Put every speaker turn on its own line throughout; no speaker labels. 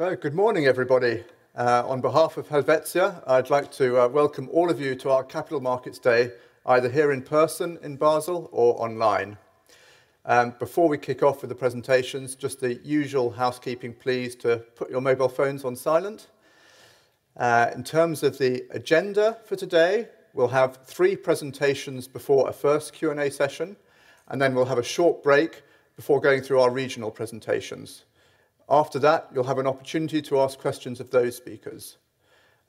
Good morning, everybody. On behalf of Helvetia, I'd like to welcome all of you to our Capital Markets Day, either here in person in Basel or online. Before we kick off with the presentations, just the usual housekeeping: please put your mobile phones on silent. In terms of the agenda for today, we'll have three presentations before a first Q&A session, and then we'll have a short break before going through our regional presentations. After that, you'll have an opportunity to ask questions of those speakers.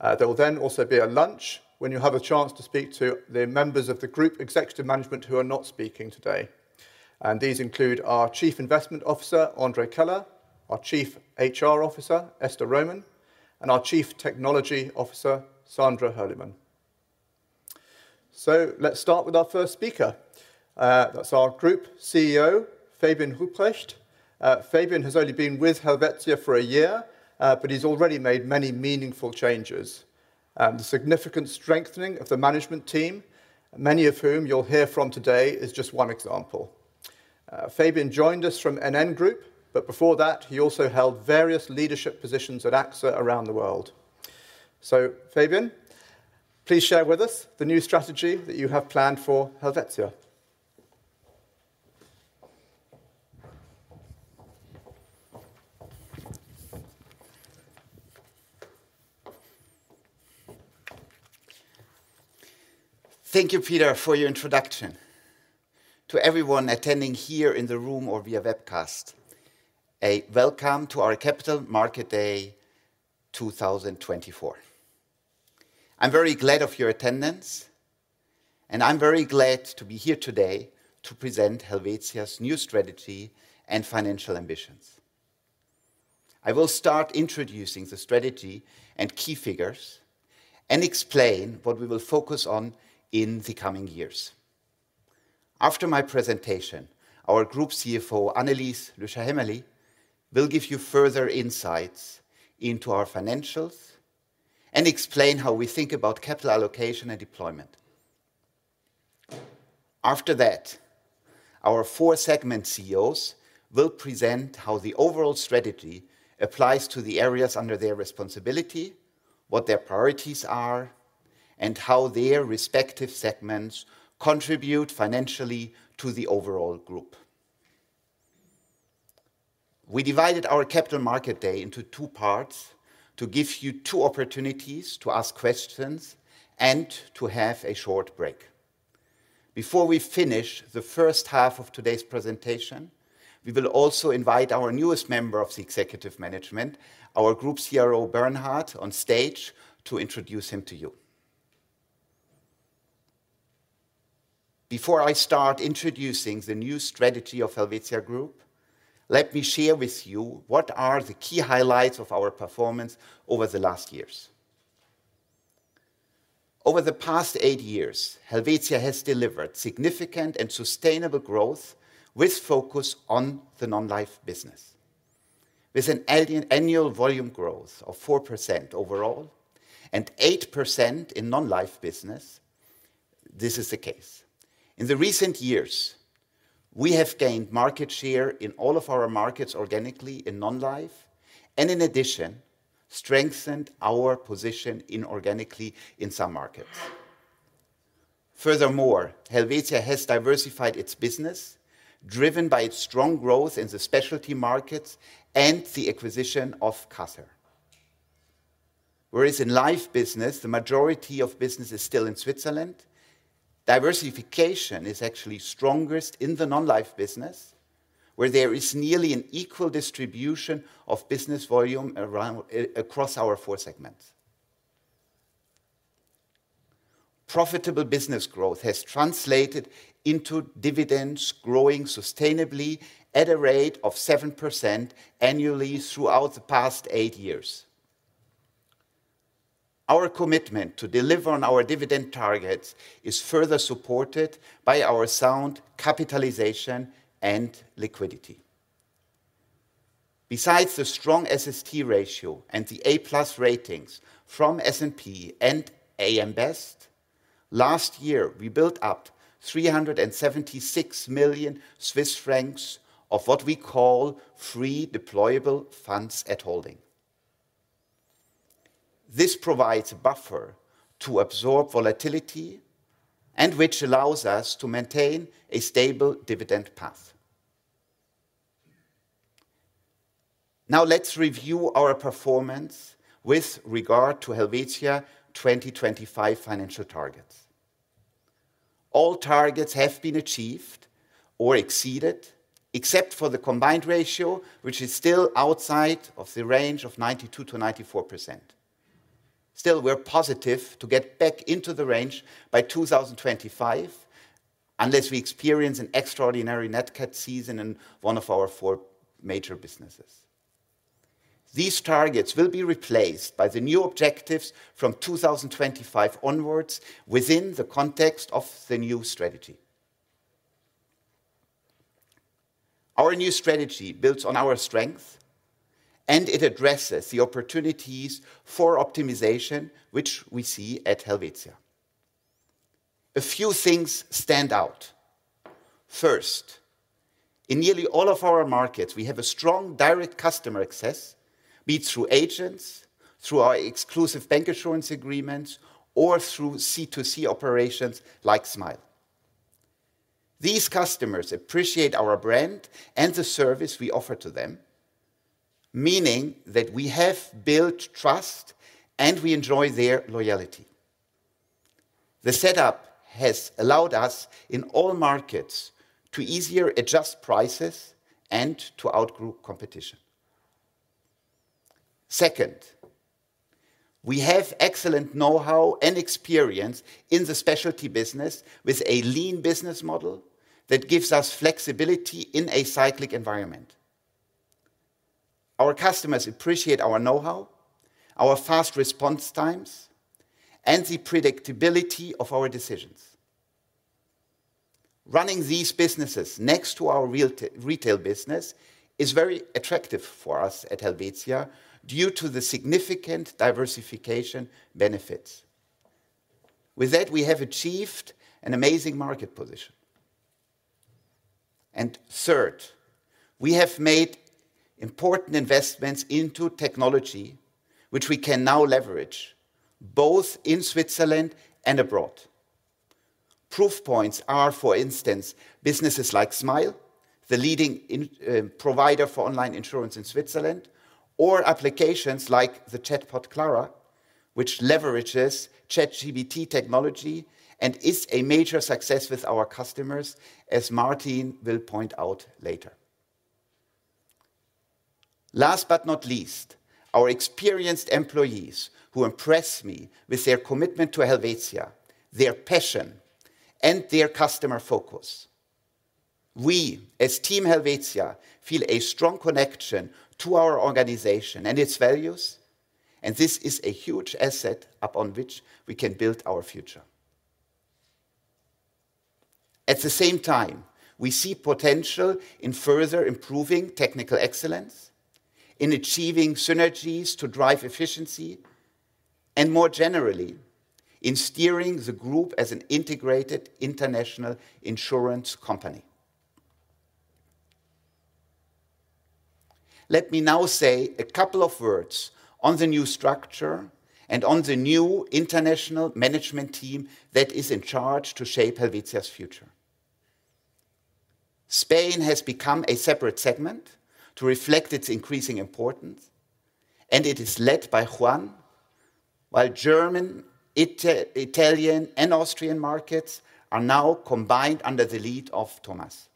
There will then also be a lunch when you have a chance to speak to the members of the Group Executive Management who are not speaking today. These include our Chief Investment Officer, André Keller, our Chief HR Officer, Esther Roman, and our Chief Technology Officer, Sandra Hürlimann. Let's start with our first speaker. That's our Group CEO, Fabian Rupprecht. Fabian has only been with Helvetia for a year, but he's already made many meaningful changes. The significant strengthening of the management team, many of whom you'll hear from today, is just one example. Fabian joined us from NN Group, but before that, he also held various leadership positions at AXA around the world. So, Fabian, please share with us the new strategy that you have planned for Helvetia.
Thank you, Peter, for your introduction. To everyone attending here in the room or via webcast, a welcome to our Capital Markets Day 2024. I'm very glad of your attendance, and I'm very glad to be here today to present Helvetia's new strategy and financial ambitions. I will start introducing the strategy and key figures and explain what we will focus on in the coming years. After my presentation, our Group CFO, Annelis Lüscher Hämmerli, will give you further insights into our financials and explain how we think about capital allocation and deployment. After that, our four segment CEOs will present how the overall strategy applies to the areas under their responsibility, what their priorities are, and how their respective segments contribute financially to the overall group. We divided our Capital Markets Day into two parts to give you two opportunities to ask questions and to have a short break. Before we finish the first half of today's presentation, we will also invite our newest member of the Executive Management, our Group CRO, Bernhard Kaufmann, on stage to introduce him to you. Before I start introducing the new strategy of Helvetia Group, let me share with you what are the key highlights of our performance over the last years. Over the past eight years, Helvetia has delivered significant and sustainable growth with focus on the non-life business. With an annual volume growth of 4% overall and 8% in non-life business, this is the case. In the recent years, we have gained market share in all of our markets organically in non-life, and in addition, strengthened our position organically in some markets. Furthermore, Helvetia has diversified its business, driven by its strong growth in the Specialty Markets and the acquisition of Caser. Whereas in life business, the majority of business is still in Switzerland, diversification is actually strongest in the non-life business, where there is nearly an equal distribution of business volume across our four segments. Profitable business growth has translated into dividends growing sustainably at a rate of 7% annually throughout the past eight years. Our commitment to deliver on our dividend targets is further supported by our sound capitalization and liquidity. Besides the strong SST ratio and the A+ ratings from S&P and AM Best last year, we built up 376 million Swiss francs of what we call free deployable funds at holding. This provides a buffer to absorb volatility, which allows us to maintain a stable dividend path. Now, let's review our performance with regard to Helvetia's 2025 financial targets. All targets have been achieved or exceeded, except for the combined ratio, which is still outside of the range of 92%-94%. Still, we're positive to get back into the range by 2025, unless we experience an extraordinary NatCat season in one of our four major businesses. These targets will be replaced by the new objectives from 2025 onwards within the context of the new strategy. Our new strategy builds on our strengths, and it addresses the opportunities for optimization, which we see at Helvetia. A few things stand out. First, in nearly all of our markets, we have a strong direct customer access, be it through agents, through our exclusive bancassurance agreements, or through B2C operations like Smile. These customers appreciate our brand and the service we offer to them, meaning that we have built trust and we enjoy their loyalty. The setup has allowed us, in all markets, to more easily adjust prices and to outgrow competition. Second, we have excellent know-how and experience in the specialty business with a lean business model that gives us flexibility in a cyclical environment. Our customers appreciate our know-how, our fast response times, and the predictability of our decisions. Running these businesses next to our retail business is very attractive for us at Helvetia due to the significant diversification benefits. With that, we have achieved an amazing market position. And third, we have made important investments into technology, which we can now leverage both in Switzerland and abroad. Proof points are, for instance, businesses like Smile, the leading provider for online insurance in Switzerland, or applications like the chatbot Clara, which leverages ChatGPT technology and is a major success with our customers, as Martin will point out later. Last but not least, our experienced employees, who impress me with their commitment to Helvetia, their passion, and their customer focus. We, as Team Helvetia, feel a strong connection to our organization and its values, and this is a huge asset upon which we can build our future. At the same time, we see potential in further improving technical excellence, in achieving synergies to drive efficiency, and more generally, in steering the group as an integrated international insurance company. Let me now say a couple of words on the new structure and on the new international management team that is in charge to shape Helvetia's future. Spain has become a separate segment to reflect its increasing importance, and it is led by Juan, while German, Italian, and Austrian markets are now combined under the lead of Thomas.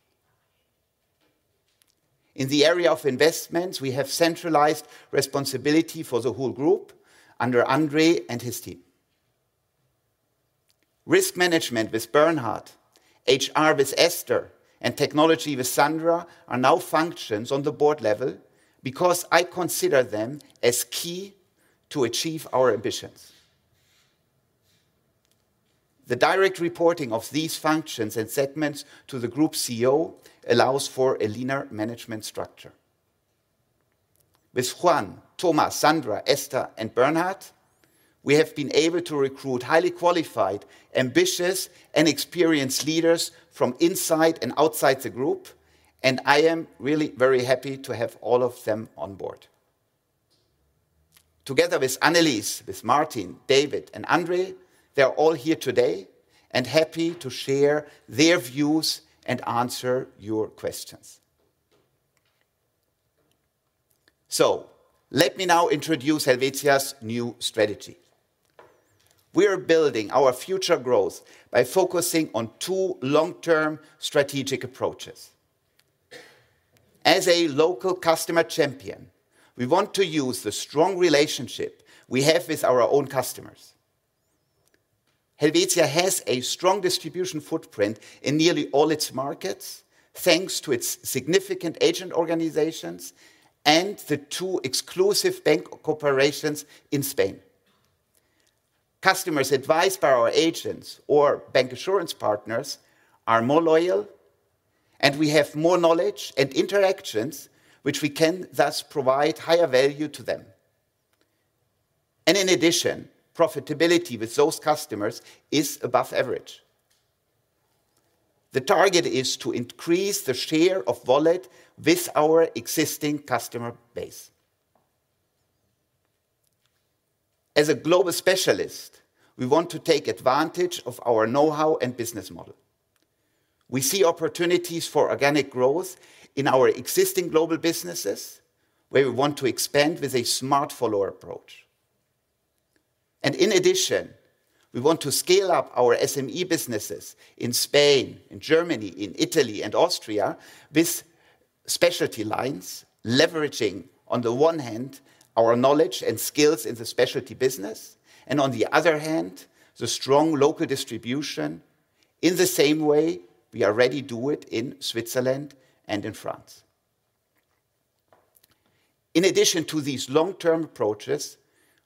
In the area of investments, we have centralized responsibility for the whole group under André and his team. Risk management with Bernhard, HR with Esther, and technology with Sandra are now functions on the board level because I consider them as key to achieve our ambitions. The direct reporting of these functions and segments to the Group CEO allows for a leaner management structure. With Juan, Thomas, Sandra, Esther, and Bernhard, we have been able to recruit highly qualified, ambitious, and experienced leaders from inside and outside the group, and I am really very happy to have all of them on board. Together with Annelis, with Martin, David, and André, they are all here today and happy to share their views and answer your questions. So, let me now introduce Helvetia's new strategy. We are building our future growth by focusing on two long-term strategic approaches. As a local customer champion, we want to use the strong relationship we have with our own customers. Helvetia has a strong distribution footprint in nearly all its markets, thanks to its significant agent organizations and the two exclusive bank corporations in Spain. Customers advised by our agents or bank assurance partners are more loyal, and we have more knowledge and interactions, which we can thus provide higher value to them, and in addition, profitability with those customers is above average. The target is to increase the share of wallet with our existing customer base. As a global specialist, we want to take advantage of our know-how and business model. We see opportunities for organic growth in our existing global businesses, where we want to expand with a smart follower approach. In addition, we want to scale up our SME businesses in Spain, in Germany, in Italy, and Austria with specialty lines, leveraging, on the one hand, our knowledge and skills in the specialty business, and on the other hand, the strong local distribution in the same way we already do it in Switzerland and in France. In addition to these long-term approaches,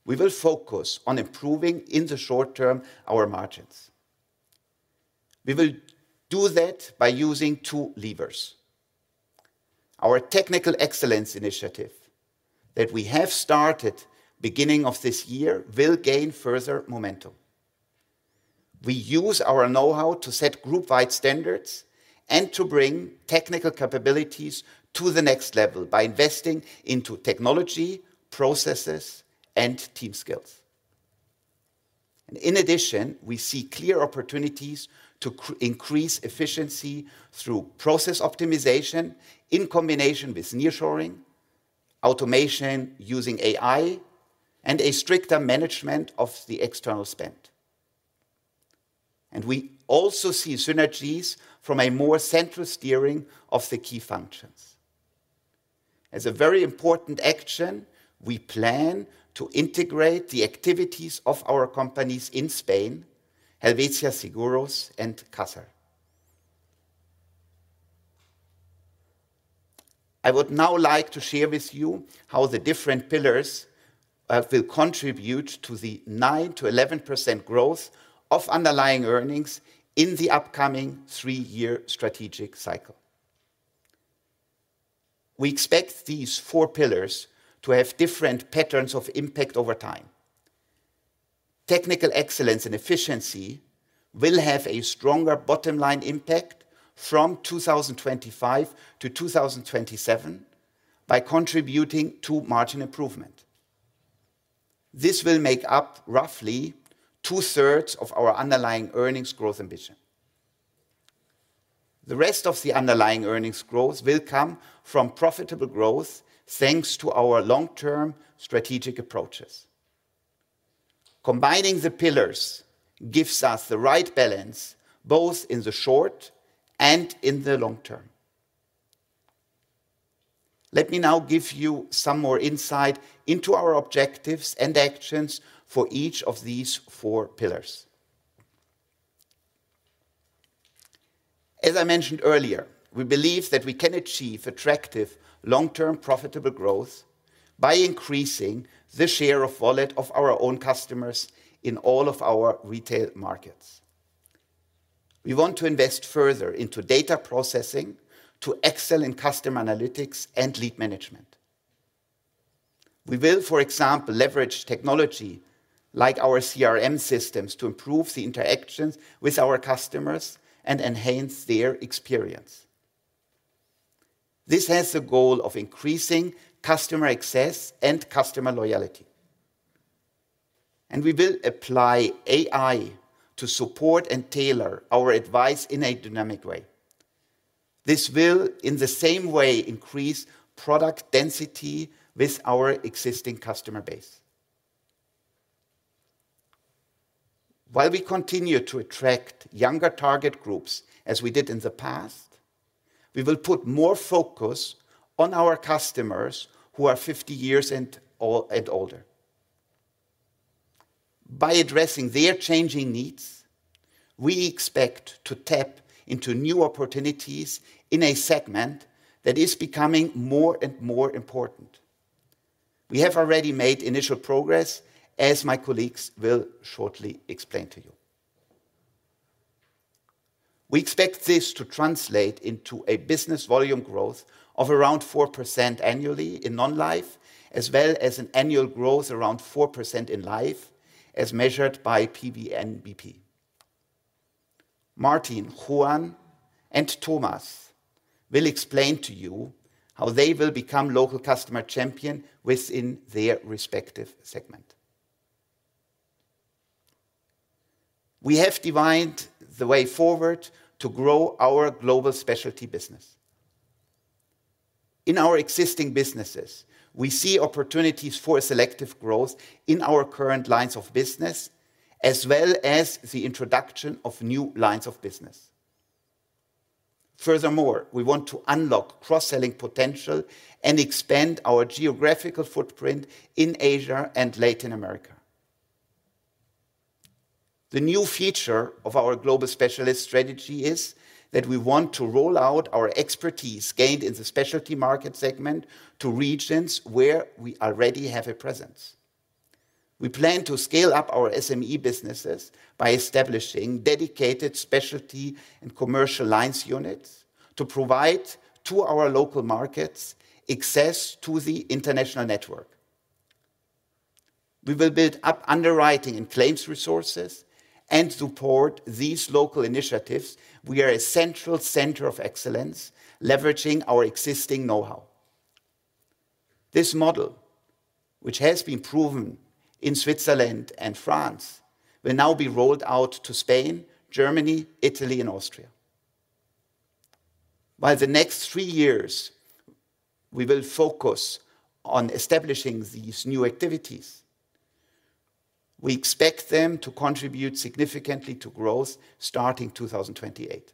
we will focus on improving in the short term our margins. We will do that by using two levers. Our technical excellence initiative that we have started beginning of this year will gain further momentum. We use our know-how to set group-wide standards and to bring technical capabilities to the next level by investing into technology, processes, and team skills. And in addition, we see clear opportunities to increase efficiency through process optimization in combination with nearshoring, automation using AI, and a stricter management of the external spend. And we also see synergies from a more central steering of the key functions. As a very important action, we plan to integrate the activities of our companies in Spain, Helvetia Seguros, and Caser. I would now like to share with you how the different pillars will contribute to the 9%-11% growth of underlying earnings in the upcoming three-year strategic cycle. We expect these four pillars to have different patterns of impact over time. Technical excellence and efficiency will have a stronger bottom-line impact from 2025 to 2027 by contributing to margin improvement. This will make up roughly two-thirds of our underlying earnings growth ambition. The rest of the underlying earnings growth will come from profitable growth thanks to our long-term strategic approaches. Combining the pillars gives us the right balance both in the short and in the long term. Let me now give you some more insight into our objectives and actions for each of these four pillars. As I mentioned earlier, we believe that we can achieve attractive long-term profitable growth by increasing the share of wallet of our own customers in all of our retail markets. We want to invest further into data processing to excel in customer analytics and lead management. We will, for example, leverage technology like our CRM systems to improve the interactions with our customers and enhance their experience. This has the goal of increasing customer access and customer loyalty. And we will apply AI to support and tailor our advice in a dynamic way. This will, in the same way, increase product density with our existing customer base. While we continue to attract younger target groups as we did in the past, we will put more focus on our customers who are 50 years and older. By addressing their changing needs, we expect to tap into new opportunities in a segment that is becoming more and more important. We have already made initial progress, as my colleagues will shortly explain to you. We expect this to translate into a business volume growth of around 4% annually in non-life, as well as an annual growth around 4% in life, as measured by PVNBP. Martin, Juan, and Thomas will explain to you how they will become local customer champions within their respective segment. We have defined the way forward to grow our global specialty business. In our existing businesses, we see opportunities for selective growth in our current lines of business, as well as the introduction of new lines of business. Furthermore, we want to unlock cross-selling potential and expand our geographical footprint in Asia and Latin America. The new feature of our global specialist strategy is that we want to roll out our expertise gained in the specialty market segment to regions where we already have a presence. We plan to scale up our SME businesses by establishing dedicated specialty and commercial lines units to provide our local markets access to the international network. We will build up underwriting and claims resources and support these local initiatives. We are a central Center of Excellence, leveraging our existing know-how. This model, which has been proven in Switzerland and France, will now be rolled out to Spain, Germany, Italy, and Austria. By the next three years, we will focus on establishing these new activities. We expect them to contribute significantly to growth starting 2028.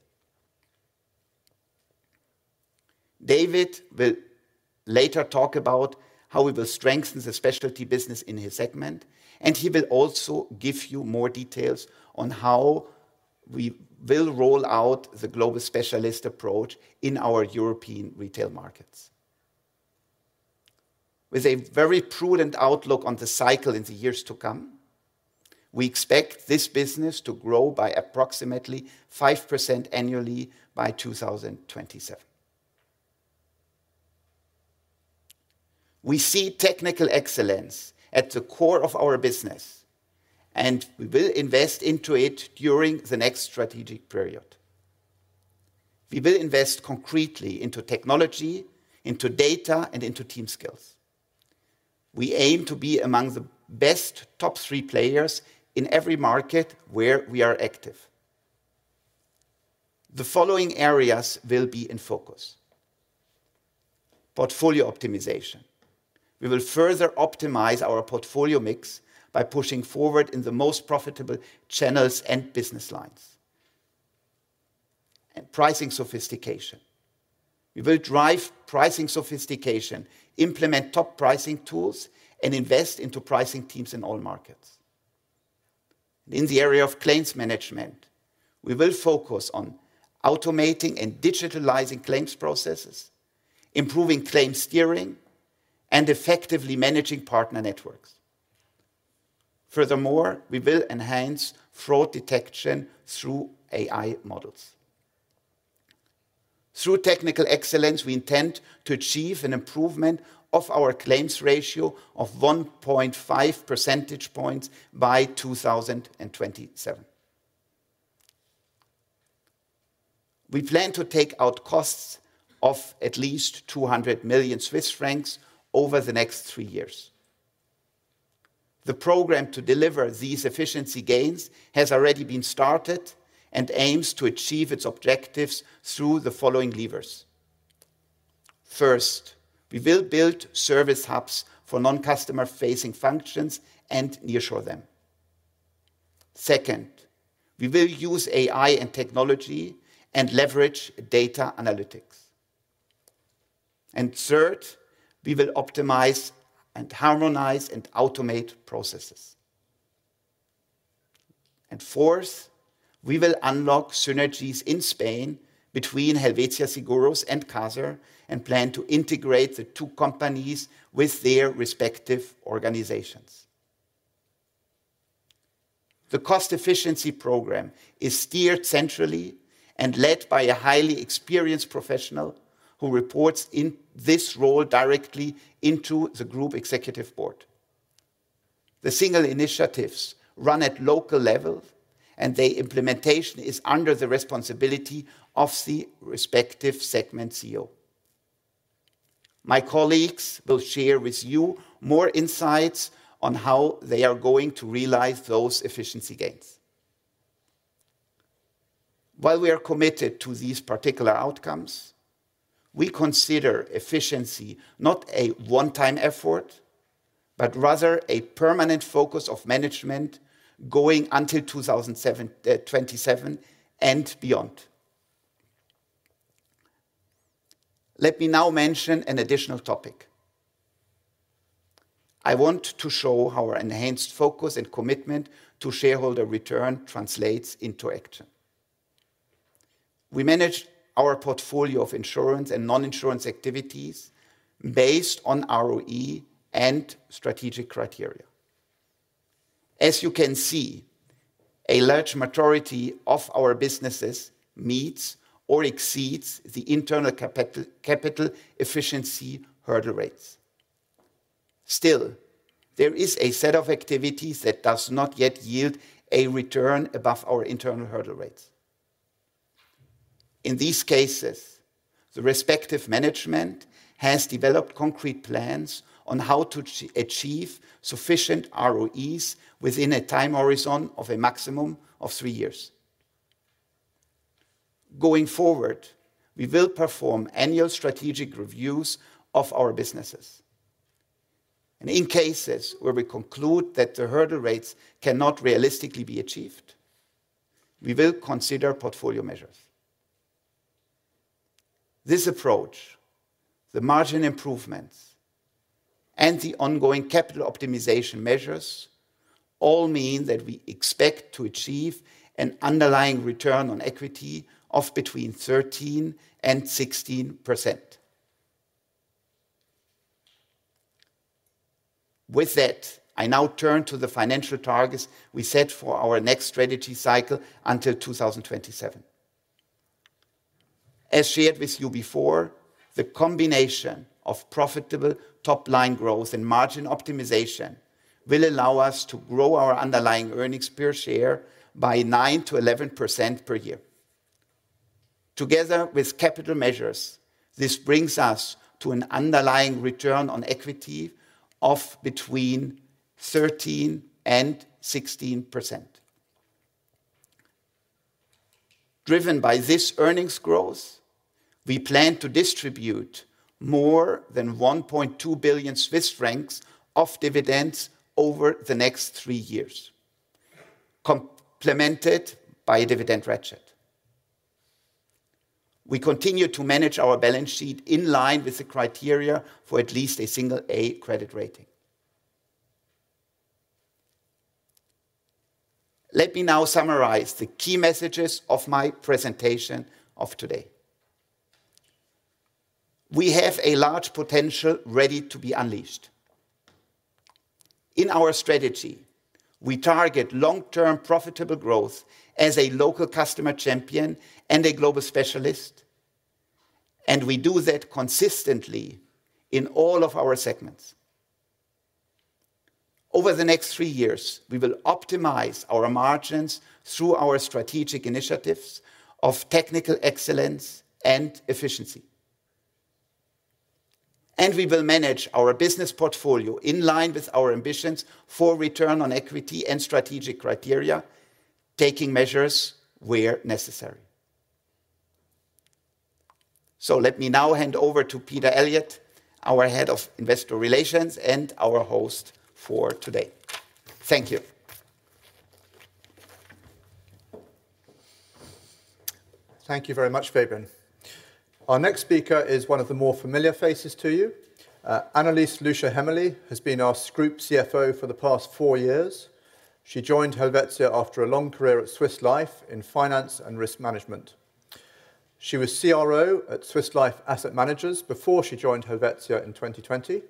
David will later talk about how we will strengthen the specialty business in his segment, and he will also give you more details on how we will roll out the global specialist approach in our European retail markets. With a very prudent outlook on the cycle in the years to come, we expect this business to grow by approximately 5% annually by 2027. We see technical excellence at the core of our business, and we will invest into it during the next strategic period. We will invest concretely into technology, into data, and into team skills. We aim to be among the best top three players in every market where we are active. The following areas will be in focus: portfolio optimization. We will further optimize our portfolio mix by pushing forward in the most profitable channels and business lines and pricing sophistication. We will drive pricing sophistication, implement top pricing tools, and invest into pricing teams in all markets. In the area of claims management, we will focus on automating and digitalizing claims processes, improving claims steering, and effectively managing partner networks. Furthermore, we will enhance fraud detection through AI models. Through technical excellence, we intend to achieve an improvement of our claims ratio of 1.5 percentage points by 2027. We plan to take out costs of at least 200 million Swiss francs over the next three years. The program to deliver these efficiency gains has already been started and aims to achieve its objectives through the following levers. First, we will build service hubs for non-customer-facing functions and nearshore them. Second, we will use AI and technology and leverage data analytics. And third, we will optimize and harmonize and automate processes. And fourth, we will unlock synergies in Spain between Helvetia Seguros and Caser, and plan to integrate the two companies with their respective organizations. The cost efficiency program is steered centrally and led by a highly experienced professional who reports in this role directly into the Group Executive Board. The single initiatives run at local level, and their implementation is under the responsibility of the respective segment CEO. My colleagues will share with you more insights on how they are going to realize those efficiency gains. While we are committed to these particular outcomes, we consider efficiency not a one-time effort, but rather a permanent focus of management going until 2027 and beyond. Let me now mention an additional topic. I want to show how our enhanced focus and commitment to shareholder return translates into action. We manage our portfolio of insurance and non-insurance activities based on ROE and strategic criteria. As you can see, a large majority of our businesses meets or exceeds the internal capital efficiency hurdle rates. Still, there is a set of activities that does not yet yield a return above our internal hurdle rates. In these cases, the respective management has developed concrete plans on how to achieve sufficient ROEs within a time horizon of a maximum of three years. Going forward, we will perform annual strategic reviews of our businesses, and in cases where we conclude that the hurdle rates cannot realistically be achieved, we will consider portfolio measures. This approach, the margin improvements, and the ongoing capital optimization measures all mean that we expect to achieve an underlying return on equity of between 13% and 16%. With that, I now turn to the financial targets we set for our next strategy cycle until 2027. As shared with you before, the combination of profitable top-line growth and margin optimization will allow us to grow our underlying earnings per share by 9%-11% per year. Together with capital measures, this brings us to an underlying return on equity of between 13% and 16%. Driven by this earnings growth, we plan to distribute more than 1.2 billion Swiss francs of dividends over the next three years, complemented by a dividend ratchet. We continue to manage our balance sheet in line with the criteria for at least a single-A credit rating. Let me now summarize the key messages of my presentation of today. We have a large potential ready to be unleashed. In our strategy, we target long-term profitable growth as a local customer champion and a global specialist, and we do that consistently in all of our segments. Over the next three years, we will optimize our margins through our strategic initiatives of technical excellence and efficiency. And we will manage our business portfolio in line with our ambitions for return on equity and strategic criteria, taking measures where necessary. So let me now hand over to Peter Elliott, our head of investor relations and our host for today. Thank you.
Thank you very much, Fabian. Our next speaker is one of the more familiar faces to you. Annelis Lüscher Hämmerli has been our Group CFO for the past four years. She joined Helvetia after a long career at Swiss Life in finance and risk management. She was CRO at Swiss Life Asset Managers before she joined Helvetia in 2020.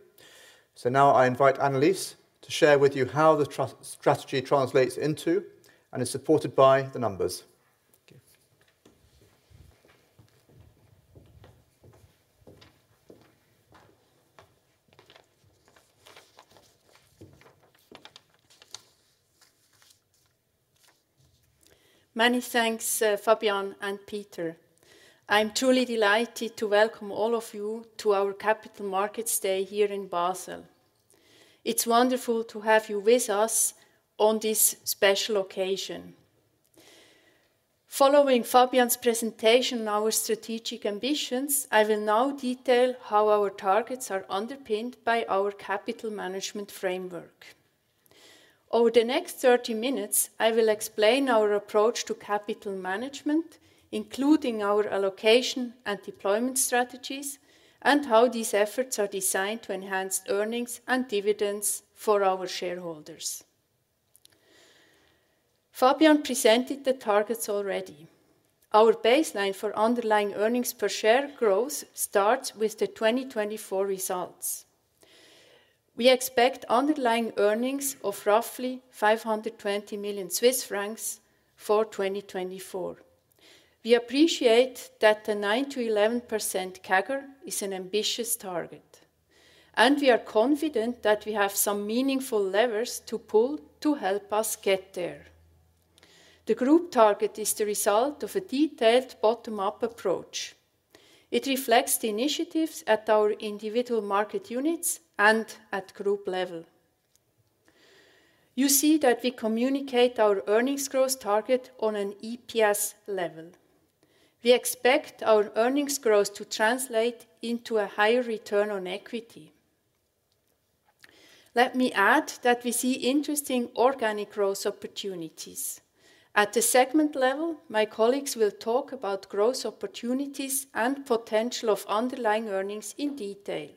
So now I invite Annelis to share with you how the strategy translates into and is supported by the numbers.
Many thanks, Fabian and Peter. I'm truly delighted to welcome all of you to our Capital Markets Day here in Basel. It's wonderful to have you with us on this special occasion. Following Fabian's presentation on our strategic ambitions, I will now detail how our targets are underpinned by our capital management framework. Over the next 30 minutes, I will explain our approach to capital management, including our allocation and deployment strategies, and how these efforts are designed to enhance earnings and dividends for our shareholders. Fabian presented the targets already. Our baseline for underlying earnings per share growth starts with the 2024 results. We expect underlying earnings of roughly 520 million Swiss francs for 2024. We appreciate that the 9%-11% CAGR is an ambitious target, and we are confident that we have some meaningful levers to pull to help us get there. The group target is the result of a detailed bottom-up approach. It reflects the initiatives at our individual market units and at group level. You see that we communicate our earnings growth target on an EPS level. We expect our earnings growth to translate into a higher return on equity. Let me add that we see interesting organic growth opportunities. At the segment level, my colleagues will talk about growth opportunities and potential of underlying earnings in detail.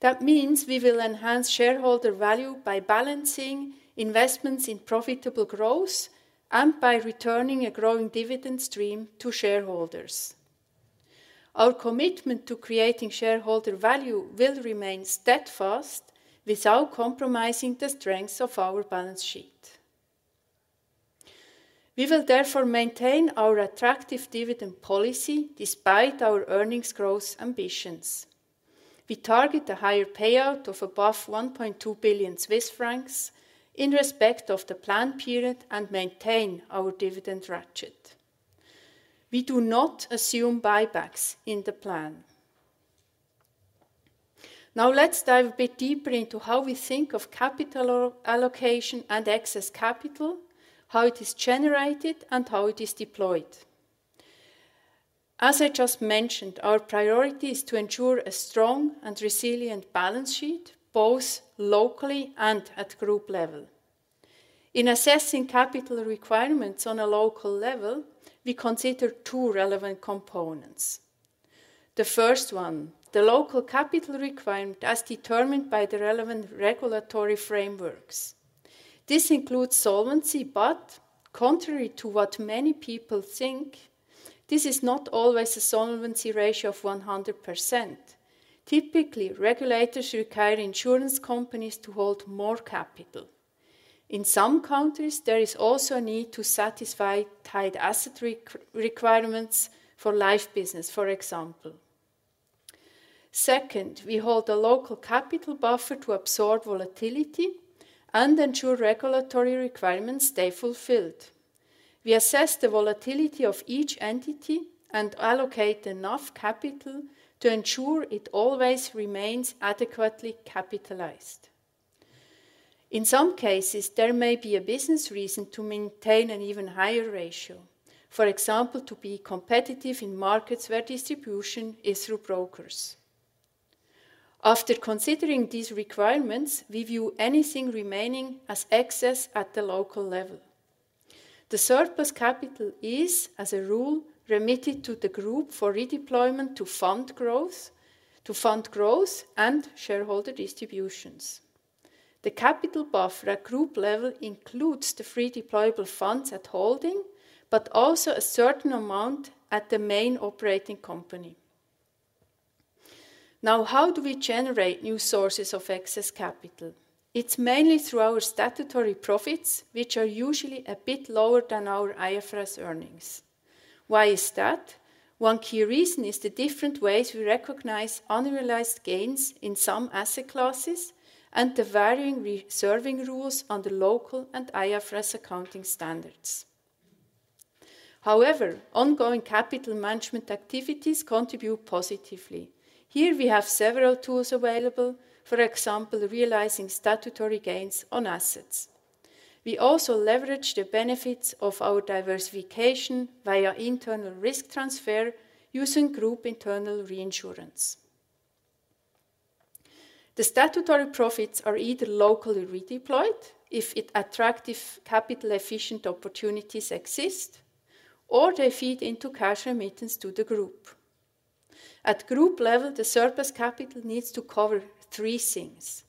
That means we will enhance shareholder value by balancing investments in profitable growth and by returning a growing dividend stream to shareholders. Our commitment to creating shareholder value will remain steadfast without compromising the strength of our balance sheet. We will therefore maintain our attractive dividend policy despite our earnings growth ambitions. We target a higher payout of above 1.2 billion Swiss francs in respect of the planned period and maintain our dividend ratchet. We do not assume buybacks in the plan. Now let's dive a bit deeper into how we think of capital allocation and excess capital, how it is generated, and how it is deployed. As I just mentioned, our priority is to ensure a strong and resilient balance sheet both locally and at group level. In assessing capital requirements on a local level, we consider two relevant components. The first one, the local capital requirement, is determined by the relevant regulatory frameworks. This includes solvency, but contrary to what many people think, this is not always a solvency ratio of 100%. Typically, regulators require insurance companies to hold more capital. In some countries, there is also a need to satisfy tight asset requirements for life business, for example. Second, we hold a local capital buffer to absorb volatility and ensure regulatory requirements stay fulfilled. We assess the volatility of each entity and allocate enough capital to ensure it always remains adequately capitalized. In some cases, there may be a business reason to maintain an even higher ratio, for example, to be competitive in markets where distribution is through brokers. After considering these requirements, we view anything remaining as excess at the local level. The surplus capital is, as a rule, remitted to the group for redeployment to fund growth, to fund growth and shareholder distributions. The capital buffer at group level includes the free deployable funds at holding, but also a certain amount at the main operating company. Now, how do we generate new sources of excess capital? It's mainly through our statutory profits, which are usually a bit lower than our IFRS earnings. Why is that? One key reason is the different ways we recognize unrealized gains in some asset classes and the varying reserving rules on the local and IFRS accounting standards. However, ongoing capital management activities contribute positively. Here we have several tools available, for example, realizing statutory gains on assets. We also leverage the benefits of our diversification via internal risk transfer using group internal reinsurance. The statutory profits are either locally redeployed if attractive capital-efficient opportunities exist, or they feed into cash remittance to the group. At group level, the surplus capital needs to cover three things: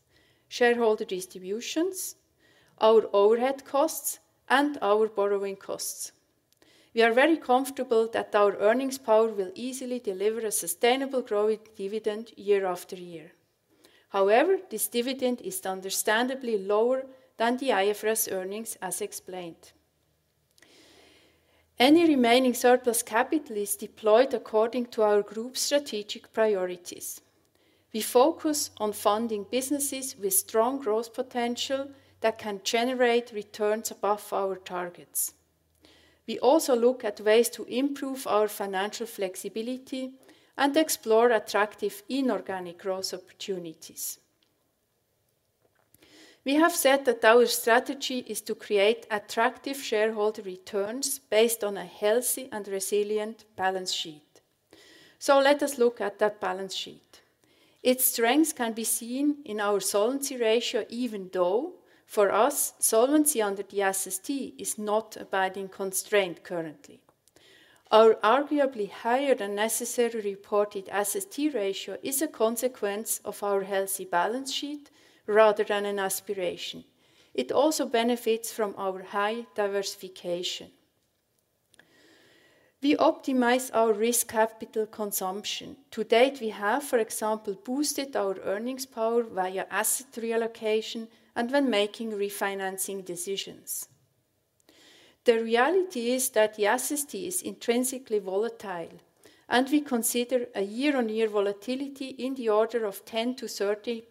shareholder distributions, our overhead costs, and our borrowing costs. We are very comfortable that our earnings power will easily deliver a sustainable growing dividend year after year. However, this dividend is understandably lower than the IFRS earnings, as explained. Any remaining surplus capital is deployed according to our group's strategic priorities. We focus on funding businesses with strong growth potential that can generate returns above our targets. We also look at ways to improve our financial flexibility and explore attractive inorganic growth opportunities. We have said that our strategy is to create attractive shareholder returns based on a healthy and resilient balance sheet. So let us look at that balance sheet. Its strengths can be seen in our solvency ratio, even though for us, solvency under the SST is not a binding constraint currently. Our arguably higher than necessary reported SST ratio is a consequence of our healthy balance sheet rather than an aspiration. It also benefits from our high diversification. We optimize our risk capital consumption. To date, we have, for example, boosted our earnings power via asset reallocation and when making refinancing decisions. The reality is that the SST is intrinsically volatile, and we consider a year-on-year volatility in the order of 10-30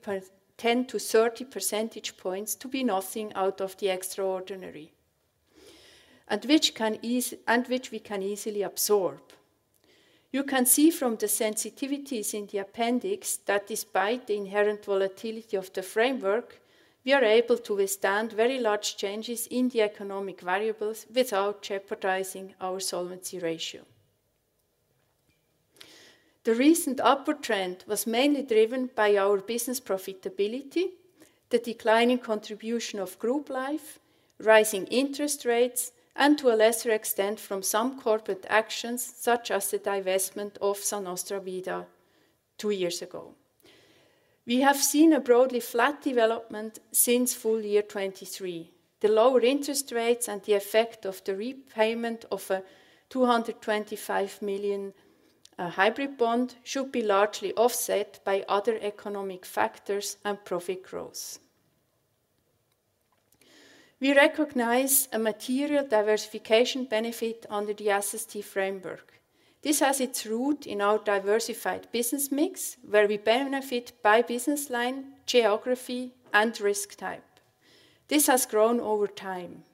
percentage points to be nothing out of the extraordinary, and which we can easily absorb. You can see from the sensitivities in the appendix that despite the inherent volatility of the framework, we are able to withstand very large changes in the economic variables without jeopardizing our solvency ratio. The recent upward trend was mainly driven by our business profitability, the declining contribution of group life, rising interest rates, and to a lesser extent from some corporate actions such as the divestment of Sa Nostra Vida two years ago. We have seen a broadly flat development since full year 2023. The lower interest rates and the effect of the repayment of a 225 million hybrid bond should be largely offset by other economic factors and profit growth. We recognize a material diversification benefit under the SST framework. This has its root in our diversified business mix, where we benefit by business line, geography, and risk type. This has grown over time.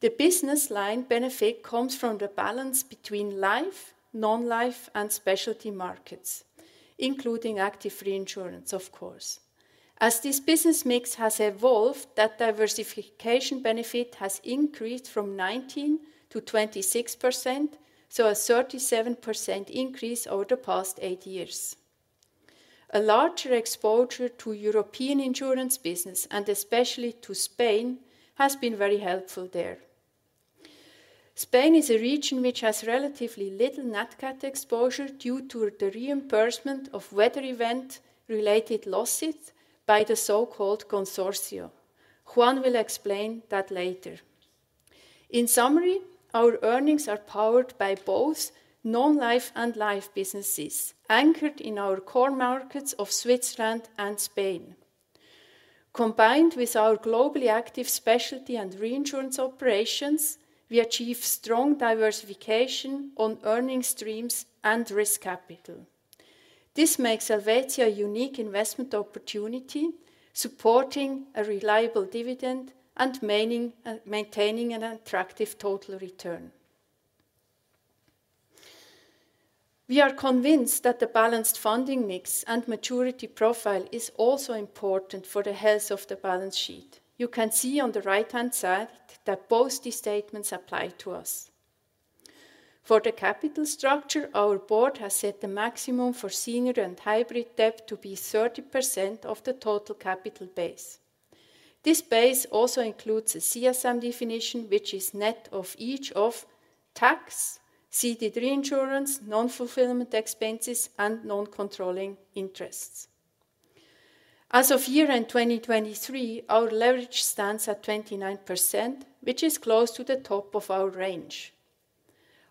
The business line benefit comes from the balance between life, non-life, and Specialty Markets, including Active Reinsurance, of course. As this business mix has evolved, that diversification benefit has increased from 19%-26%, so a 37% increase over the past eight years. A larger exposure to European insurance business, and especially to Spain, has been very helpful there. Spain is a region which has relatively little net NatCat exposure due to the reimbursement of weather event-related losses by the so-called Consortium. Juan will explain that later. In summary, our earnings are powered by both non-life and life businesses anchored in our core markets of Switzerland and Spain. Combined with our globally active specialty and reinsurance operations, we achieve strong diversification on earnings streams and risk capital. This makes Helvetia a unique investment opportunity, supporting a reliable dividend and maintaining an attractive total return. We are convinced that the balanced funding mix and maturity profile is also important for the health of the balance sheet. You can see on the right-hand side that both these statements apply to us. For the capital structure, our board has set the maximum for senior and hybrid debt to be 30% of the total capital base. This base also includes a CSM definition, which is net of each of tax, ceded reinsurance, non-fulfillment expenses, and non-controlling interests. As of year end 2023, our leverage stands at 29%, which is close to the top of our range.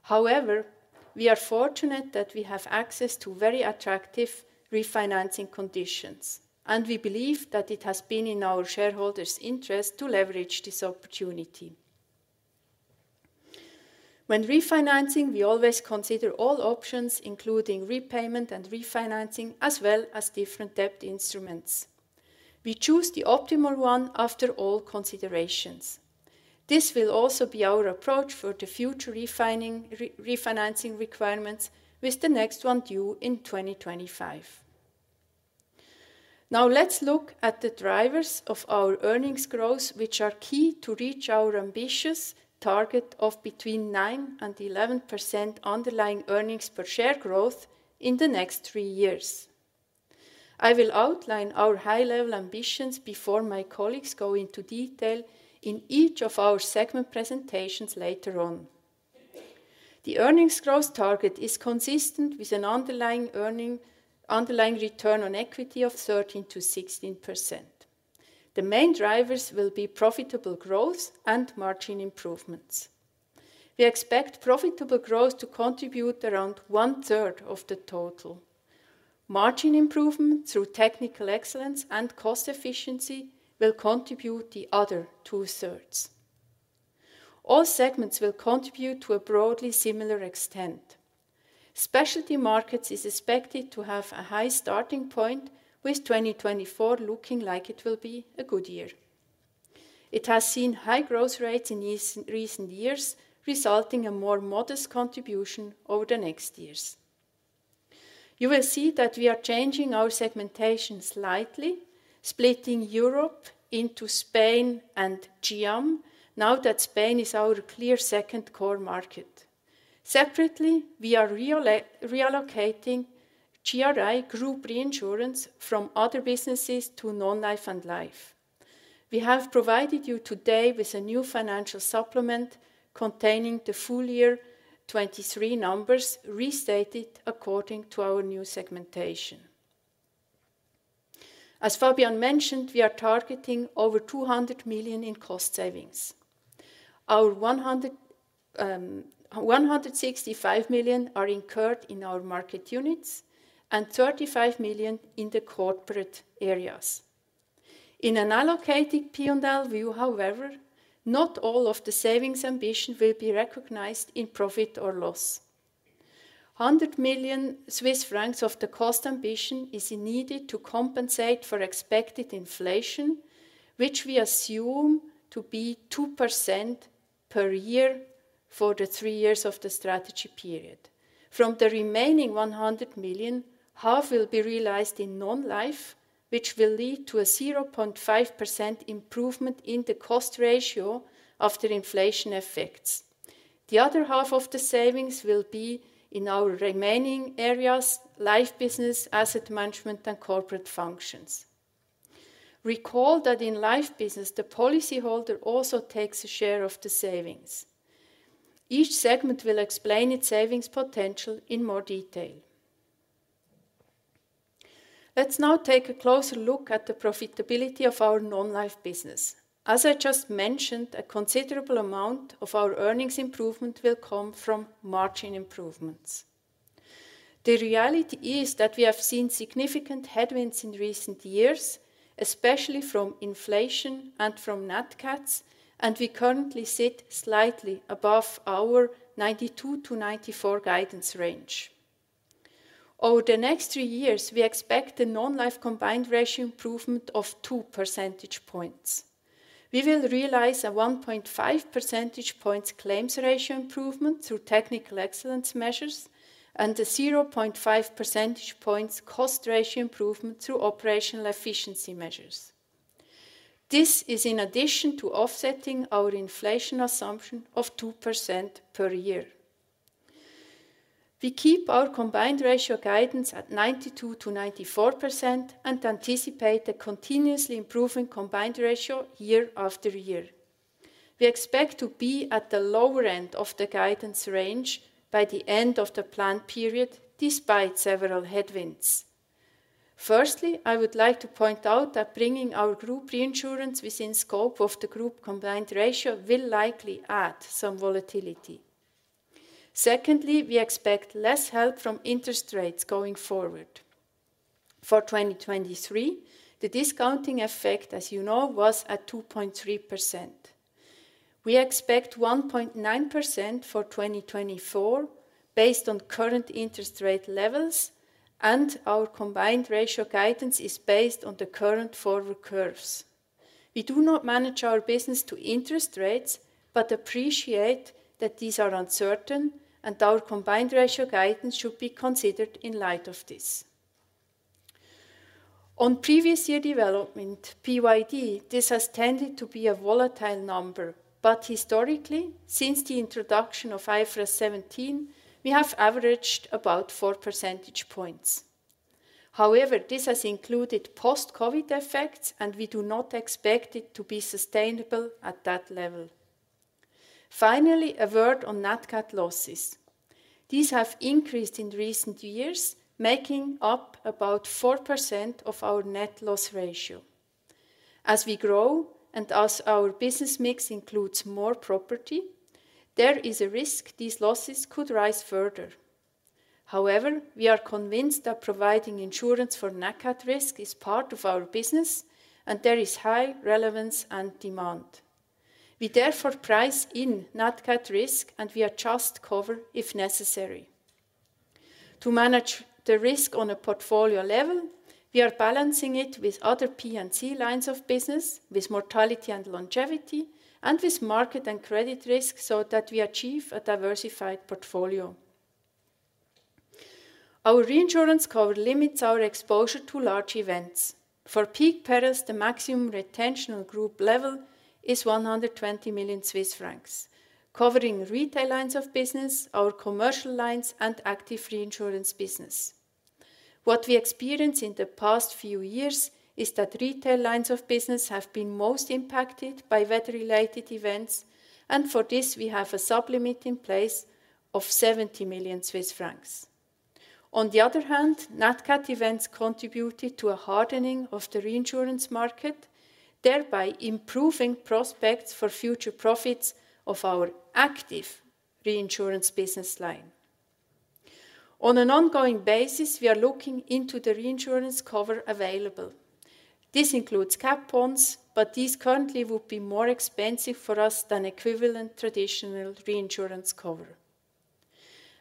However, we are fortunate that we have access to very attractive refinancing conditions, and we believe that it has been in our shareholders' interest to leverage this opportunity. When refinancing, we always consider all options, including repayment and refinancing, as well as different debt instruments. We choose the optimal one after all considerations. This will also be our approach for the future refinancing requirements with the next one due in 2025. Now let's look at the drivers of our earnings growth, which are key to reach our ambitious target of between 9% and 11% underlying earnings per share growth in the next three years. I will outline our high-level ambitions before my colleagues go into detail in each of our segment presentations later on. The earnings growth target is consistent with an underlying return on equity of 13%-16%. The main drivers will be profitable growth and margin improvements. We expect profitable growth to contribute around one-third of the total. Margin improvement through Technical Excellence and cost efficiency will contribute the other two-thirds. All segments will contribute to a broadly similar extent. Specialty Markets are expected to have a high starting point, with 2024 looking like it will be a good year. It has seen high growth rates in recent years, resulting in a more modest contribution over the next years. You will see that we are changing our segmentation slightly, splitting Europe into Spain and GIAM, now that Spain is our clear second core market. Separately, we are reallocating GRI group reinsurance from other businesses to non-life and life. We have provided you today with a new financial supplement containing the full year 2023 numbers restated according to our new segmentation. As Fabian mentioned, we are targeting over 200 million in cost savings. Our 165 million are incurred in our market units and 35 million in the corporate areas. In an allocated P&L view, however, not all of the savings ambition will be recognized in profit or loss. 100 million Swiss francs of the cost ambition is needed to compensate for expected inflation, which we assume to be 2% per year for the three years of the strategy period. From the remaining 100 million, half will be realized in non-life, which will lead to a 0.5% improvement in the cost ratio after inflation effects. The other half of the savings will be in our remaining areas, life business, asset management, and corporate functions. Recall that in life business, the policyholder also takes a share of the savings. Each segment will explain its savings potential in more detail. Let's now take a closer look at the profitability of our non-life business. As I just mentioned, a considerable amount of our earnings improvement will come from margin improvements. The reality is that we have seen significant headwinds in recent years, especially from inflation and from NatCats, and we currently sit slightly above our 92%-94% guidance range. Over the next three years, we expect a non-life combined ratio improvement of 2 percentage points. We will realize a 1.5 percentage points claims ratio improvement through technical excellence measures and a 0.5 percentage points cost ratio improvement through operational efficiency measures. This is in addition to offsetting our inflation assumption of 2% per year. We keep our combined ratio guidance at 92%-94% and anticipate a continuously improving combined ratio year after year. We expect to be at the lower end of the guidance range by the end of the planned period, despite several headwinds. Firstly, I would like to point out that bringing our group reinsurance within scope of the group combined ratio will likely add some volatility. Secondly, we expect less help from interest rates going forward. For 2023, the discounting effect, as you know, was at 2.3%. We expect 1.9% for 2024 based on current interest rate levels, and our combined ratio guidance is based on the current forward curves. We do not manage our business to interest rates, but appreciate that these are uncertain, and our combined ratio guidance should be considered in light of this. On previous year development, PYD, this has tended to be a volatile number, but historically, since the introduction of IFRS 17, we have averaged about 4 percentage points. However, this has included post-COVID effects, and we do not expect it to be sustainable at that level. Finally, a word on net NatCat losses. These have increased in recent years, making up about 4% of our net loss ratio. As we grow and as our business mix includes more property, there is a risk these losses could rise further. However, we are convinced that providing insurance for NatCat risk is part of our business, and there is high relevance and demand. We therefore price in NatCat risk, and we adjust cover if necessary. To manage the risk on a portfolio level, we are balancing it with other P&C lines of business, with mortality and longevity, and with market and credit risk so that we achieve a diversified portfolio. Our reinsurance cover limits our exposure to large events. For peak perils, the maximum retention on group level is 120 million Swiss francs, covering retail lines of business, our commercial lines, and Active Reinsurance business. What we experience in the past few years is that retail lines of business have been most impacted by weather-related events, and for this, we have a sublimit in place of 70 million Swiss francs. On the other hand, NatCat events contributed to a hardening of the reinsurance market, thereby improving prospects for future profits of our Active Reinsurance business line. On an ongoing basis, we are looking into the reinsurance cover available. This includes cat bonds, but these currently would be more expensive for us than equivalent traditional reinsurance cover.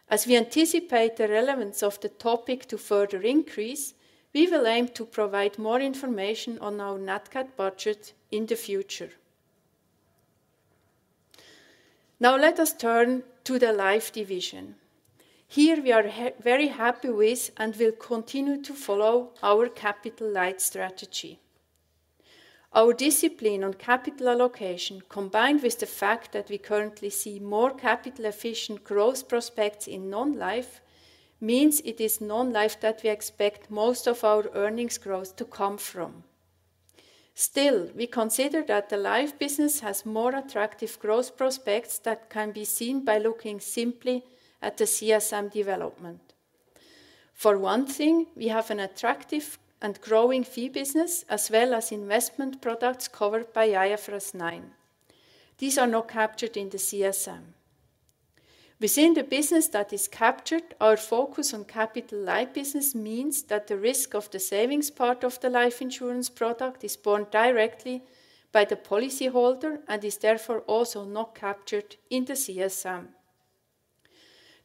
As we anticipate the relevance of the topic to further increase, we will aim to provide more information on our NatCat budget in the future. Now let us turn to the life division. Here, we are very happy with and will continue to follow our capital light strategy. Our discipline on capital allocation, combined with the fact that we currently see more capital-efficient growth prospects in non-life, means it is non-life that we expect most of our earnings growth to come from. Still, we consider that the life business has more attractive growth prospects that can be seen by looking simply at the CSM development. For one thing, we have an attractive and growing fee business as well as investment products covered by IFRS 9. These are not captured in the CSM. Within the business that is captured, our focus on capital light business means that the risk of the savings part of the life insurance product is borne directly by the policyholder and is therefore also not captured in the CSM.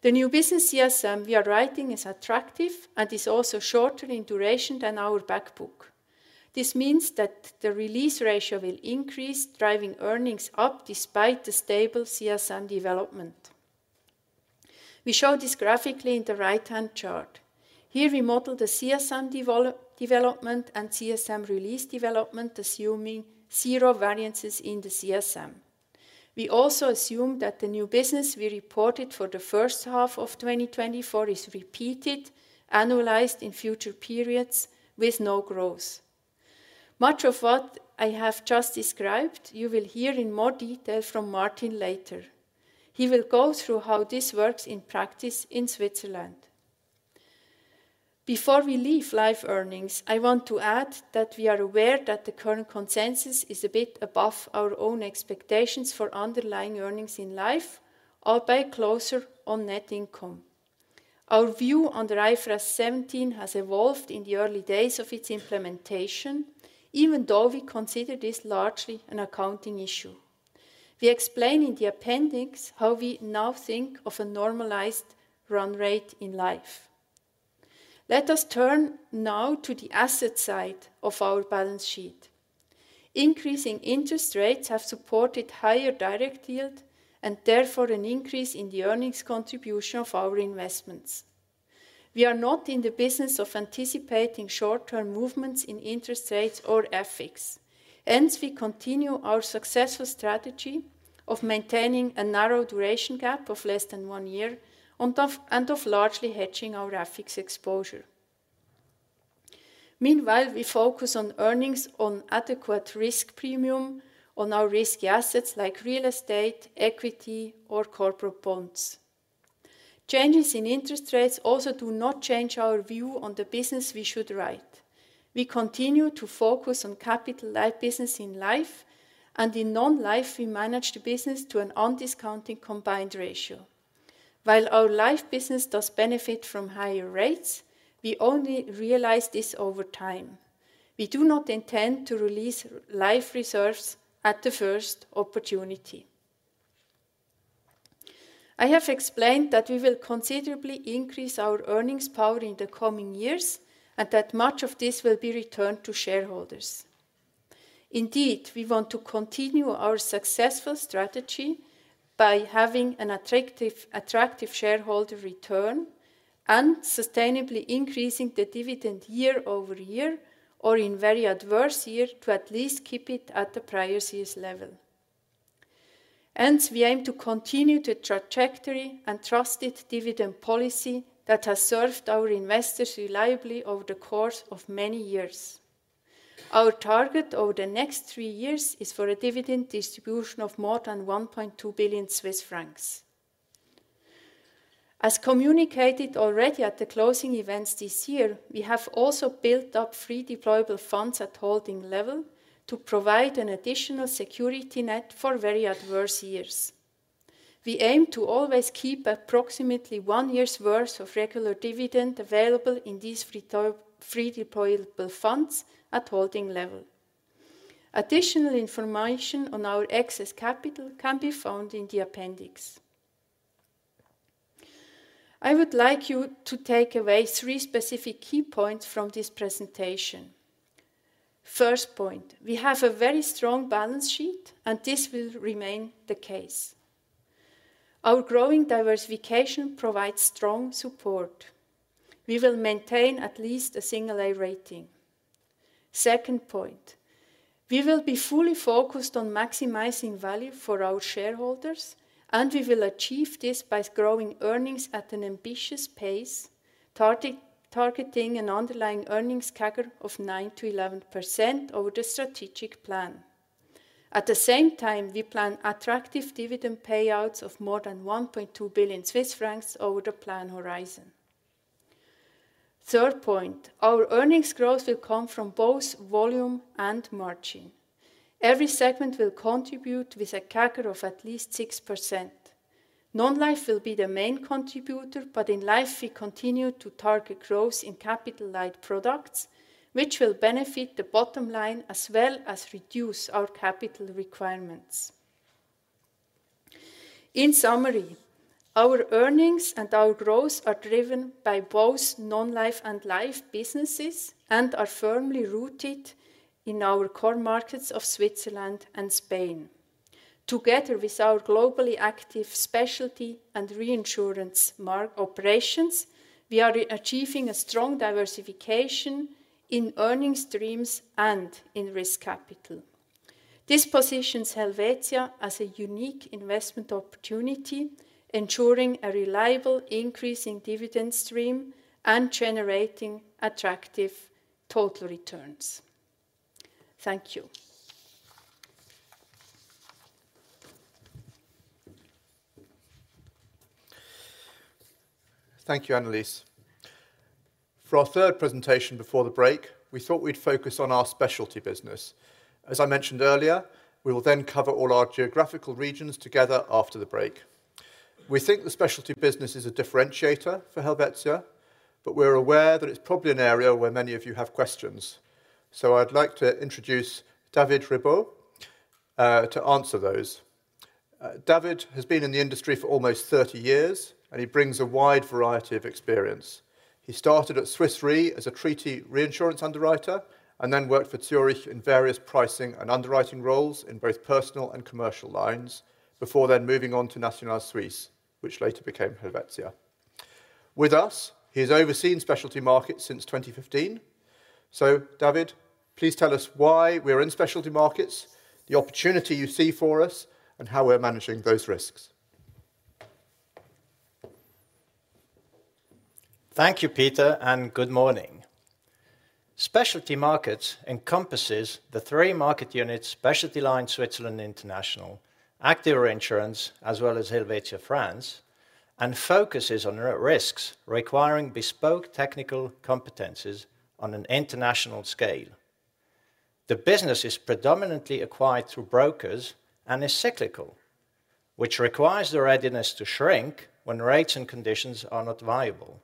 The new business CSM we are writing is attractive and is also shorter in duration than our back book. This means that the release ratio will increase, driving earnings up despite the stable CSM development. We show this graphically in the right-hand chart. Here, we model the CSM development and CSM release development, assuming zero variances in the CSM. We also assume that the new business we reported for the first half of 2024 is repeated, annualized in future periods with no growth. Much of what I have just described, you will hear in more detail from Martin later. He will go through how this works in practice in Switzerland. Before we leave life earnings, I want to add that we are aware that the current consensus is a bit above our own expectations for underlying earnings in life, albeit closer on net income. Our view on the IFRS 17 has evolved in the early days of its implementation, even though we consider this largely an accounting issue. We explain in the appendix how we now think of a normalized run rate in life. Let us turn now to the asset side of our balance sheet. Increasing interest rates have supported higher direct yield and therefore an increase in the earnings contribution of our investments. We are not in the business of anticipating short-term movements in interest rates or FX. Hence, we continue our successful strategy of maintaining a narrow duration gap of less than one year and of largely hedging our FX exposure. Meanwhile, we focus on earning an adequate risk premium on our risk assets like real estate, equity, or corporate bonds. Changes in interest rates also do not change our view on the business we should write. We continue to focus on capital light business in life, and in non-life, we manage the business to an undiscounted combined ratio. While our life business does benefit from higher rates, we only realize this over time. We do not intend to release life reserves at the first opportunity. I have explained that we will considerably increase our earnings power in the coming years and that much of this will be returned to shareholders. Indeed, we want to continue our successful strategy by having an attractive shareholder return and sustainably increasing the dividend year-over-year or in very adverse years to at least keep it at the prior year's level. Hence, we aim to continue the trajectory and trusted dividend policy that has served our investors reliably over the course of many years. Our target over the next three years is for a dividend distribution of more than 1.2 billion Swiss francs. As communicated already at the closing events this year, we have also built up free deployable funds at holding level to provide an additional security net for very adverse years. We aim to always keep approximately one year's worth of regular dividend available in these free deployable funds at holding level. Additional information on our excess capital can be found in the appendix. I would like you to take away three specific key points from this presentation. First point, we have a very strong balance sheet, and this will remain the case. Our growing diversification provides strong support. We will maintain at least a single-A rating. Second point, we will be fully focused on maximizing value for our shareholders, and we will achieve this by growing earnings at an ambitious pace, targeting an underlying earnings CAGR of 9%-11% over the strategic plan. At the same time, we plan attractive dividend payouts of more than 1.2 billion Swiss francs over the planned horizon. Third point, our earnings growth will come from both volume and margin. Every segment will contribute with a CAGR of at least 6%. Non-life will be the main contributor, but in life, we continue to target growth in capital-light products, which will benefit the bottom line as well as reduce our capital requirements. In summary, our earnings and our growth are driven by both non-life and life businesses and are firmly rooted in our core markets of Switzerland and Spain. Together with our globally active specialty and reinsurance operations, we are achieving a strong diversification in earnings streams and in risk capital. This positions Helvetia as a unique investment opportunity, ensuring a reliable increase in dividend stream and generating attractive total returns. Thank you.
Thank you, Annelis. For our third presentation before the break, we thought we'd focus on our specialty business. As I mentioned earlier, we will then cover all our geographical regions together after the break. We think the specialty business is a differentiator for Helvetia, but we're aware that it's probably an area where many of you have questions. So I'd like to introduce David Ribeaud to answer those. David has been in the industry for almost 30 years, and he brings a wide variety of experience. He started at Swiss Re as a treaty reinsurance underwriter and then worked for Zurich in various pricing and underwriting roles in both personal and commercial lines, before then moving on to National Suisse, which later became Helvetia. With us, he has overseen Specialty Markets since 2015. David, please tell us why we are in Specialty Markets, the opportunity you see for us, and how we're managing those risks.
Thank you, Peter, and good morning. Specialty Markets encompasses the three market units, Specialty Lines Switzerland International, Active Reinsurance, as well as Helvetia France, and focuses on risks requiring bespoke technical competencies on an international scale. The business is predominantly acquired through brokers and is cyclical, which requires the readiness to shrink when rates and conditions are not viable.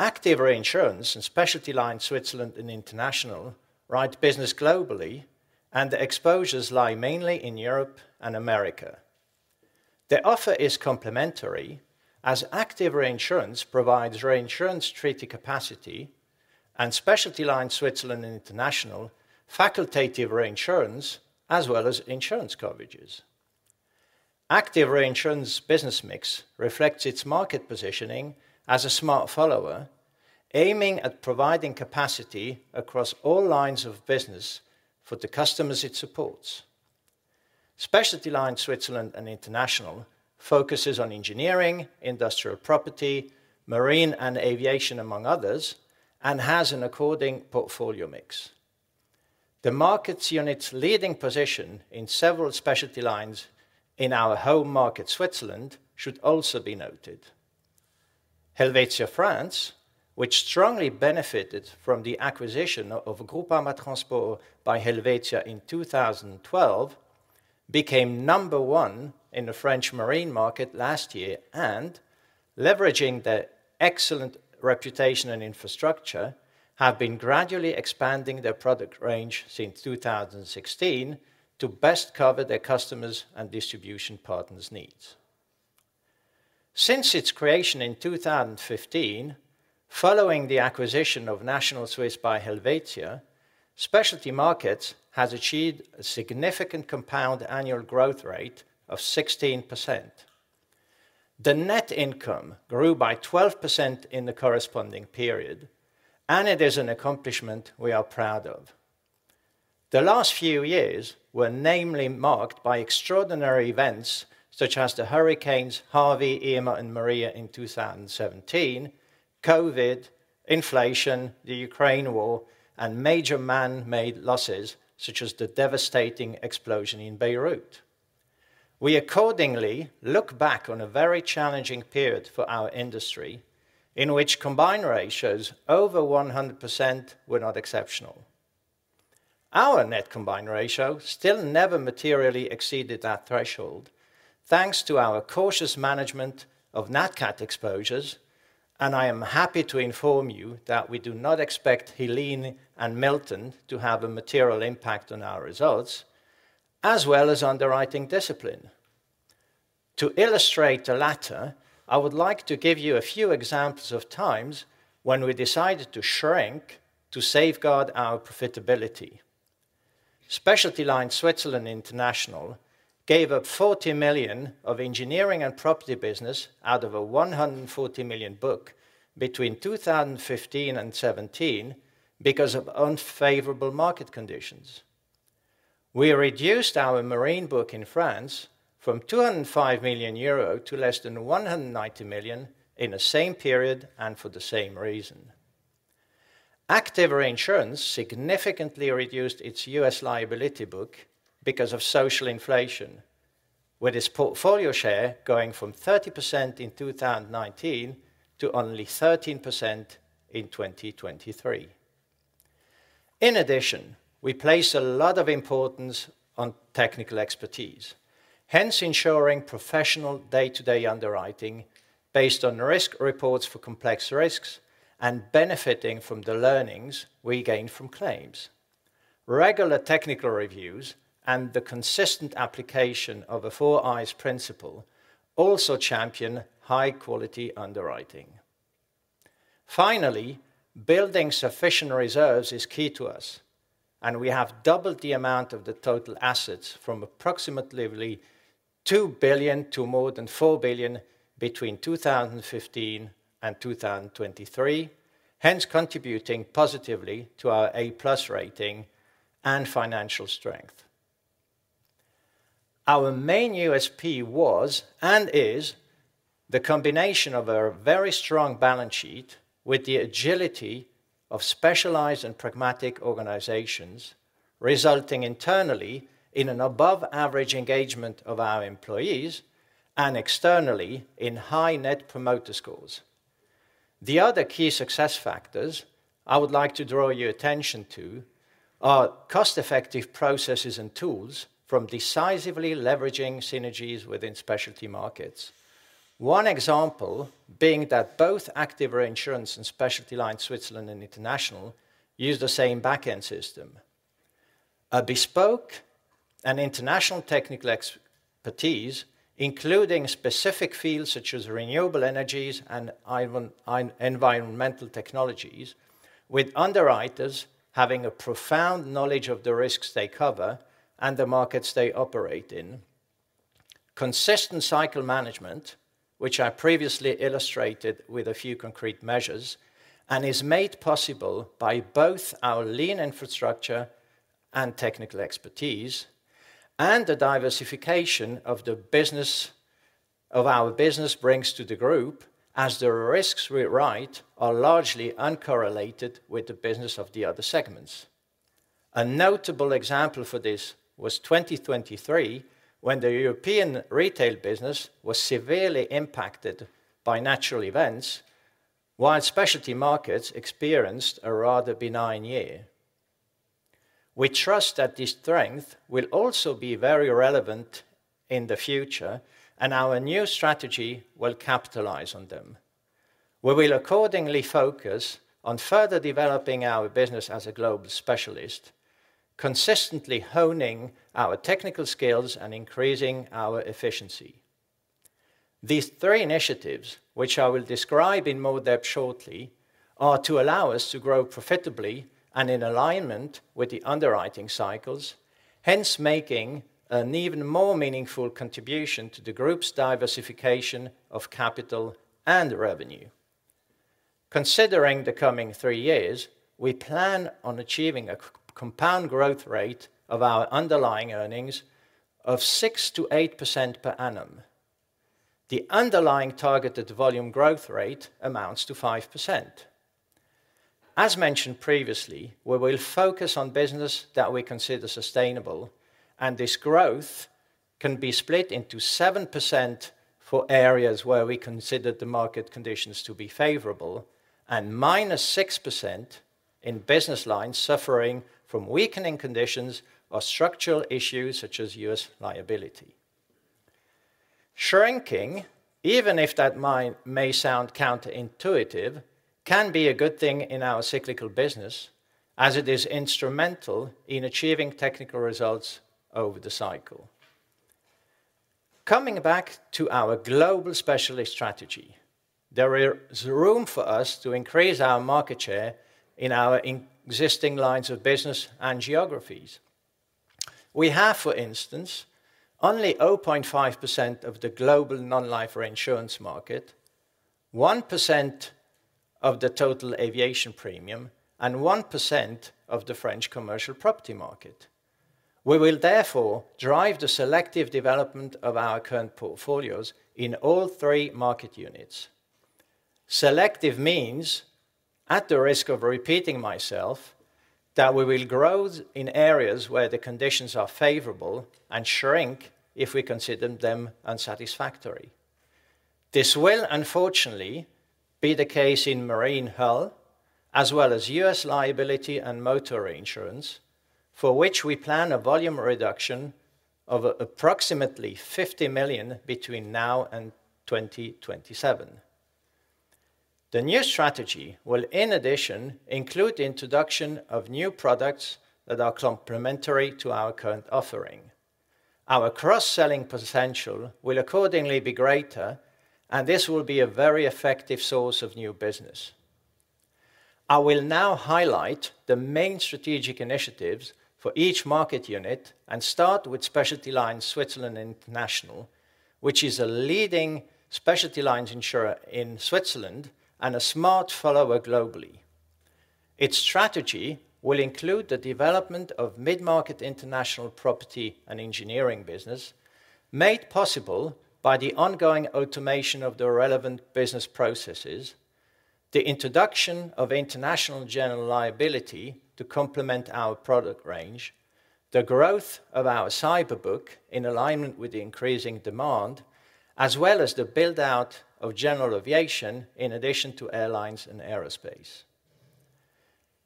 Active Reinsurance and Specialty Lines Switzerland International write business globally, and the exposures lie mainly in Europe and America. The offer is complementary, as Active Reinsurance provides reinsurance treaty capacity and Specialty Lines Switzerland International facultative reinsurance, as well as insurance coverages. Active Reinsurance business mix reflects its market positioning as a smart follower, aiming at providing capacity across all lines of business for the customers it supports. Specialty Markets Switzerland and International focuses on engineering, industrial property, marine and aviation, among others, and has an according portfolio mix. The Markets unit's leading position in several specialty lines in our home market, Switzerland, should also be noted. Helvetia France, which strongly benefited from the acquisition of Groupama Transport by Helvetia in 2012, became number one in the French marine market last year and, leveraging their excellent reputation and infrastructure, have been gradually expanding their product range since 2016 to best cover their customers' and distribution partners' needs. Since its creation in 2015, following the acquisition of National Suisse by Helvetia, Specialty Markets has achieved a significant compound annual growth rate of 16%. The net income grew by 12% in the corresponding period, and it is an accomplishment we are proud of. The last few years were namely marked by extraordinary events such as the hurricanes Harvey, Irma, and Maria in 2017, COVID, inflation, the Ukraine war, and major man-made losses such as the devastating explosion in Beirut. We accordingly look back on a very challenging period for our industry in which combined ratios over 100% were not exceptional. Our net combined ratio still never materially exceeded that threshold, thanks to our cautious management of NatCat exposures, and I am happy to inform you that we do not expect Helene and Milton to have a material impact on our results, as well as underwriting discipline. To illustrate the latter, I would like to give you a few examples of times when we decided to shrink to safeguard our profitability. Specialty Lines Switzerland International gave up 40 million of engineering and property business out of a 140 million book between 2015 and 2017 because of unfavorable market conditions. We reduced our marine book in France from 205 million euro to less than 190 million in the same period and for the same reason. Active Reinsurance significantly reduced its U.S. liability book because of social inflation, with its portfolio share going from 30% in 2019 to only 13% in 2023. In addition, we place a lot of importance on technical expertise, hence ensuring professional day-to-day underwriting based on risk reports for complex risks and benefiting from the learnings we gain from claims. Regular technical reviews and the consistent application of a four-eyes principle also champion high-quality underwriting. Finally, building sufficient reserves is key to us, and we have doubled the amount of the total assets from approximately 2 billion to more than 4 billion between 2015 and 2023, hence contributing positively to our A+ rating and financial strength. Our main USP was and is the combination of a very strong balance sheet with the agility of specialized and pragmatic organizations, resulting internally in an above-average engagement of our employees and externally in high Net Promoter Scores. The other key success factors I would like to draw your attention to are cost-effective processes and tools from decisively leveraging synergies within Specialty Markets. One example being that both Active Reinsurance and Specialty Markets Switzerland and International use the same back-end system. A bespoke and international technical expertise, including specific fields such as renewable energies and environmental technologies, with underwriters having a profound knowledge of the risks they cover and the markets they operate in. Consistent cycle management, which I previously illustrated with a few concrete measures and is made possible by both our lean infrastructure and technical expertise, and the diversification of our business brings to the group as the risks we write are largely uncorrelated with the business of the other segments. A notable example for this was 2023, when the European retail business was severely impacted by natural events, while Specialty Markets experienced a rather benign year. We trust that this strength will also be very relevant in the future, and our new strategy will capitalize on them. We will accordingly focus on further developing our business as a global specialist, consistently honing our technical skills and increasing our efficiency. These three initiatives, which I will describe in more depth shortly, are to allow us to grow profitably and in alignment with the underwriting cycles, hence making an even more meaningful contribution to the group's diversification of capital and revenue. Considering the coming three years, we plan on achieving a compound growth rate of our underlying earnings of 6%-8% per annum. The underlying targeted volume growth rate amounts to 5%. As mentioned previously, we will focus on business that we consider sustainable, and this growth can be split into 7% for areas where we consider the market conditions to be favorable and minus 6% in business lines suffering from weakening conditions or structural issues such as U.S. liability. Shrinking, even if that may sound counterintuitive, can be a good thing in our cyclical business, as it is instrumental in achieving technical results over the cycle. Coming back to our global specialist strategy, there is room for us to increase our market share in our existing lines of business and geographies. We have, for instance, only 0.5% of the global non-life reinsurance market, 1% of the total aviation premium, and 1% of the French commercial property market. We will therefore drive the selective development of our current portfolios in all three market units. Selective means, at the risk of repeating myself, that we will grow in areas where the conditions are favorable and shrink if we consider them unsatisfactory. This will unfortunately be the case in marine hull, as well as U.S. liability and motor reinsurance, for which we plan a volume reduction of approximately 50 million between now and 2027. The new strategy will, in addition, include the introduction of new products that are complementary to our current offering. Our cross-selling potential will accordingly be greater, and this will be a very effective source of new business. I will now highlight the main strategic initiatives for each market unit and start with Specialty Lines Switzerland International, which is a leading specialty lines insurer in Switzerland and a smart follower globally. Its strategy will include the development of mid-market international property and engineering business, made possible by the ongoing automation of the relevant business processes, the introduction of international general liability to complement our product range, the growth of our cyber book in alignment with the increasing demand, as well as the build-out of general aviation in addition to airlines and aerospace.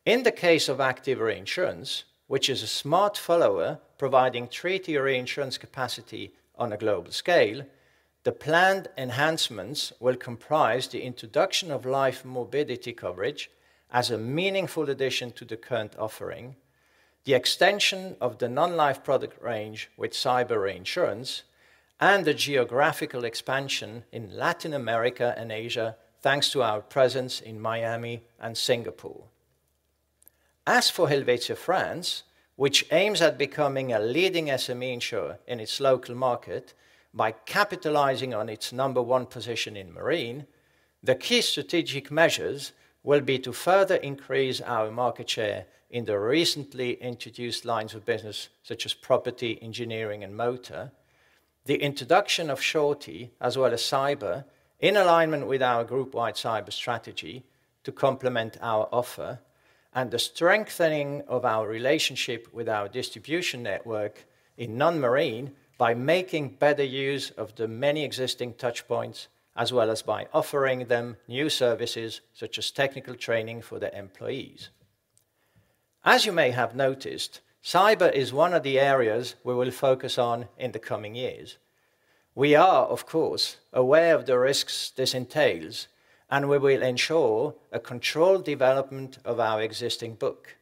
In the case of Active Reinsurance, which is a smart follower providing treaty reinsurance capacity on a global scale, the planned enhancements will comprise the introduction of Life Mobility coverage as a meaningful addition to the current offering, the extension of the non-life product range with cyber reinsurance, and the geographical expansion in Latin America and Asia, thanks to our presence in Miami and Singapore. As for Helvetia France, which aims at becoming a leading SME insurer in its local market by capitalizing on its number one position in marine, the key strategic measures will be to further increase our market share in the recently introduced lines of business such as property, engineering, and motor, the introduction of surety, as well as cyber, in alignment with our group-wide cyber strategy to complement our offer, and the strengthening of our relationship with our distribution network in non-marine by making better use of the many existing touchpoints, as well as by offering them new services such as technical training for their employees. As you may have noticed, cyber is one of the areas we will focus on in the coming years. We are, of course, aware of the risks this entails, and we will ensure a controlled development of our existing book.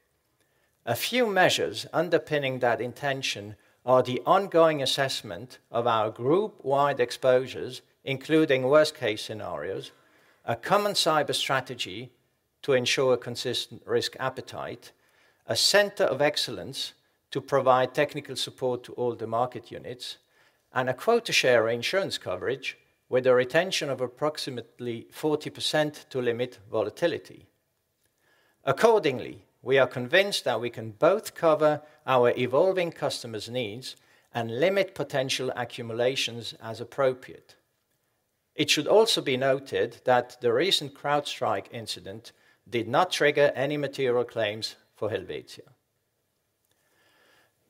A few measures underpinning that intention are the ongoing assessment of our group-wide exposures, including worst-case scenarios, a common cyber strategy to ensure a consistent risk appetite, a Center of Excellence to provide technical support to all the market units, and a quota share insurance coverage with a retention of approximately 40% to limit volatility. Accordingly, we are convinced that we can both cover our evolving customers' needs and limit potential accumulations as appropriate. It should also be noted that the recent CrowdStrike incident did not trigger any material claims for Helvetia.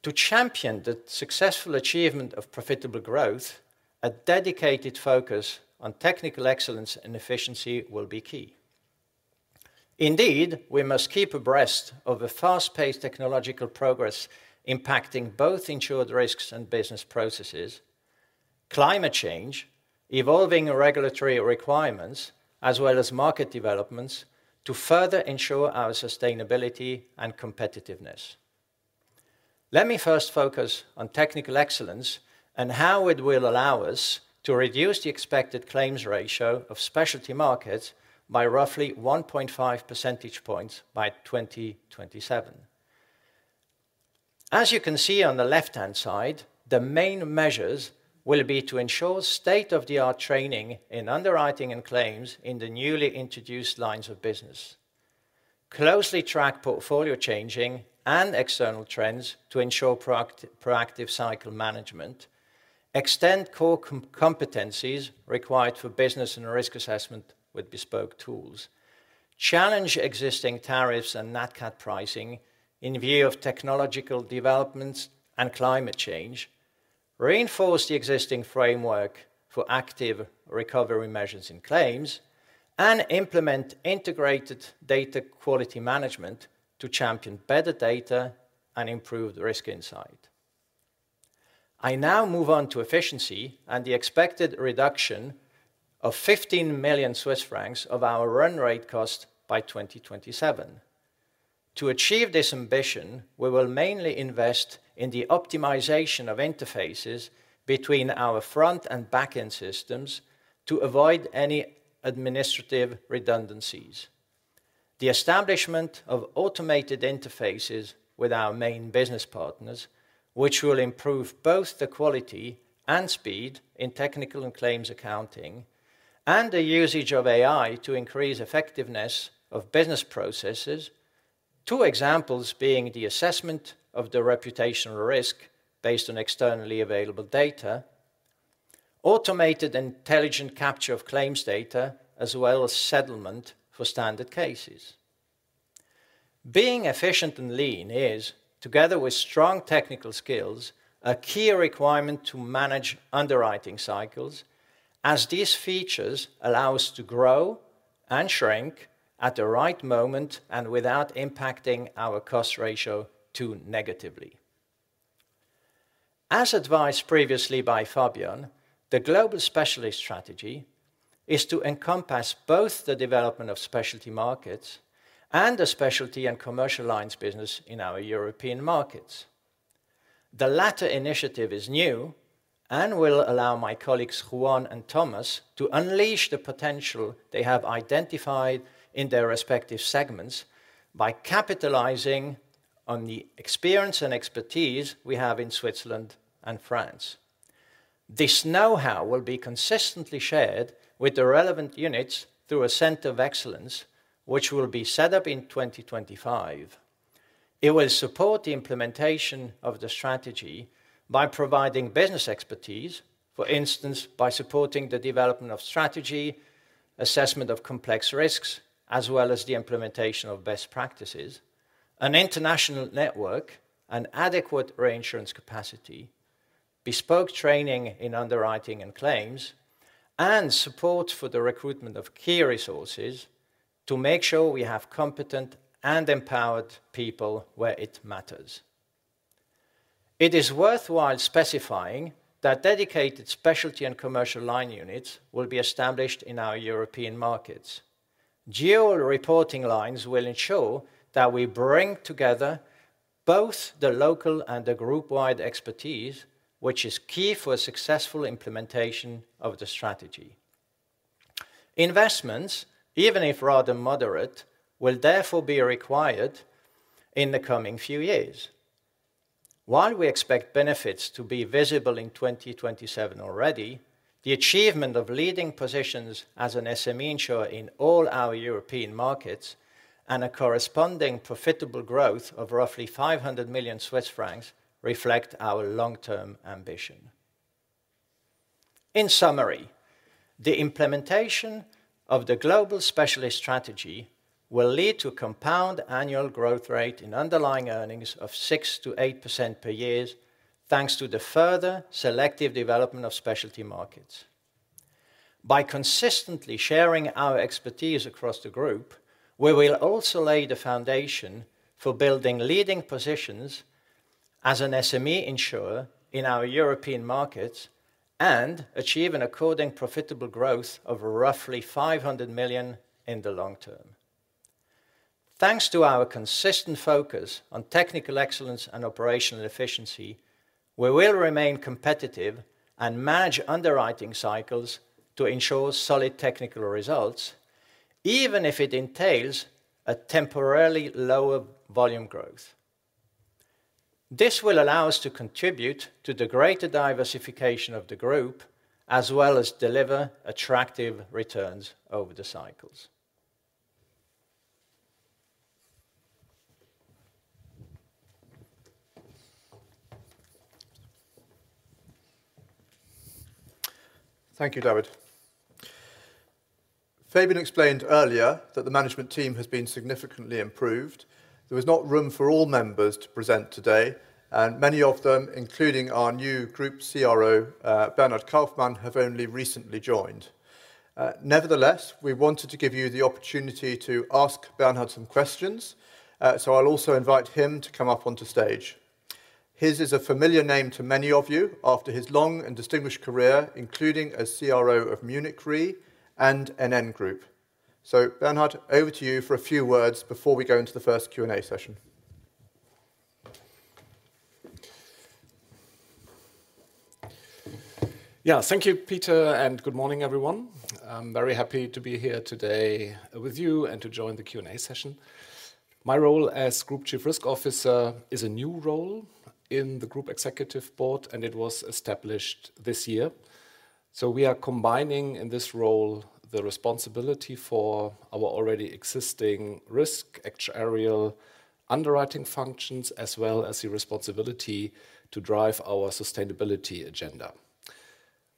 To champion the successful achievement of profitable growth, a dedicated focus on technical excellence and efficiency will be key. Indeed, we must keep abreast of the fast-paced technological progress impacting both insured risks and business processes, climate change, evolving regulatory requirements, as well as market developments to further ensure our sustainability and competitiveness. Let me first focus on technical excellence and how it will allow us to reduce the expected claims ratio of Specialty Markets by roughly 1.5 percentage points by 2027. As you can see on the left-hand side, the main measures will be to ensure state-of-the-art training in underwriting and claims in the newly introduced lines of business, closely track portfolio changing and external trends to ensure proactive cycle management, extend core competencies required for business and risk assessment with bespoke tools, challenge existing tariffs and NatCat pricing in view of technological developments and climate change, reinforce the existing framework for active recovery measures in claims, and implement integrated data quality management to champion better data and improved risk insight. I now move on to efficiency and the expected reduction of 15 million Swiss francs of our run rate cost by 2027. To achieve this ambition, we will mainly invest in the optimization of interfaces between our front and back-end systems to avoid any administrative redundancies, the establishment of automated interfaces with our main business partners, which will improve both the quality and speed in technical and claims accounting, and the usage of AI to increase effectiveness of business processes, two examples being the assessment of the reputational risk based on externally available data, automated intelligent capture of claims data, as well as settlement for standard cases. Being efficient and lean is, together with strong technical skills, a key requirement to manage underwriting cycles, as these features allow us to grow and shrink at the right moment and without impacting our cost ratio too negatively. As advised previously by Fabian, the global specialist strategy is to encompass both the development of Specialty Markets and the specialty and commercial lines business in our European markets. The latter initiative is new and will allow my colleagues Juan and Thomas to unleash the potential they have identified in their respective segments by capitalizing on the experience and expertise we have in Switzerland and France. This know-how will be consistently shared with the relevant units through a Center of Excellence, which will be set up in 2025. It will support the implementation of the strategy by providing business expertise, for instance, by supporting the development of strategy, assessment of complex risks, as well as the implementation of best practices, an international network, an adequate reinsurance capacity, bespoke training in underwriting and claims, and support for the recruitment of key resources to make sure we have competent and empowered people where it matters. It is worthwhile specifying that dedicated specialty and commercial line units will be established in our European markets. Geo-reporting lines will ensure that we bring together both the local and the group-wide expertise, which is key for a successful implementation of the strategy. Investments, even if rather moderate, will therefore be required in the coming few years. While we expect benefits to be visible in 2027 already, the achievement of leading positions as an SME insurer in all our European markets and a corresponding profitable growth of roughly 500 million Swiss francs reflect our long-term ambition. In summary, the implementation of the global specialist strategy will lead to a compound annual growth rate in underlying earnings of 6%-8% per year, thanks to the further selective development of Specialty Markets. By consistently sharing our expertise across the group, we will also lay the foundation for building leading positions as an SME insurer in our European markets and achieve an according profitable growth of roughly 500 million in the long term. Thanks to our consistent focus on technical excellence and operational efficiency, we will remain competitive and manage underwriting cycles to ensure solid technical results, even if it entails a temporarily lower volume growth. This will allow us to contribute to the greater diversification of the group, as well as deliver attractive returns over the cycles.
Thank you, David. Fabian explained earlier that the management team has been significantly improved. There was not room for all members to present today, and many of them, including our new Group CRO, Bernhard Kaufmann, have only recently joined. Nevertheless, we wanted to give you the opportunity to ask Bernhard some questions, so I'll also invite him to come up onto stage. His is a familiar name to many of you after his long and distinguished career, including as CRO of Munich Re and NN Group. So, Bernhard, over to you for a few words before we go into the first Q&A session.
Yeah, thank you, Peter, and good morning, everyone. I'm very happy to be here today with you and to join the Q&A session. My role as Group Chief Risk Officer is a new role in the Group Executive Board, and it was established this year. So we are combining in this role the responsibility for our already existing risk, actuarial underwriting functions, as well as the responsibility to drive our sustainability agenda.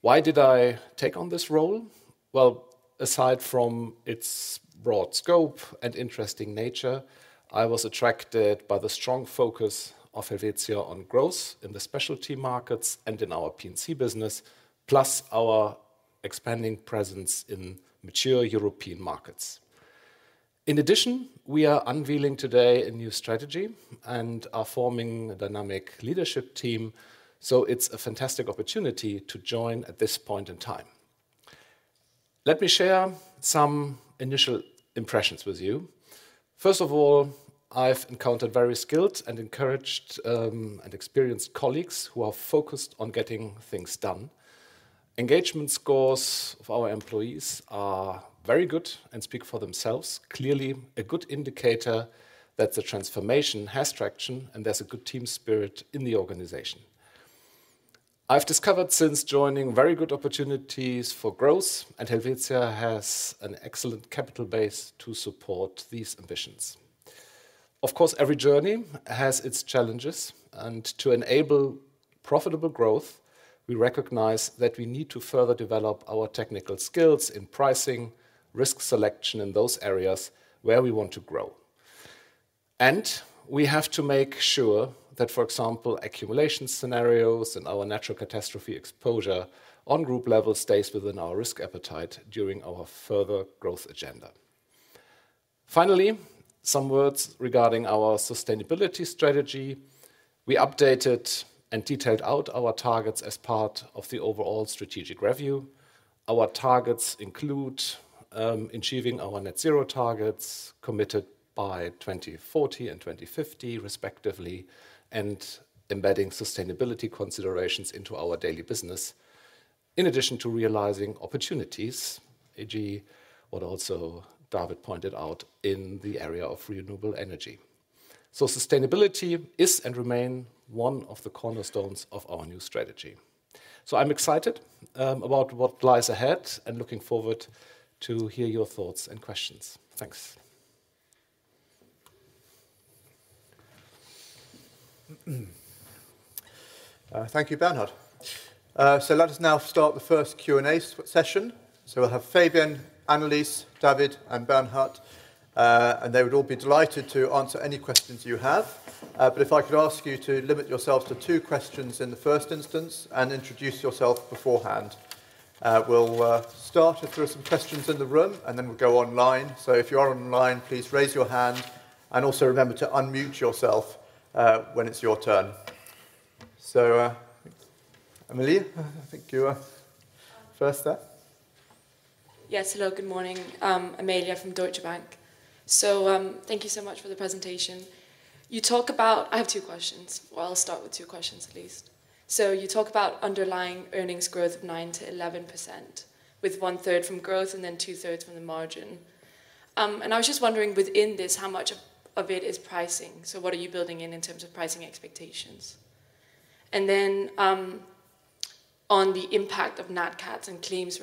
Why did I take on this role? Well, aside from its broad scope and interesting nature, I was attracted by the strong focus of Helvetia on growth in the Specialty Markets and in our P&C business, plus our expanding presence in mature European markets. In addition, we are unveiling today a new strategy and are forming a dynamic leadership team, so it's a fantastic opportunity to join at this point in time. Let me share some initial impressions with you. First of all, I've encountered very skilled and encouraged and experienced colleagues who are focused on getting things done. Engagement scores of our employees are very good and speak for themselves, clearly a good indicator that the transformation has traction and there's a good team spirit in the organization. I've discovered since joining very good opportunities for growth, and Helvetia has an excellent capital base to support these ambitions. Of course, every journey has its challenges, and to enable profitable growth, we recognize that we need to further develop our technical skills in pricing, risk selection in those areas where we want to grow, and we have to make sure that, for example, accumulation scenarios and our natural catastrophe exposure on group level stays within our risk appetite during our further growth agenda. Finally, some words regarding our sustainability strategy. We updated and detailed out our targets as part of the overall strategic review. Our targets include achieving our Net Zero targets committed by 2040 and 2050, respectively, and embedding sustainability considerations into our daily business, in addition to realizing opportunities, e.g., what also David pointed out in the area of renewable energy. So sustainability is and remains one of the cornerstones of our new strategy. So I'm excited about what lies ahead and looking forward to hear your thoughts and questions. Thanks.
Thank you, Bernhard. So let us now start the first Q&A session. So we'll have Fabian, Annelis, David, and Bernhard, and they would all be delighted to answer any questions you have. But if I could ask you to limit yourselves to two questions in the first instance and introduce yourself beforehand, we'll start with some questions in the room and then we'll go online.
If you are online, please raise your hand and also remember to unmute yourself when it's your turn. So Amelia, I think you were first there.
Yes, hello, good morning. Amelia from Deutsche Bank. So thank you so much for the presentation. You talk about, I have two questions. Well, I'll start with two questions at least. So you talk about underlying earnings growth of 9%-11%, with one-third from growth and then two-thirds from the margin. And I was just wondering within this, how much of it is pricing? So what are you building in in terms of pricing expectations? And then on the impact of NatCats and claims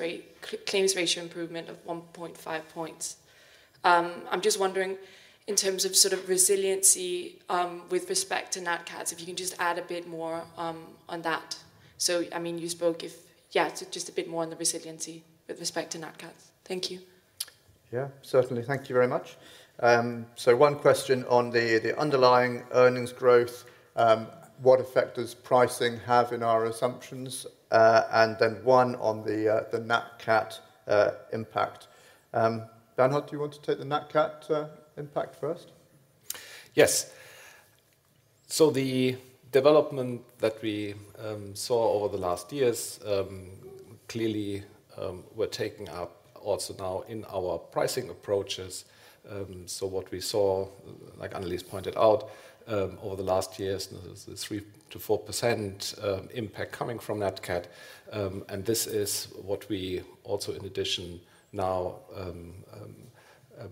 ratio improvement of 1.5 points, I'm just wondering in terms of sort of resiliency with respect to NatCats, if you can just add a bit more on that. So I mean, you spoke, yeah, just a bit more on the resiliency with respect to NatCats.
Thank you. Yeah, certainly. Thank you very much. So one question on the underlying earnings growth, what effect does pricing have in our assumptions? And then one on the NatCat impact. Bernhard, do you want to take the NatCat impact first?
Yes. So the development that we saw over the last years clearly we're taking up also now in our pricing approaches. So what we saw, like Annelis pointed out, over the last years, the 3%-4% impact coming from NatCat. And this is what we also, in addition, now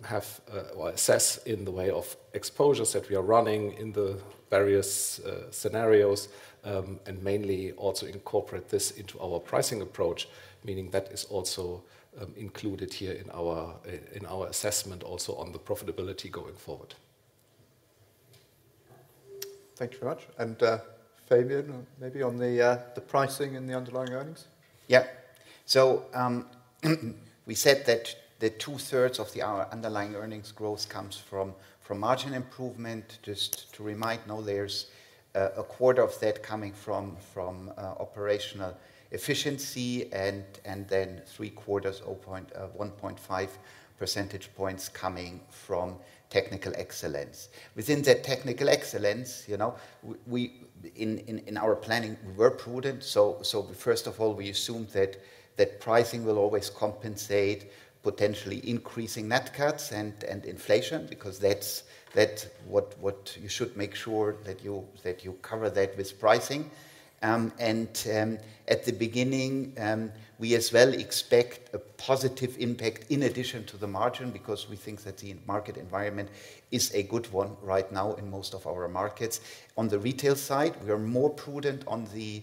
have or assess in the way of exposures that we are running in the various scenarios and mainly also incorporate this into our pricing approach, meaning that is also included here in our assessment also on the profitability going forward.
Thank you very much. Fabian, maybe on the pricing and the underlying earnings?
Yeah. We said that two-thirds of our underlying earnings growth comes from margin improvement. Just to remind, there's a quarter of that coming from operational efficiency and then three-quarters, 1.5 percentage points coming from technical excellence. Within that technical excellence, in our planning, we were prudent. First of all, we assumed that pricing will always compensate potentially increasing NatCats and inflation because that's what you should make sure that you cover that with pricing. At the beginning, we as well expect a positive impact in addition to the margin because we think that the market environment is a good one right now in most of our markets. On the retail side, we are more prudent on the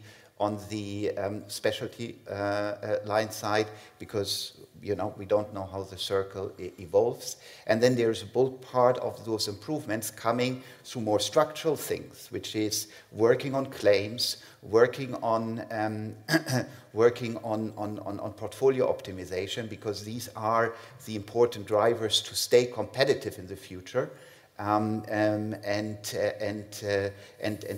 specialty line side because we don't know how the cycle evolves. Then there's a bulk part of those improvements coming through more structural things, which is working on claims, working on portfolio optimization because these are the important drivers to stay competitive in the future and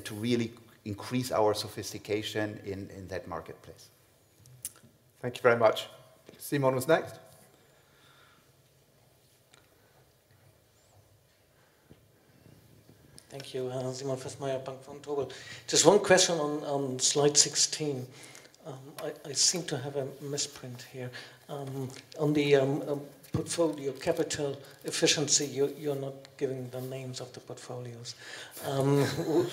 to really increase our sophistication in that marketplace. Thank you very much. Simon was next.
Thank you. Simon Fössmeier, Bank Vontobel. Just one question on slide 16. I seem to have a misprint here. On the portfolio capital efficiency, you're not giving the names of the portfolios.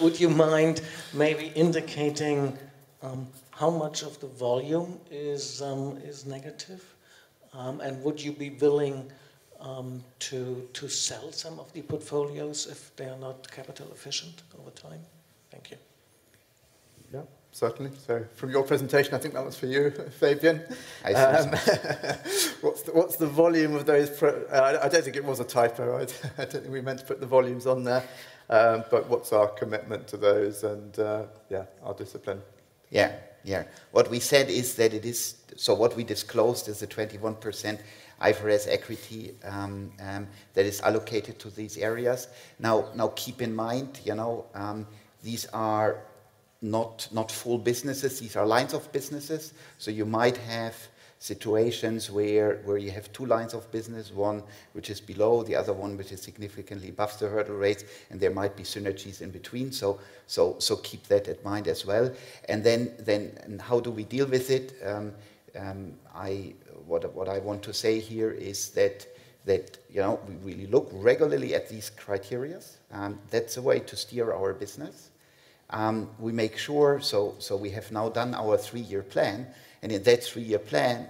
Would you mind maybe indicating how much of the volume is negative? And would you be willing to sell some of the portfolios if they are not capital efficient over time? Thank you.
Yeah, certainly. So from your presentation, I think that was for you, Fabian. What's the volume of those? I don't think it was a typo. I don't think we meant to put the volumes on there. But what's our commitment to those and, yeah, our discipline?
Yeah, yeah. What we said is that it is so what we disclosed is the 21% IFRS equity that is allocated to these areas. Now, keep in mind, these are not full businesses. These are lines of businesses. So you might have situations where you have two lines of business, one which is below, the other one which is significantly above the hurdle rates, and there might be synergies in between. So keep that in mind as well. And then how do we deal with it? What I want to say here is that we really look regularly at these criteria. That's a way to steer our business. We make sure so we have now done our three-year plan. In that three-year plan,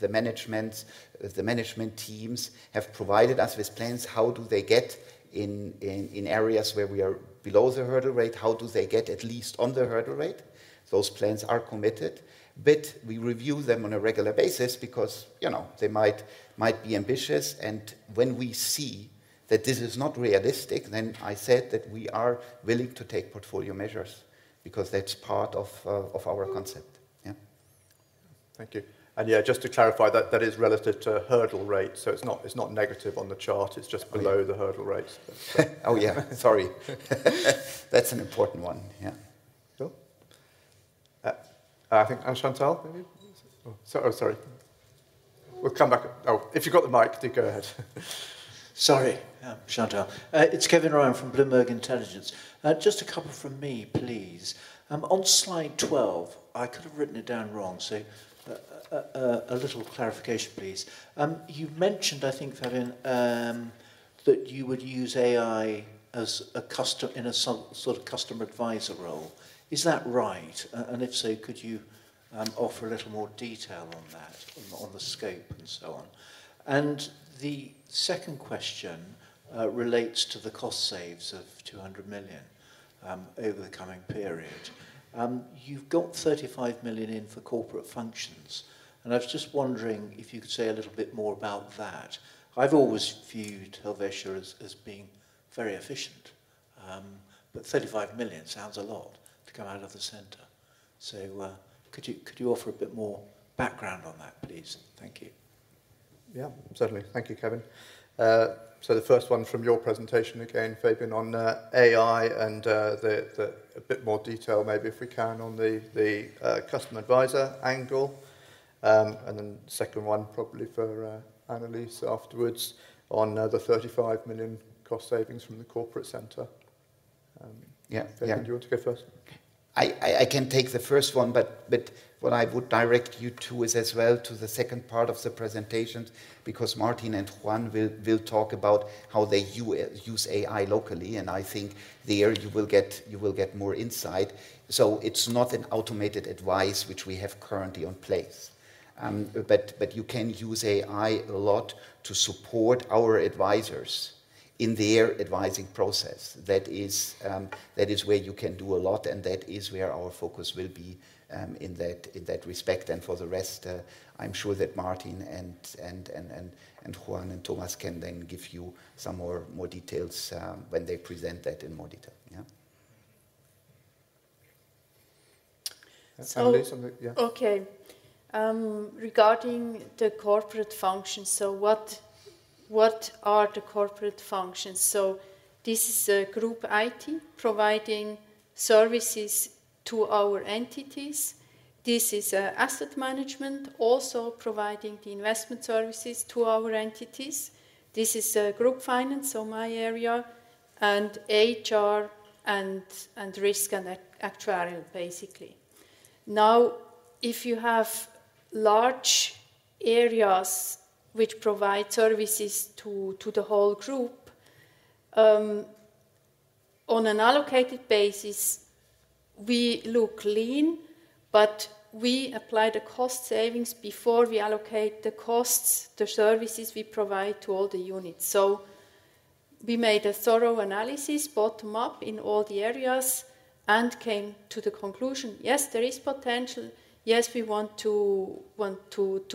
the management teams have provided us with plans. How do they get in areas where we are below the hurdle rate? How do they get at least on the hurdle rate? Those plans are committed. We review them on a regular basis because they might be ambitious. When we see that this is not realistic, then I said that we are willing to take portfolio measures because that's part of our concept. Yeah.
Thank you. Yeah, just to clarify, that is relative to hurdle rate. So it's not negative on the chart. It's just below the hurdle rates.
Oh, yeah. Sorry. That's an important one. Yeah.
Cool. I think Chantal, maybe? Oh, sorry. We'll come back. Oh, if you've got the mic, do go ahead.
Sorry, Chantal. It's Kevin Ryan from Bloomberg Intelligence. Just a couple from me, please. On slide 12, I could have written it down wrong, so a little clarification, please. You mentioned, I think, Fabian, that you would use AI in a sort of customer advisor role. Is that right? And if so, could you offer a little more detail on that, on the scope and so on? And the second question relates to the cost savings of 200 million over the coming period. You've got 35 million in for corporate functions. And I was just wondering if you could say a little bit more about that. I've always viewed Helvetia as being very efficient. But 35 million sounds a lot to come out of the center. So could you offer a bit more background on that, please? Thank you.
Yeah, certainly. Thank you, Kevin. So the first one from your presentation again, Fabian, on AI and a bit more detail, maybe if we can, on the customer advisor angle. And then second one, probably for Annelis afterwards, on the 35 million cost savings from the corporate center. Yeah, Fabian, do you want to go first? I can take the first one, but what I would direct you to is as well to the second part of the presentation because Martin and Juan will talk about how they use AI locally. And I think there you will get more insight. So it's not an automated advice which we have currently in place. But you can use AI a lot to support our advisors in their advising process. That is where you can do a lot, and that is where our focus will be in that respect. And for the rest, I'm sure that Martin and Juan and Thomas can then give you some more details when they present that in more detail. Yeah?
That sounds good.
Yeah. Okay. Regarding the corporate functions, so what are the corporate functions? So this is a group IT providing services to our entities. This is asset management, also providing the investment services to our entities. This is group finance, so my area, and HR and risk and actuarial, basically. Now, if you have large areas which provide services to the whole group, on an allocated basis, we look lean, but we apply the cost savings before we allocate the costs, the services we provide to all the units. So we made a thorough analysis, bottom-up in all the areas, and came to the conclusion, yes, there is potential. Yes, we want to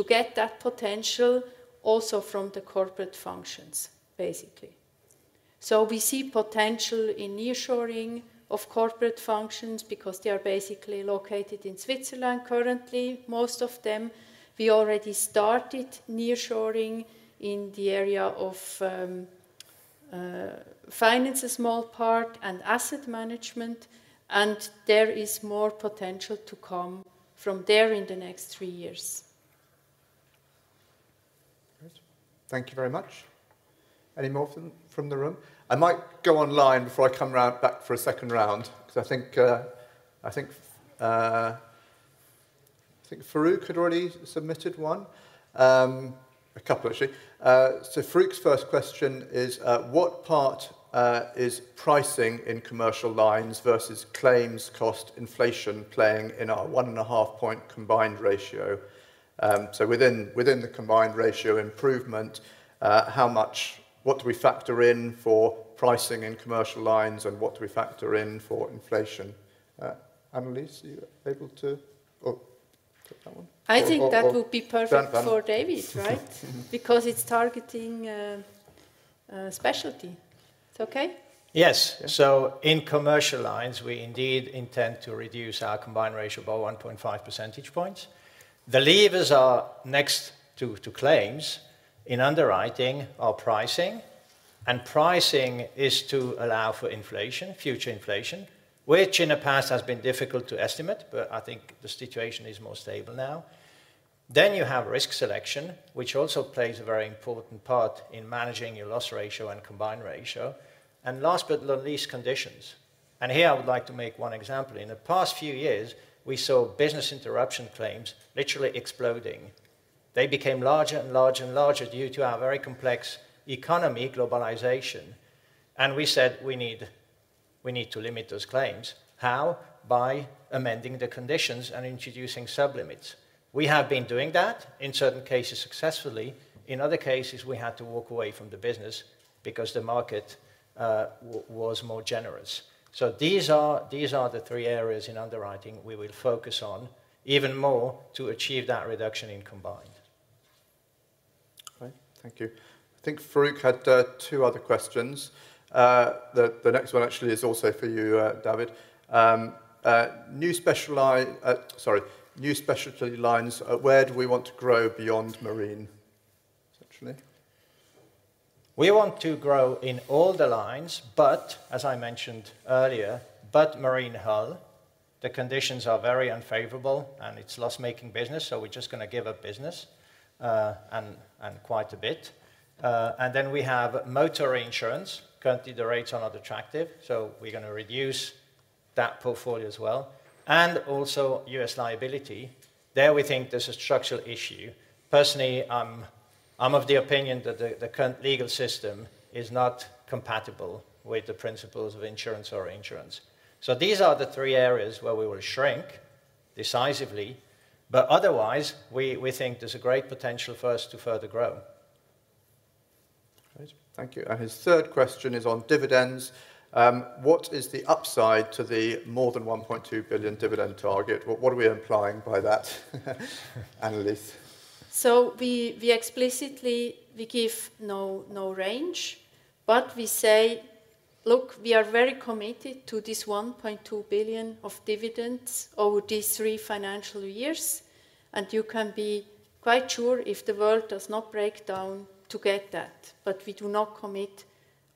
get that potential also from the corporate functions, basically. So we see potential in nearshoring of corporate functions because they are basically located in Switzerland currently, most of them. We already started nearshoring in the area of finance, a small part, and asset management. And there is more potential to come from there in the next three years.
Great. Thank you very much. Any more from the room? I might go online before I come back for a second round because I think Farooq had already submitted one. A couple, actually. So Farooq's first question is, what part is pricing in commercial lines versus claims cost inflation playing in our one and a half point combined ratio? So within the combined ratio improvement, what do we factor in for pricing in commercial lines and what do we factor in for inflation? Annelis, are you able to take that one?
I think that would be perfect for David, right? Because it's targeting specialty. It's okay?
Yes. So in commercial lines, we indeed intend to reduce our combined ratio by 1.5 percentage points. The levers are next to claims in underwriting our pricing. And pricing is to allow for inflation, future inflation, which in the past has been difficult to estimate, but I think the situation is more stable now. Then you have risk selection, which also plays a very important part in managing your loss ratio and combined ratio. And last but not least, conditions. And here I would like to make one example. In the past few years, we saw business interruption claims literally exploding. They became larger and larger and larger due to our very complex economy, globalization. And we said we need to limit those claims. How? By amending the conditions and introducing sublimits. We have been doing that in certain cases successfully. In other cases, we had to walk away from the business because the market was more generous. So these are the three areas in underwriting we will focus on even more to achieve that reduction in combined.
Right. Thank you. I think Farouk had two other questions. The next one actually is also for you, David. New specialty lines, where do we want to grow beyond marine, essentially?
We want to grow in all the lines, but as I mentioned earlier, but marine hull, the conditions are very unfavorable and it's loss-making business, so we're just going to give up business and quite a bit. And then we have motor insurance. Currently, the rates are not attractive, so we're going to reduce that portfolio as well. And also U.S. liability. There we think there's a structural issue. Personally, I'm of the opinion that the current legal system is not compatible with the principles of insurance or insurance. So these are the three areas where we will shrink decisively. But otherwise, we think there's a great potential for us to further grow.
Great. Thank you. His third question is on dividends. What is the upside to the more than 1.2 billion dividend target? What are we implying by that, Annelis?
We explicitly give no range, but we say, look, we are very committed to this 1.2 billion of dividends over these three financial years. You can be quite sure if the world does not break down to get that. But we do not commit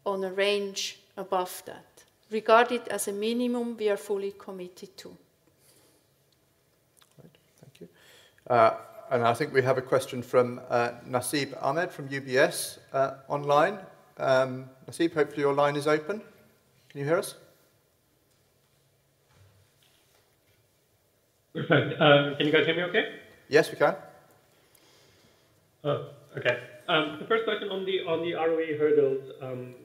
on a range above that. Regarded as a minimum, we are fully committed to.
Great. Thank you. And I think we have a question from Nasib Ahmed from UBS online. Nasib, hopefully your line is open. Can you hear us?
Can you guys hear me okay?
Yes, we can.
Oh, okay. The first question on the ROE hurdles,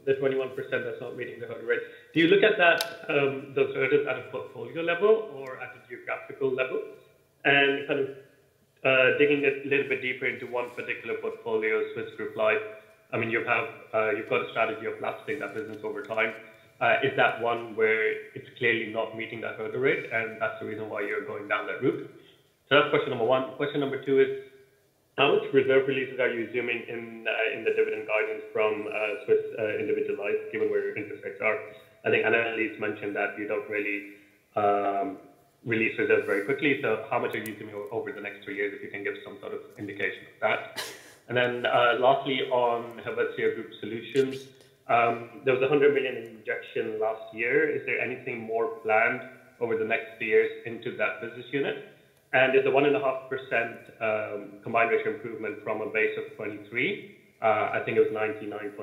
the 21% that's not meeting the hurdle rate. Do you look at those hurdles at a portfolio level or at a geographical level? And kind of digging a little bit deeper into one particular portfolio, Swiss Group Life, I mean, you've got a strategy of lapsing that business over time. Is that one where it's clearly not meeting that hurdle rate? And that's the reason why you're going down that route. So that's question number one. Question number two is, how much reserve releases are you assuming in the dividend guidance from Swiss Individual Life, given where your interest rates are? I think Annelis mentioned that you don't really release reserves very quickly. So how much are you assuming over the next three years if you can give some sort of indication of that? And then lastly, on Helvetia Group Solutions, there was a 100 million injection last year. Is there anything more planned over the next three years into that business unit? And is the 1.5% combined ratio improvement from a base of 2023? I think it was 99.8%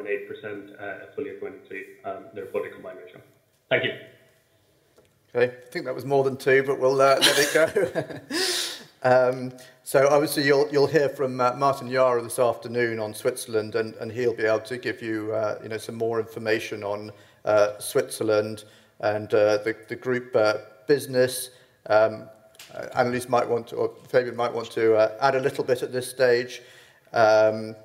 at full year 2023, their full year combined ratio. Thank you.
Okay. I think that was more than two, but we'll let it go. So obviously, you'll hear from Martin Jara this afternoon on Switzerland, and he'll be able to give you some more information on Switzerland and the group business. Annelis might want to, or Fabian might want to add a little bit at this stage. The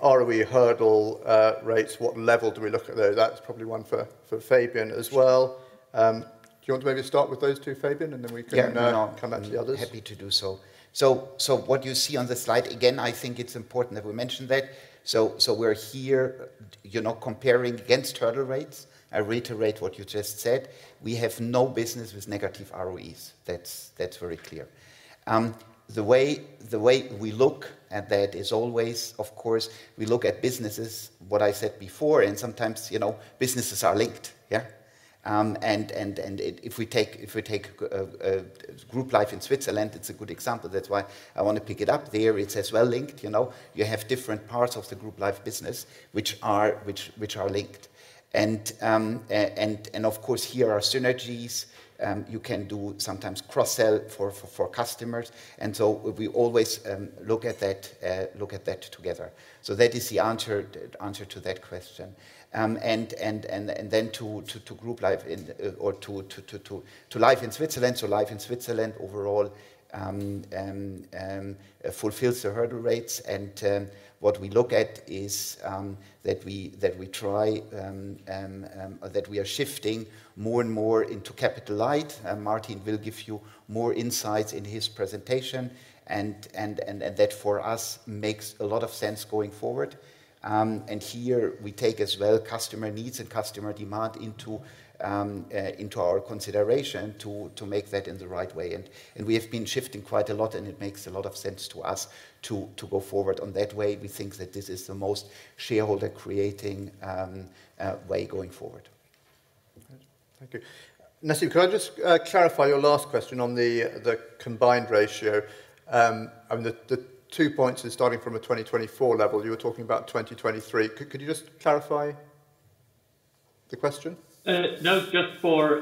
ROE hurdle rates, what level do we look at though? That's probably one for Fabian as well. Do you want to maybe start with those two, Fabian, and then we can come back to the others?
Yeah, no. I'm happy to do so. So what you see on the slide, again, I think it's important that we mention that. So we're here comparing against hurdle rates. I reiterate what you just said. We have no business with negative ROEs. That's very clear. The way we look at that is always, of course, we look at businesses, what I said before, and sometimes businesses are linked. Yeah? And if we take Group Life in Switzerland, it's a good example. That's why I want to pick it up there. It's as well linked. You have different parts of the Group Life business which are linked. And of course, here are synergies. You can do sometimes cross-sell for customers. And so we always look at that together. So that is the answer to that question. And then to Group Life or to Life in Switzerland. So Life in Switzerland overall fulfills the hurdle rates. And what we look at is that we try that we are shifting more and more into capital light. Martin will give you more insights in his presentation. And that for us makes a lot of sense going forward. And here we take as well customer needs and customer demand into our consideration to make that in the right way. And we have been shifting quite a lot, and it makes a lot of sense to us to go forward on that way. We think that this is the most shareholder-creating way going forward.
Okay. Thank you. Nasib, could I just clarify your last question on the combined ratio? I mean, the two points are starting from a 2024 level. You were talking about 2023. Could you just clarify the question?
No, just for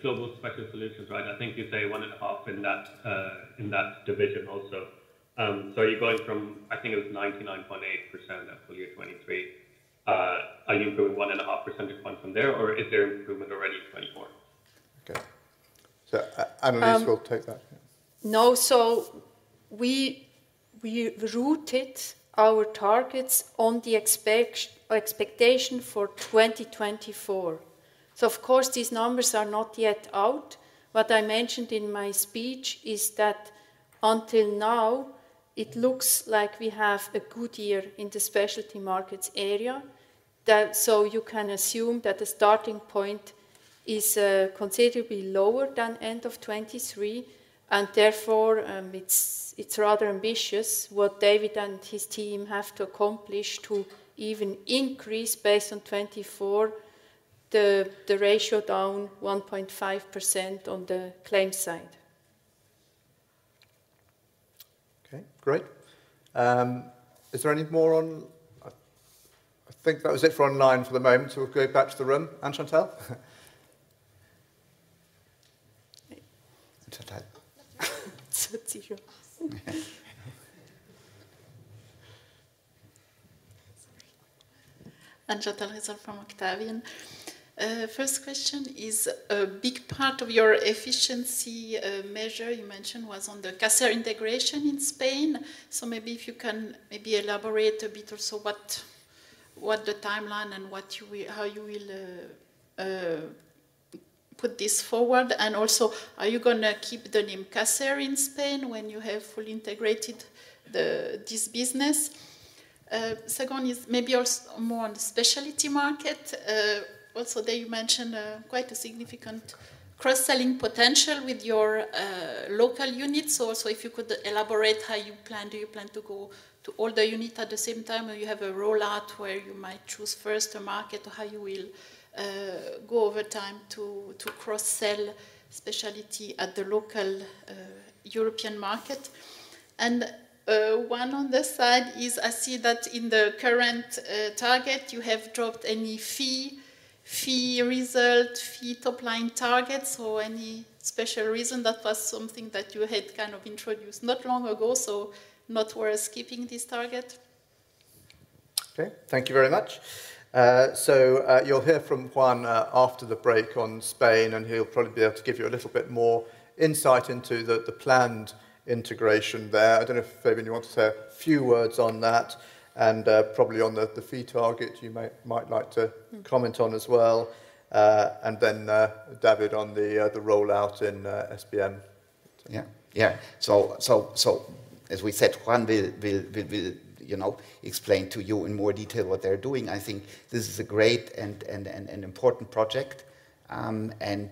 Group Specialty Solutions, right? I think you say 1.5 in that division also. So you're going from, I think it was 99.8% at full year 2023. Are you improving 1.5% a point from there, or is there improvement already in 2024?
Okay. So Annelis, will take that.
No, so we rooted our targets on the expectation for 2024. So of course, these numbers are not yet out. What I mentioned in my speech is that until now, it looks like we have a good year in the Specialty Markets area. So you can assume that the starting point is considerably lower than end of 2023. And therefore, it's rather ambitious what David and his team have to accomplish to even increase based on 2024 the ratio down 1.5% on the claim side.
Okay. Great. Is there any more on? I think that was it for online for the moment. So we'll go back to the room. Chantal? Chantal.
That's easier. Sorry. Chantal Risold from Octavian. First question is a big part of your efficiency measure you mentioned was on the Caser integration in Spain. So maybe if you can maybe elaborate a bit also what the timeline and how you will put this forward. And also, are you going to keep the name Caser in Spain when you have fully integrated this business? Second is maybe also more on the specialty market. Also there you mentioned quite a significant cross-selling potential with your local units. Also if you could elaborate how you plan. Do you plan to go to all the units at the same time? Do you have a rollout where you might choose first a market or how you will go over time to cross-sell specialty at the local European market? And one on the side is, I see that in the current target, you have dropped any fee result, fee top-line targets or any special reason. That was something that you had kind of introduced not long ago, so not worth skipping this target.
Okay. Thank you very much. So you'll hear from Juan after the break on Spain, and he'll probably be able to give you a little bit more insight into the planned integration there. I don't know if Fabian, you want to say a few words on that and probably on the fee target you might like to comment on as well. And then David on the rollout in SBM. Yeah.
Yeah. So as we said, Juan will explain to you in more detail what they're doing. I think this is a great and important project. And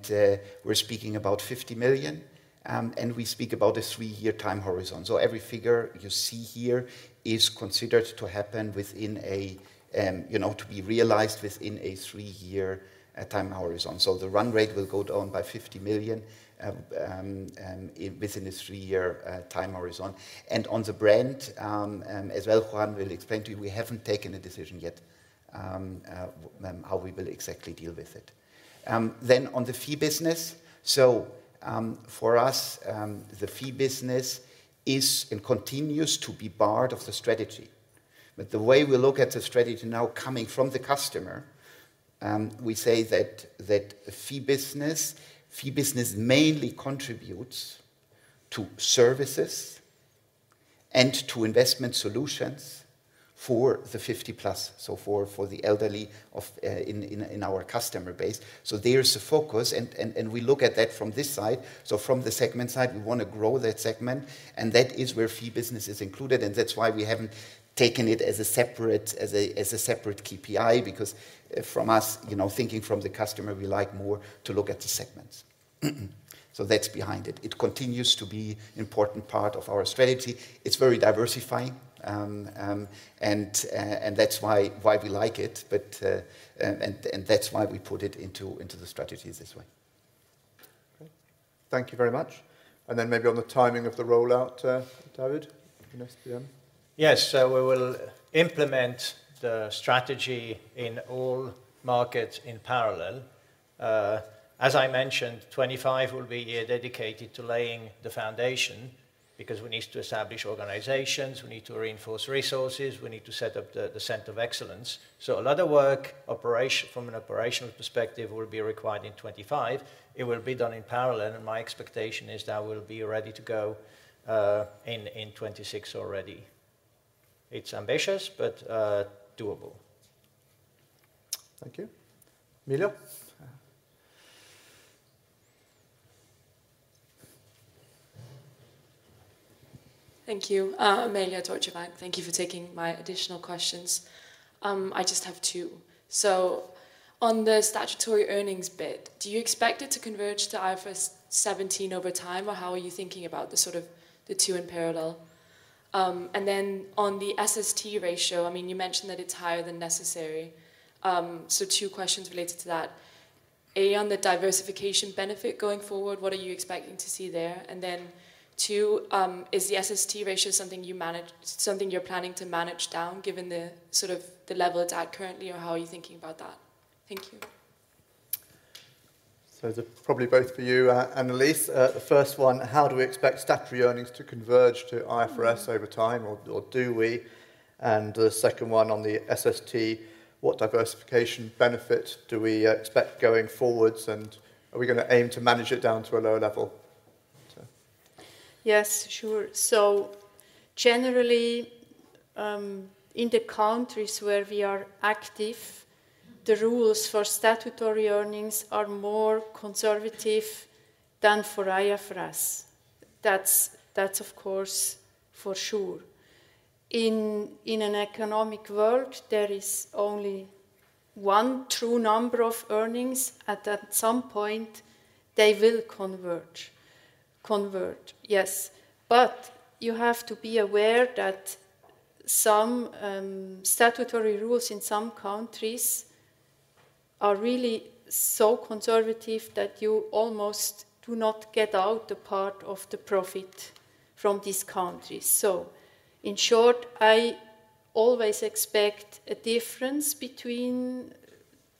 we're speaking about 50 million. And we speak about a three-year time horizon. So every figure you see here is considered to happen within a to be realized within a three-year time horizon. So the run rate will go down by 50 million within a three-year time horizon. And on the brand as well, Juan will explain to you, we haven't taken a decision yet how we will exactly deal with it. Then on the fee business, so for us, the fee business is and continues to be part of the strategy. But the way we look at the strategy now coming from the customer, we say that fee business mainly contributes to services and to investment solutions for the 50+, so for the elderly in our customer base. So there's a focus, and we look at that from this side. So from the segment side, we want to grow that segment. And that is where fee business is included. And that's why we haven't taken it as a separate KPI because from us, thinking from the customer, we like more to look at the segments. So that's behind it. It continues to be an important part of our strategy. It's very diversifying. And that's why we like it. And that's why we put it into the strategy this way.
Great. Thank you very much. And then maybe on the timing of the rollout, David, in SBM? Yes.
So we will implement the strategy in all markets in parallel. As I mentioned, 2025 will be dedicated to laying the foundation because we need to establish organizations, we need to reinforce resources, we need to set up the Center of Excellence. So a lot of work from an operational perspective will be required in 2025. It will be done in parallel. And my expectation is that we'll be ready to go in 2026 already. It's ambitious, but doable.
Thank you. Amelia?
Thank you. Amelia, Deutsche Bank, thank you for taking my additional questions. I just have two. So on the statutory earnings bit, do you expect it to converge to IFRS 17 over time, or how are you thinking about the sort of the two in parallel? And then on the SST ratio, I mean, you mentioned that it's higher than necessary. So two questions related to that. A, on the diversification benefit going forward, what are you expecting to see there? And then two, is the SST ratio something you're planning to manage down given the sort of the level it's at currently, or how are you thinking about that?
Thank you. So it's probably both for you, Annelis. The first one, how do we expect statutory earnings to converge to IFRS over time, or do we? And the second one on the SST, what diversification benefit do we expect going forward, and are we going to aim to manage it down to a lower level?
Yes, sure. So generally, in the countries where we are active, the rules for statutory earnings are more conservative than for IFRS. That's, of course, for sure. In an economic world, there is only one true number of earnings, and at some point, they will converge. Yes. But you have to be aware that some statutory rules in some countries are really so conservative that you almost do not get out a part of the profit from these countries. So in short, I always expect a difference between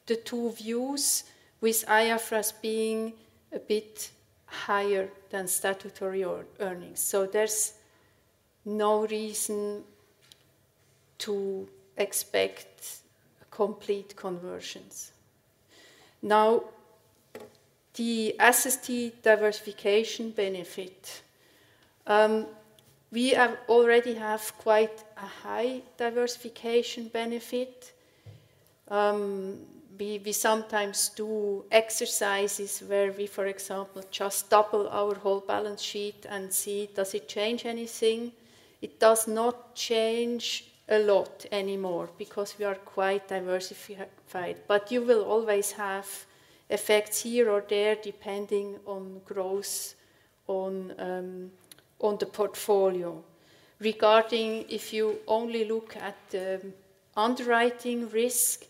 the two views, with IFRS being a bit higher than statutory earnings. So there's no reason to expect complete conversions. Now, the SST diversification benefit, we already have quite a high diversification benefit. We sometimes do exercises where we, for example, just double our whole balance sheet and see, does it change anything? It does not change a lot anymore because we are quite diversified. But you will always have effects here or there depending on growth on the portfolio. Regarding if you only look at the underwriting risk,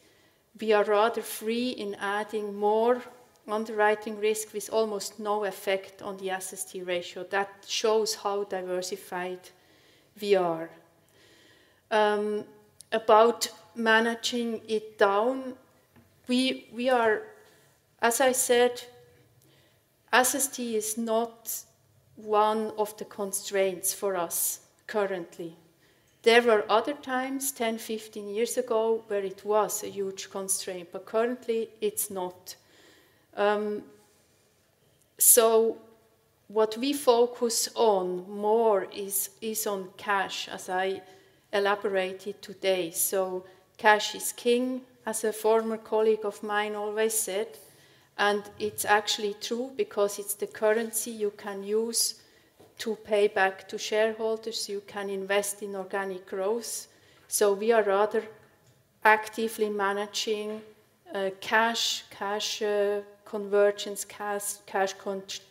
we are rather free in adding more underwriting risk with almost no effect on the SST ratio. That shows how diversified we are. About managing it down, we are, as I said, SST is not one of the constraints for us currently. There were other times, 10, 15 years ago, where it was a huge constraint, but currently, it's not. So what we focus on more is on cash, as I elaborated today. So cash is king, as a former colleague of mine always said. And it's actually true because it's the currency you can use to pay back to shareholders. You can invest in organic growth. So we are rather actively managing cash, cash convergence, cash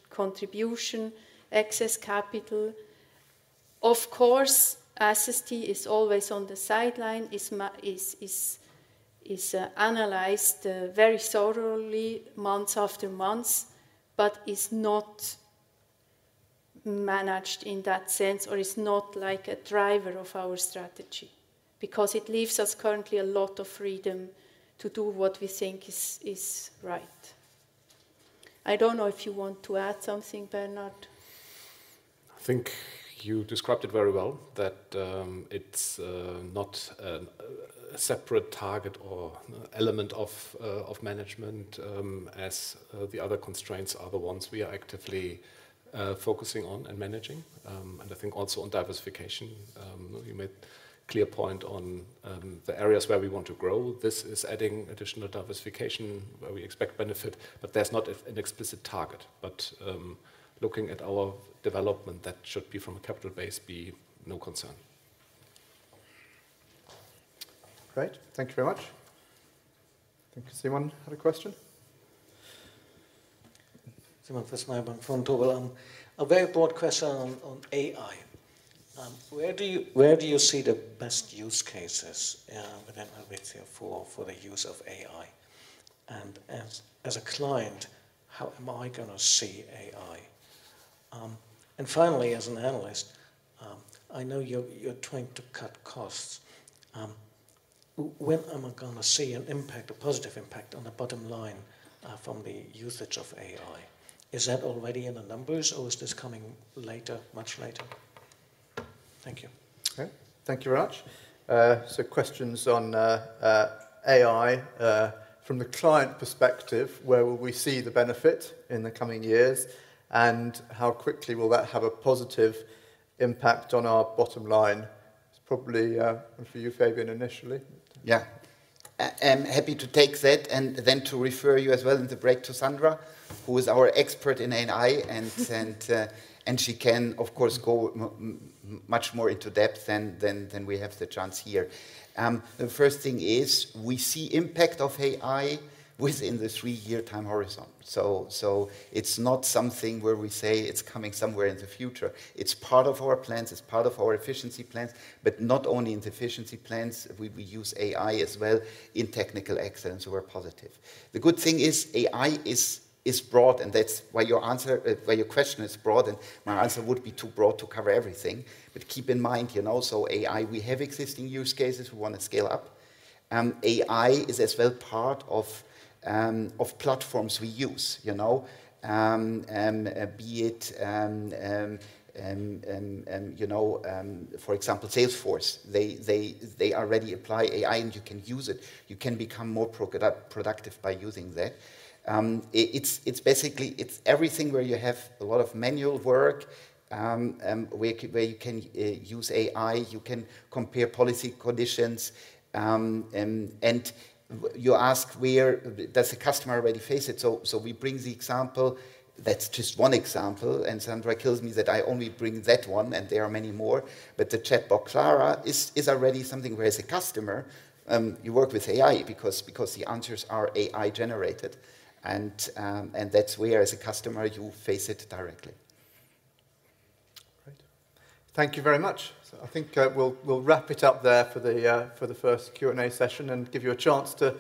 contribution, excess capital. Of course, SST is always on the sideline, is analyzed very thoroughly month after month, but is not managed in that sense or is not like a driver of our strategy because it leaves us currently a lot of freedom to do what we think is right. I don't know if you want to add something, Bernhard.
I think you described it very well, that it's not a separate target or element of management as the other constraints are the ones we are actively focusing on and managing, and I think also on diversification. You made a clear point on the areas where we want to grow. This is adding additional diversification where we expect benefit, but there's not an explicit target, but looking at our development, that should be from a capital base, be no concern.
Great. Thank you very much. I think Simon had a question.
Simon Fössmeier from Vontobel. A very broad question on AI. Where do you see the best use cases for the use of AI? And as a client, how am I going to see AI? And finally, as an analyst, I know you're trying to cut costs. When am I going to see an impact, a positive impact on the bottom line from the usage of AI? Is that already in the numbers, or is this coming later, much later? Thank you.
Okay. Thank you very much. So questions on AI from the client perspective, where will we see the benefit in the coming years, and how quickly will that have a positive impact on our bottom line? It's probably for you, Fabian, initially.
Yeah. I'm happy to take that and then to refer you as well in the break to Sandra, who is our expert in AI, and she can, of course, go much more into depth than we have the chance here. The first thing is we see impact of AI within the three-year time horizon. So it's not something where we say it's coming somewhere in the future. It's part of our plans, it's part of our efficiency plans, but not only in the efficiency plans. We use AI as well in Technical Excellence or positive. The good thing is AI is broad, and that's why your question is broad, and my answer would be too broad to cover everything, but keep in mind, so AI, we have existing use cases. We want to scale up. AI is as well part of platforms we use, be it, for example, Salesforce. They already apply AI, and you can use it. You can become more productive by using that. It's basically everything where you have a lot of manual work, where you can use AI, you can compare policy conditions, and you ask, where does the customer already face it, so we bring the example. That's just one example. And Sandra kills me that I only bring that one, and there are many more. But the chatbot, Clara, is already something where as a customer, you work with AI because the answers are AI-generated. And that's where, as a customer, you face it directly.
Great. Thank you very much. So I think we'll wrap it up there for the first Q&A session and give you a chance to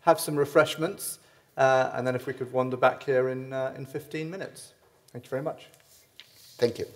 have some refreshments. And then if we could wander back here in 15 minutes. Thank you very much.
Thank you.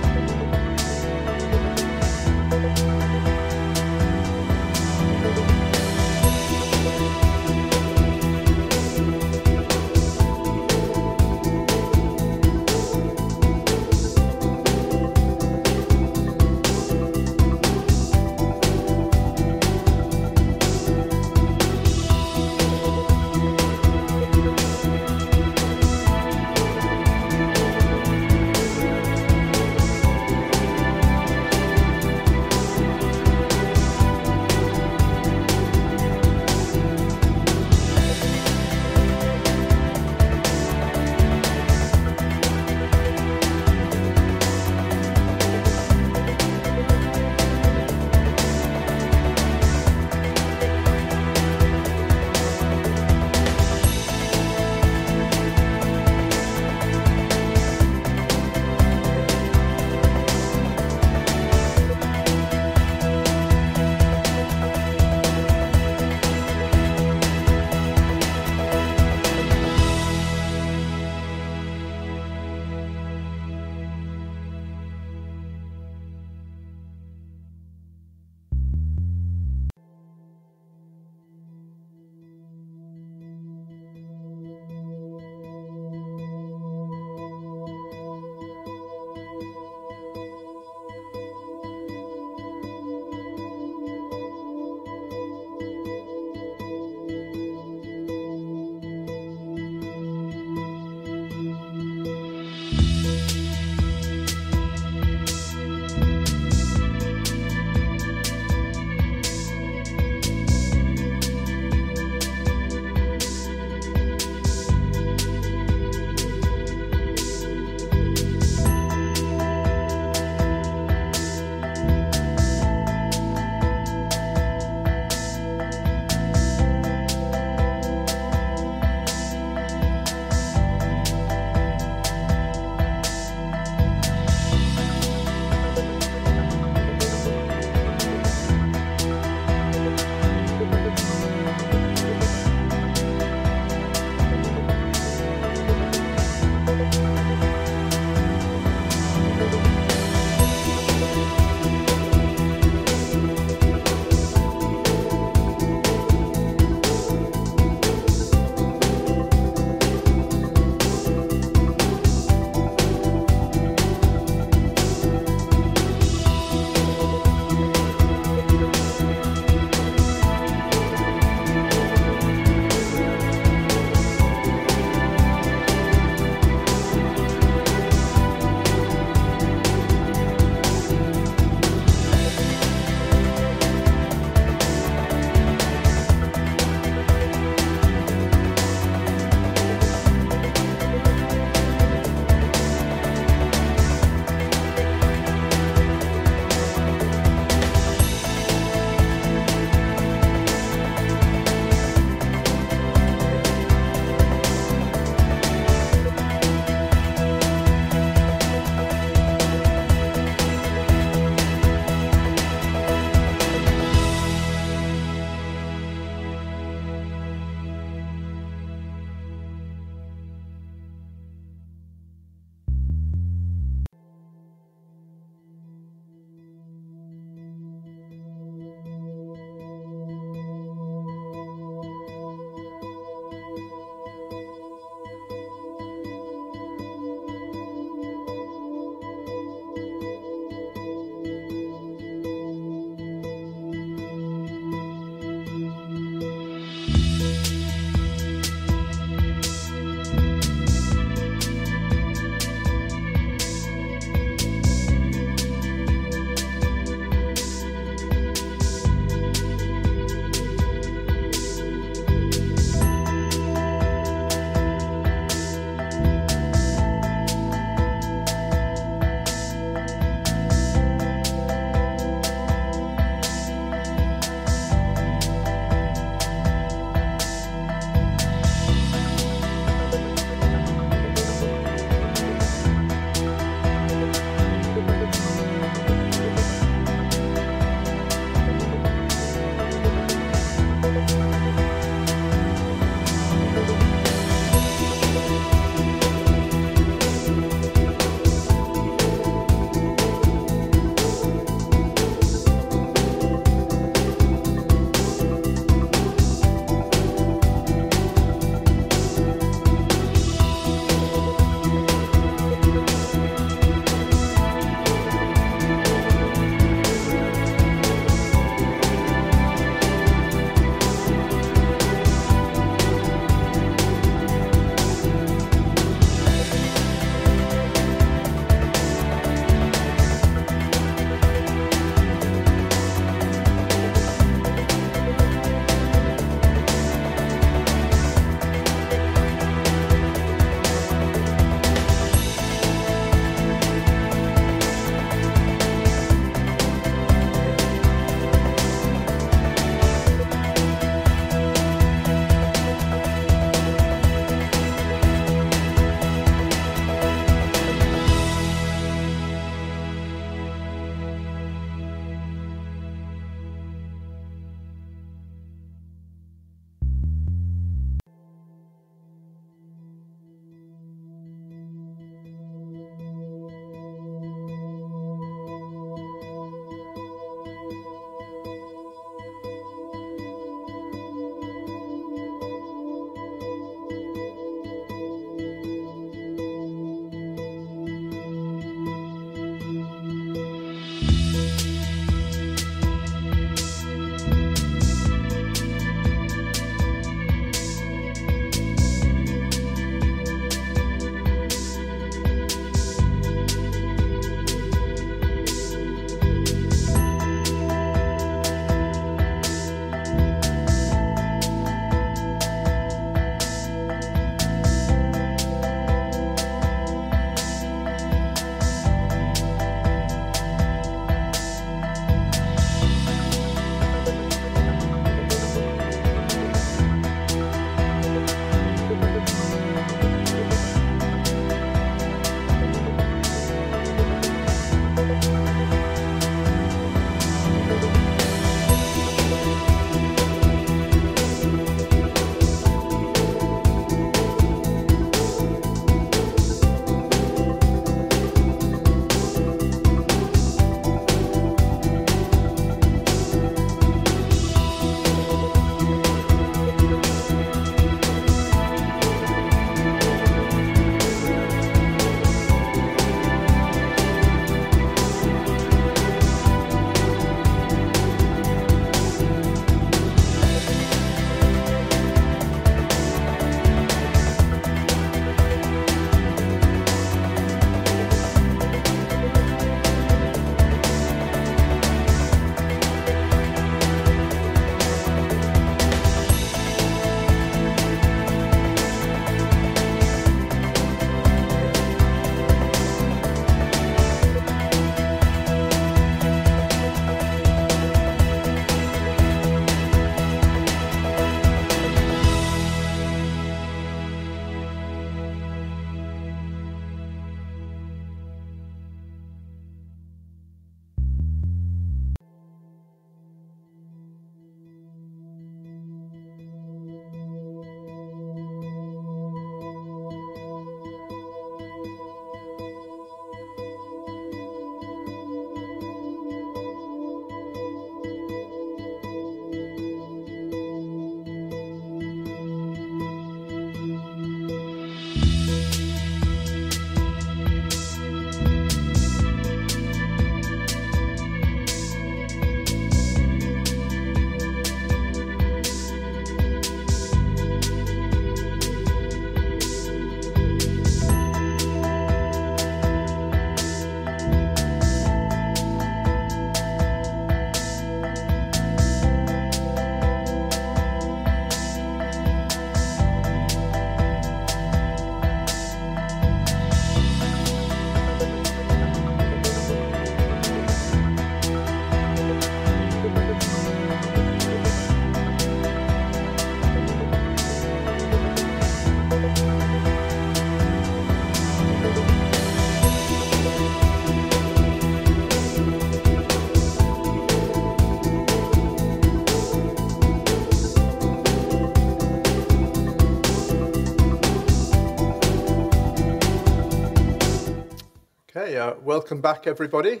Okay, welcome back, everybody.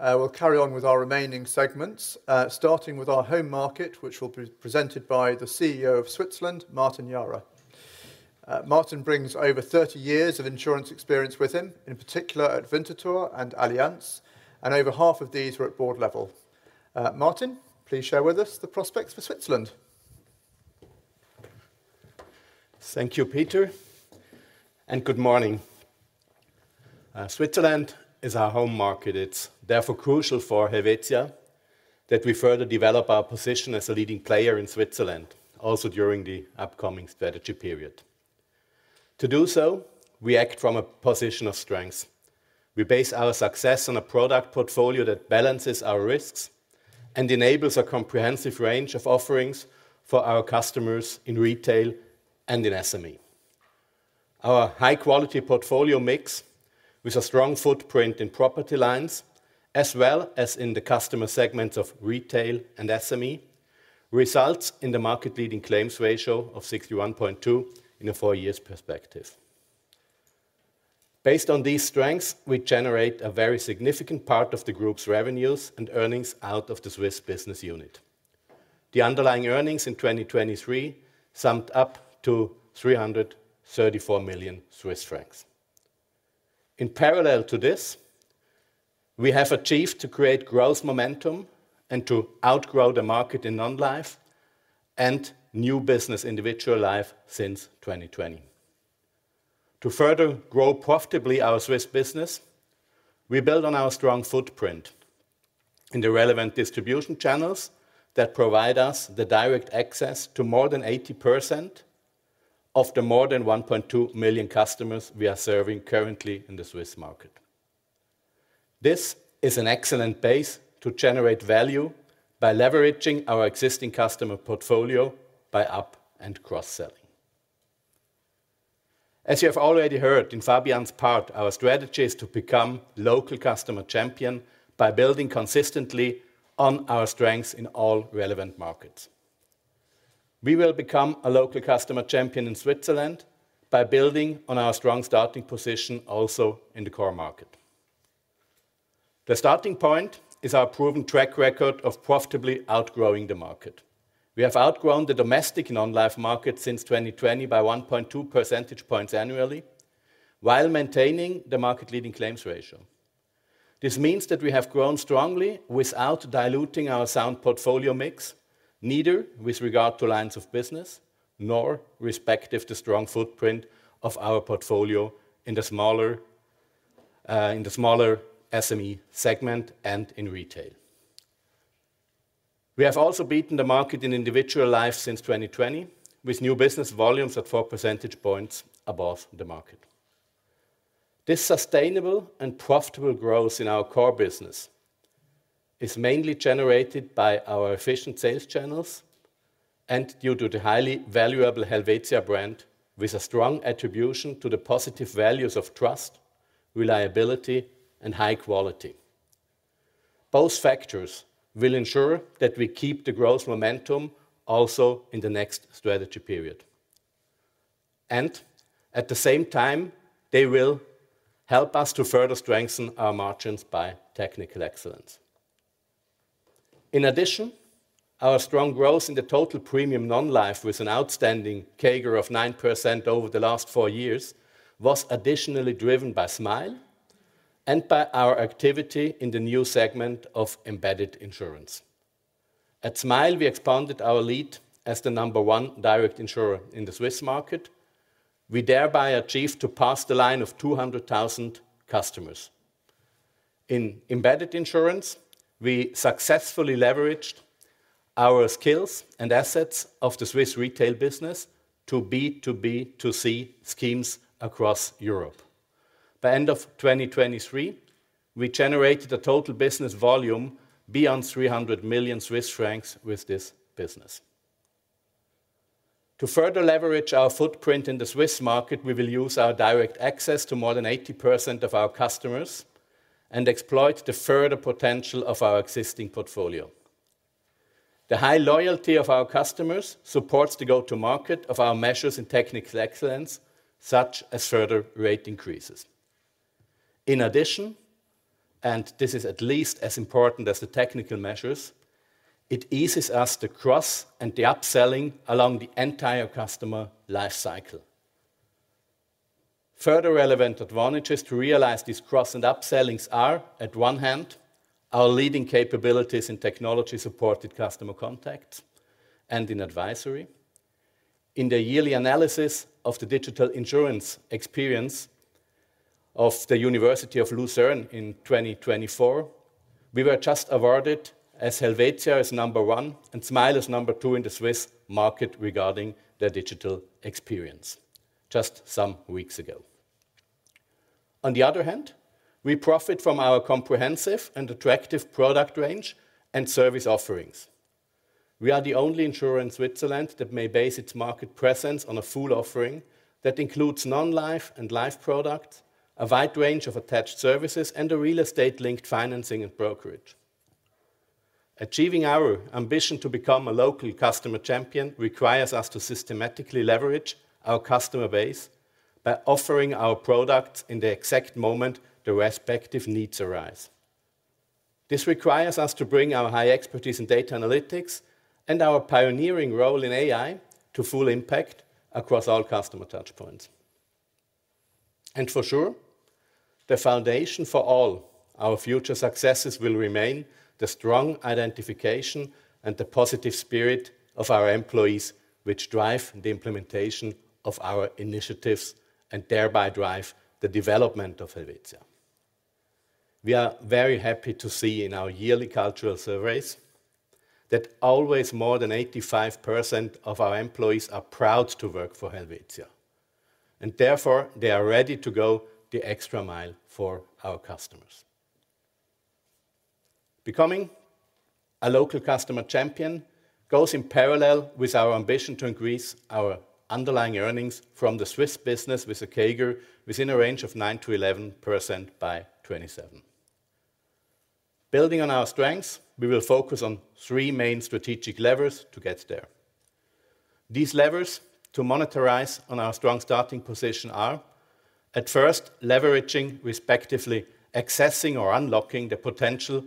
We'll carry on with our remaining segments, starting with our home market, which will be presented by the CEO of Switzerland, Martin Jara. Martin brings over 30 years of insurance experience with him, in particular at Winterthur and Allianz, and over half of these were at board level. Martin, please share with us the prospects for Switzerland.
Thank you, Peter, and good morning. Switzerland is our home market. It's therefore crucial for Helvetia that we further develop our position as a leading player in Switzerland, also during the upcoming strategy period. To do so, we act from a position of strength. We base our success on a product portfolio that balances our risks and enables a comprehensive range of offerings for our customers in retail and in SME. Our high-quality portfolio mix, with a strong footprint in property lines as well as in the customer segments of retail and SME, results in the market-leading claims ratio of 61.2 in a four-year perspective. Based on these strengths, we generate a very significant part of the group's revenues and earnings out of the Swiss business unit. The underlying earnings in 2023 summed up to 334 million Swiss francs. In parallel to this, we have achieved to create growth momentum and to outgrow the market in non-life and new business individual life since 2020. To further grow profitably our Swiss business, we build on our strong footprint in the relevant distribution channels that provide us the direct access to more than 80% of the more than 1.2 million customers we are serving currently in the Swiss market. This is an excellent base to generate value by leveraging our existing customer portfolio by up and cross-selling. As you have already heard in Fabian's part, our strategy is to become a local customer champion by building consistently on our strengths in all relevant markets. We will become a local customer champion in Switzerland by building on our strong starting position also in the core market. The starting point is our proven track record of profitably outgrowing the market. We have outgrown the domestic non-life market since 2020 by 1.2 percentage points annually, while maintaining the market-leading claims ratio. This means that we have grown strongly without diluting our sound portfolio mix, neither with regard to lines of business nor with respect to the strong footprint of our portfolio in the smaller SME segment and in retail. We have also beaten the market in individual life since 2020, with new business volumes at four percentage points above the market. This sustainable and profitable growth in our core business is mainly generated by our efficient sales channels and due to the highly valuable Helvetia brand, with a strong attribution to the positive values of trust, reliability, and high quality. Those factors will ensure that we keep the growth momentum also in the next strategy period. And at the same time, they will help us to further strengthen our margins by technical excellence. In addition, our strong growth in the total premium non-life, with an outstanding CAGR of 9% over the last four years, was additionally driven by Smile and by our activity in the new segment of embedded insurance. At Smile, we expanded our lead as the number one direct insurer in the Swiss market. We thereby achieved to pass the line of 200,000 customers. In embedded insurance, we successfully leveraged our skills and assets of the Swiss retail business to B2B2C schemes across Europe. By the end of 2023, we generated a total business volume beyond 300 million Swiss francs with this business. To further leverage our footprint in the Swiss market, we will use our direct access to more than 80% of our customers and exploit the further potential of our existing portfolio. The high loyalty of our customers supports the go-to-market of our measures in Technical Excellence, such as further rate increases. In addition, and this is at least as important as the technical measures, it eases us the cross and the upselling along the entire customer lifecycle. Further relevant advantages to realize these cross and upsellings are, on the one hand, our leading capabilities in technology-supported customer contacts and in advisory. In the yearly analysis of the digital insurance experience of the University of Lucerne in 2024, we were just awarded. Helvetia as number one and Smile as number two in the Swiss market regarding their digital experience, just some weeks ago. On the other hand, we profit from our comprehensive and attractive product range and service offerings. We are the only insurer in Switzerland that may base its market presence on a full offering that includes non-life and life products, a wide range of attached services, and real estate-linked financing and brokerage. Achieving our ambition to become a local customer champion requires us to systematically leverage our customer base by offering our products in the exact moment the respective needs arise. This requires us to bring our high expertise in data analytics and our pioneering role in AI to full impact across all customer touchpoints, and for sure, the foundation for all our future successes will remain the strong identification and the positive spirit of our employees, which drive the implementation of our initiatives and thereby drive the development of Helvetia. We are very happy to see in our yearly cultural surveys that always more than 85% of our employees are proud to work for Helvetia, and therefore they are ready to go the extra mile for our customers. Becoming a local customer champion goes in parallel with our ambition to increase our underlying earnings from the Swiss business with a CAGR within a range of 9%-11% by 2027. Building on our strengths, we will focus on three main strategic levers to get there. These levers to monetize on our strong starting position are, at first, leveraging, respectively accessing or unlocking the potential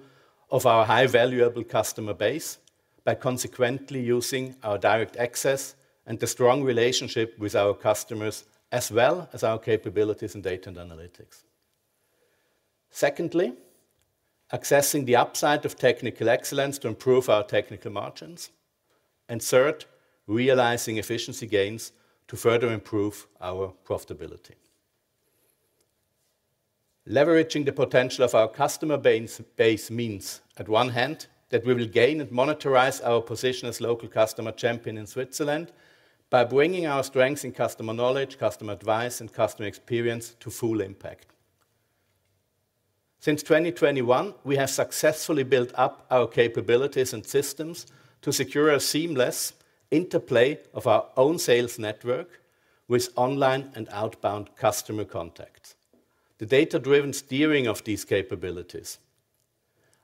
of our high-value customer base by consequently using our direct access and the strong relationship with our customers, as well as our capabilities in data and analytics. Secondly, accessing the upside of technical excellence to improve our technical margins. And third, realizing efficiency gains to further improve our profitability. Leveraging the potential of our customer base means, on one hand, that we will gain and monetize our position as local customer champion in Switzerland by bringing our strengths in customer knowledge, customer advice, and customer experience to full impact. Since 2021, we have successfully built up our capabilities and systems to secure a seamless interplay of our own sales network with online and outbound customer contacts, the data-driven steering of these capabilities,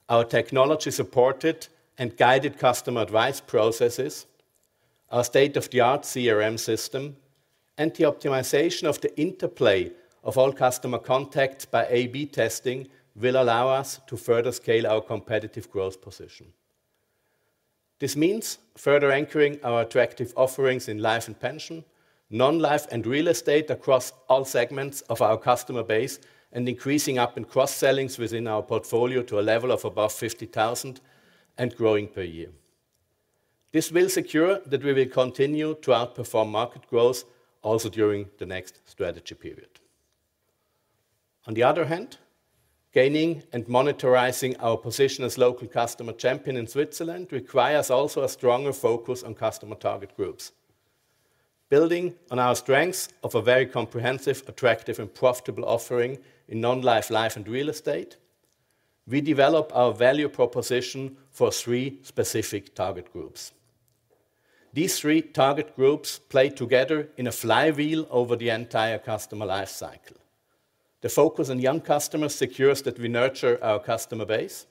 our technology-supported and guided customer advice processes, our state-of-the-art CRM system, and the optimization of the interplay of all customer contacts by A/B testing will allow us to further scale our competitive growth position. This means further anchoring our attractive offerings in life and pension, non-life, and real estate across all segments of our customer base and increasing up and cross-selling within our portfolio to a level of above 50,000 and growing per year. This will secure that we will continue to outperform market growth also during the next strategy period. On the other hand, gaining and monetizing our position as local customer champion in Switzerland requires also a stronger focus on customer target groups. Building on our strengths of a very comprehensive, attractive, and profitable offering in non-life, life, and real estate, we develop our value proposition for three specific target groups. These three target groups play together in a flywheel over the entire customer lifecycle. The focus on young customers secures that we nurture our customer base,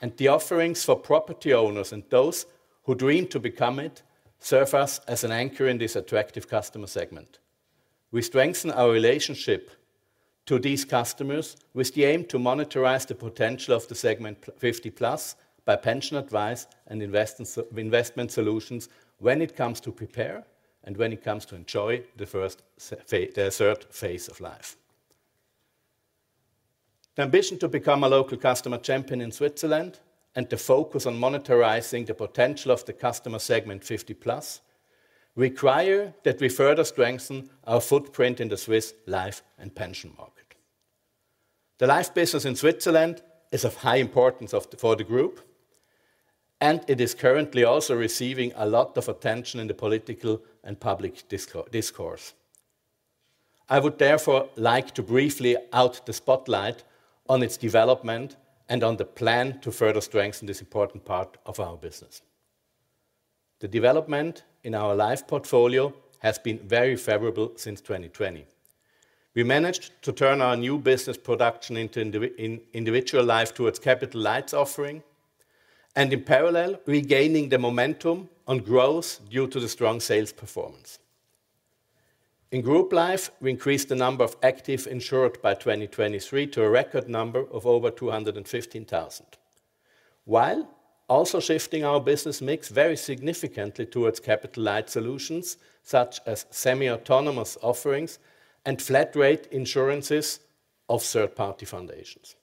and the offerings for property owners and those who dream to become it serve us as an anchor in this attractive customer segment. We strengthen our relationship to these customers with the aim to monetize the potential of the segment 50+ by pension advice and investment solutions when it comes to prepare and when it comes to enjoy the first third phase of life. The ambition to become a local customer champion in Switzerland and the focus on monetizing the potential of the customer segment 50+ require that we further strengthen our footprint in the Swiss life and pension market. The life business in Switzerland is of high importance for the group, and it is currently also receiving a lot of attention in the political and public discourse. I would therefore like to briefly put the spotlight on its development and on the plan to further strengthen this important part of our business. The development in our life portfolio has been very favorable since 2020. We managed to turn our new business production in individual life towards capital light offering and, in parallel, regaining the momentum on growth due to the strong sales performance. In group life, we increased the number of active insured by 2023 to a record number of over 215,000, while also shifting our business mix very significantly towards capital light solutions such as semi-autonomous offerings and flat-rate insurances of third-party foundations.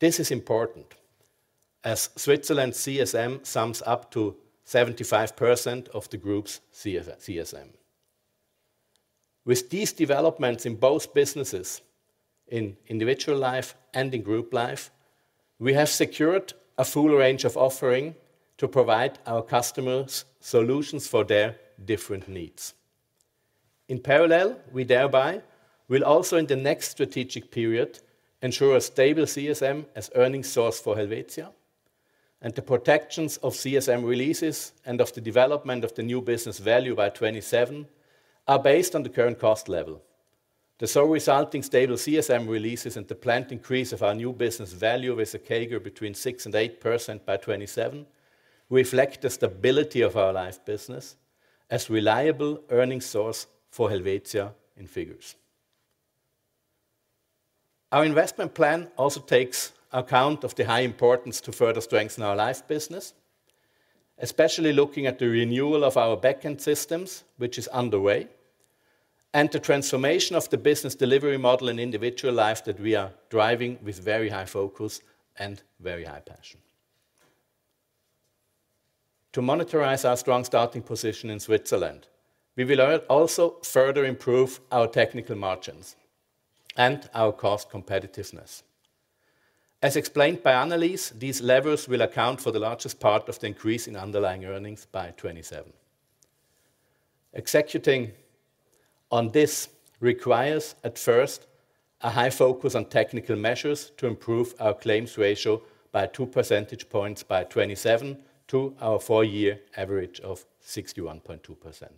This is important as Switzerland's CSM sums up to 75% of the group's CSM. With these developments in both businesses, in individual life and in group life, we have secured a full range of offerings to provide our customers solutions for their different needs. In parallel, we thereby will also, in the next strategic period, ensure a stable CSM as earnings source for Helvetia, and the projections of CSM releases and of the development of the new business value by 2027 are based on the current cost level. The so resulting stable CSM releases and the planned increase of our new business value with a CAGR between 6% and 8% by 2027 reflect the stability of our life business as a reliable earnings source for Helvetia in figures. Our investment plan also takes account of the high importance to further strengthen our life business, especially looking at the renewal of our backend systems, which is underway, and the transformation of the business delivery model and individual life that we are driving with very high focus and very high passion. To monetize our strong starting position in Switzerland, we will also further improve our technical margins and our cost competitiveness. As explained by Annelis, these levers will account for the largest part of the increase in underlying earnings by 2027. Executing on this requires, at first, a high focus on technical measures to improve our claims ratio by 2 percentage points by 2027 to our four-year average of 61.2%.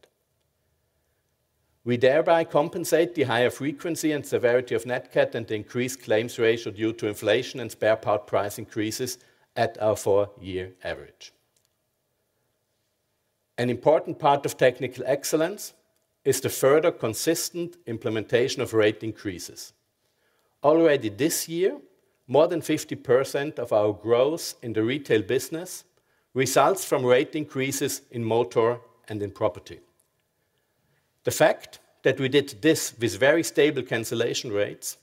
We thereby compensate the higher frequency and severity of NatCat and increased claims ratio due to inflation and spare part price increases at our four-year average. An important part of Technical Excellence is the further consistent implementation of rate increases. Already this year, more than 50% of our growth in the retail business results from rate increases in motor and in property. The fact that we did this with very stable cancellation rates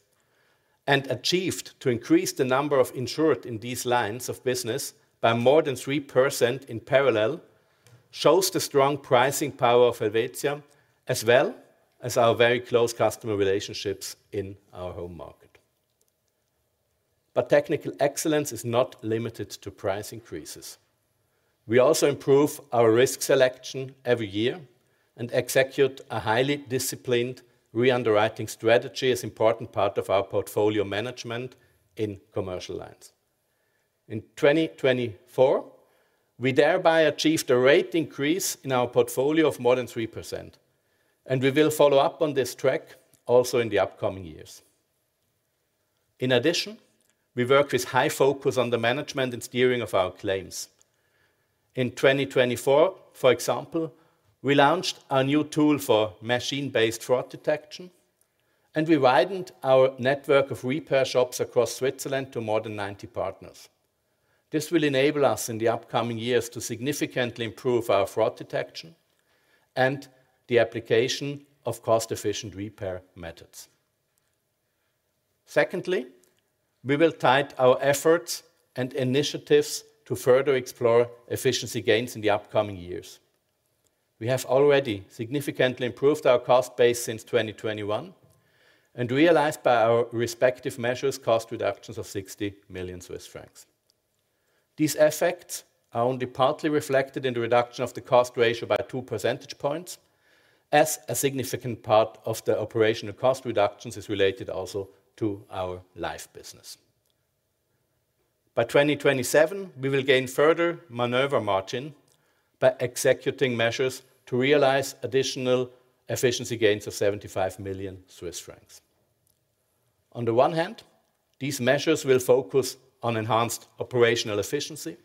and achieved to increase the number of insured in these lines of business by more than 3% in parallel shows the strong pricing power of Helvetia, as well as our very close customer relationships in our home market. But Technical Excellence is not limited to price increases. We also improve our risk selection every year and execute a highly disciplined re-underwriting strategy as an important part of our portfolio management in commercial lines. In 2024, we thereby achieved a rate increase in our portfolio of more than 3%, and we will follow up on this track also in the upcoming years. In addition, we work with high focus on the management and steering of our claims. In 2024, for example, we launched our new tool for machine-based fraud detection, and we widened our network of repair shops across Switzerland to more than 90 partners. This will enable us in the upcoming years to significantly improve our fraud detection and the application of cost-efficient repair methods. Secondly, we will tighten our efforts and initiatives to further explore efficiency gains in the upcoming years. We have already significantly improved our cost base since 2021 and realized by our respective measures cost reductions of 60 million Swiss francs. These effects are only partly reflected in the reduction of the cost ratio by 2 percentage points, as a significant part of the operational cost reductions is related also to our life business. By 2027, we will gain further maneuver margin by executing measures to realize additional efficiency gains of 75 million Swiss francs. On the one hand, these measures will focus on enhanced operational efficiency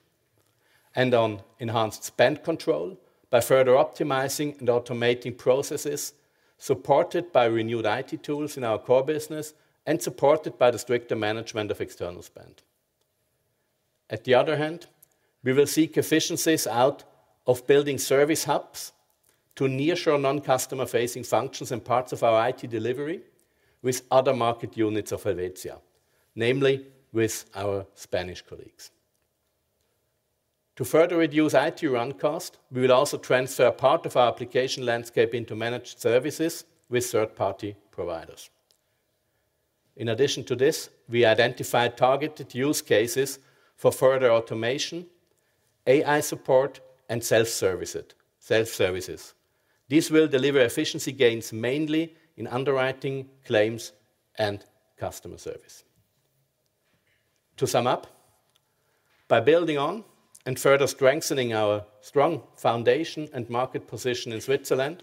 and on enhanced spend control by further optimizing and automating processes supported by renewed IT tools in our core business and supported by the stricter management of external spend. On the other hand, we will seek efficiencies out of building service hubs to nearshore non-customer-facing functions in parts of our IT delivery with other market units of Helvetia, namely with our Spanish colleagues. To further reduce IT run costs, we will also transfer part of our application landscape into managed services with third-party providers. In addition to this, we identified targeted use cases for further automation, AI support, and self-services. These will deliver efficiency gains mainly in underwriting, claims, and customer service. To sum up, by building on and further strengthening our strong foundation and market position in Switzerland,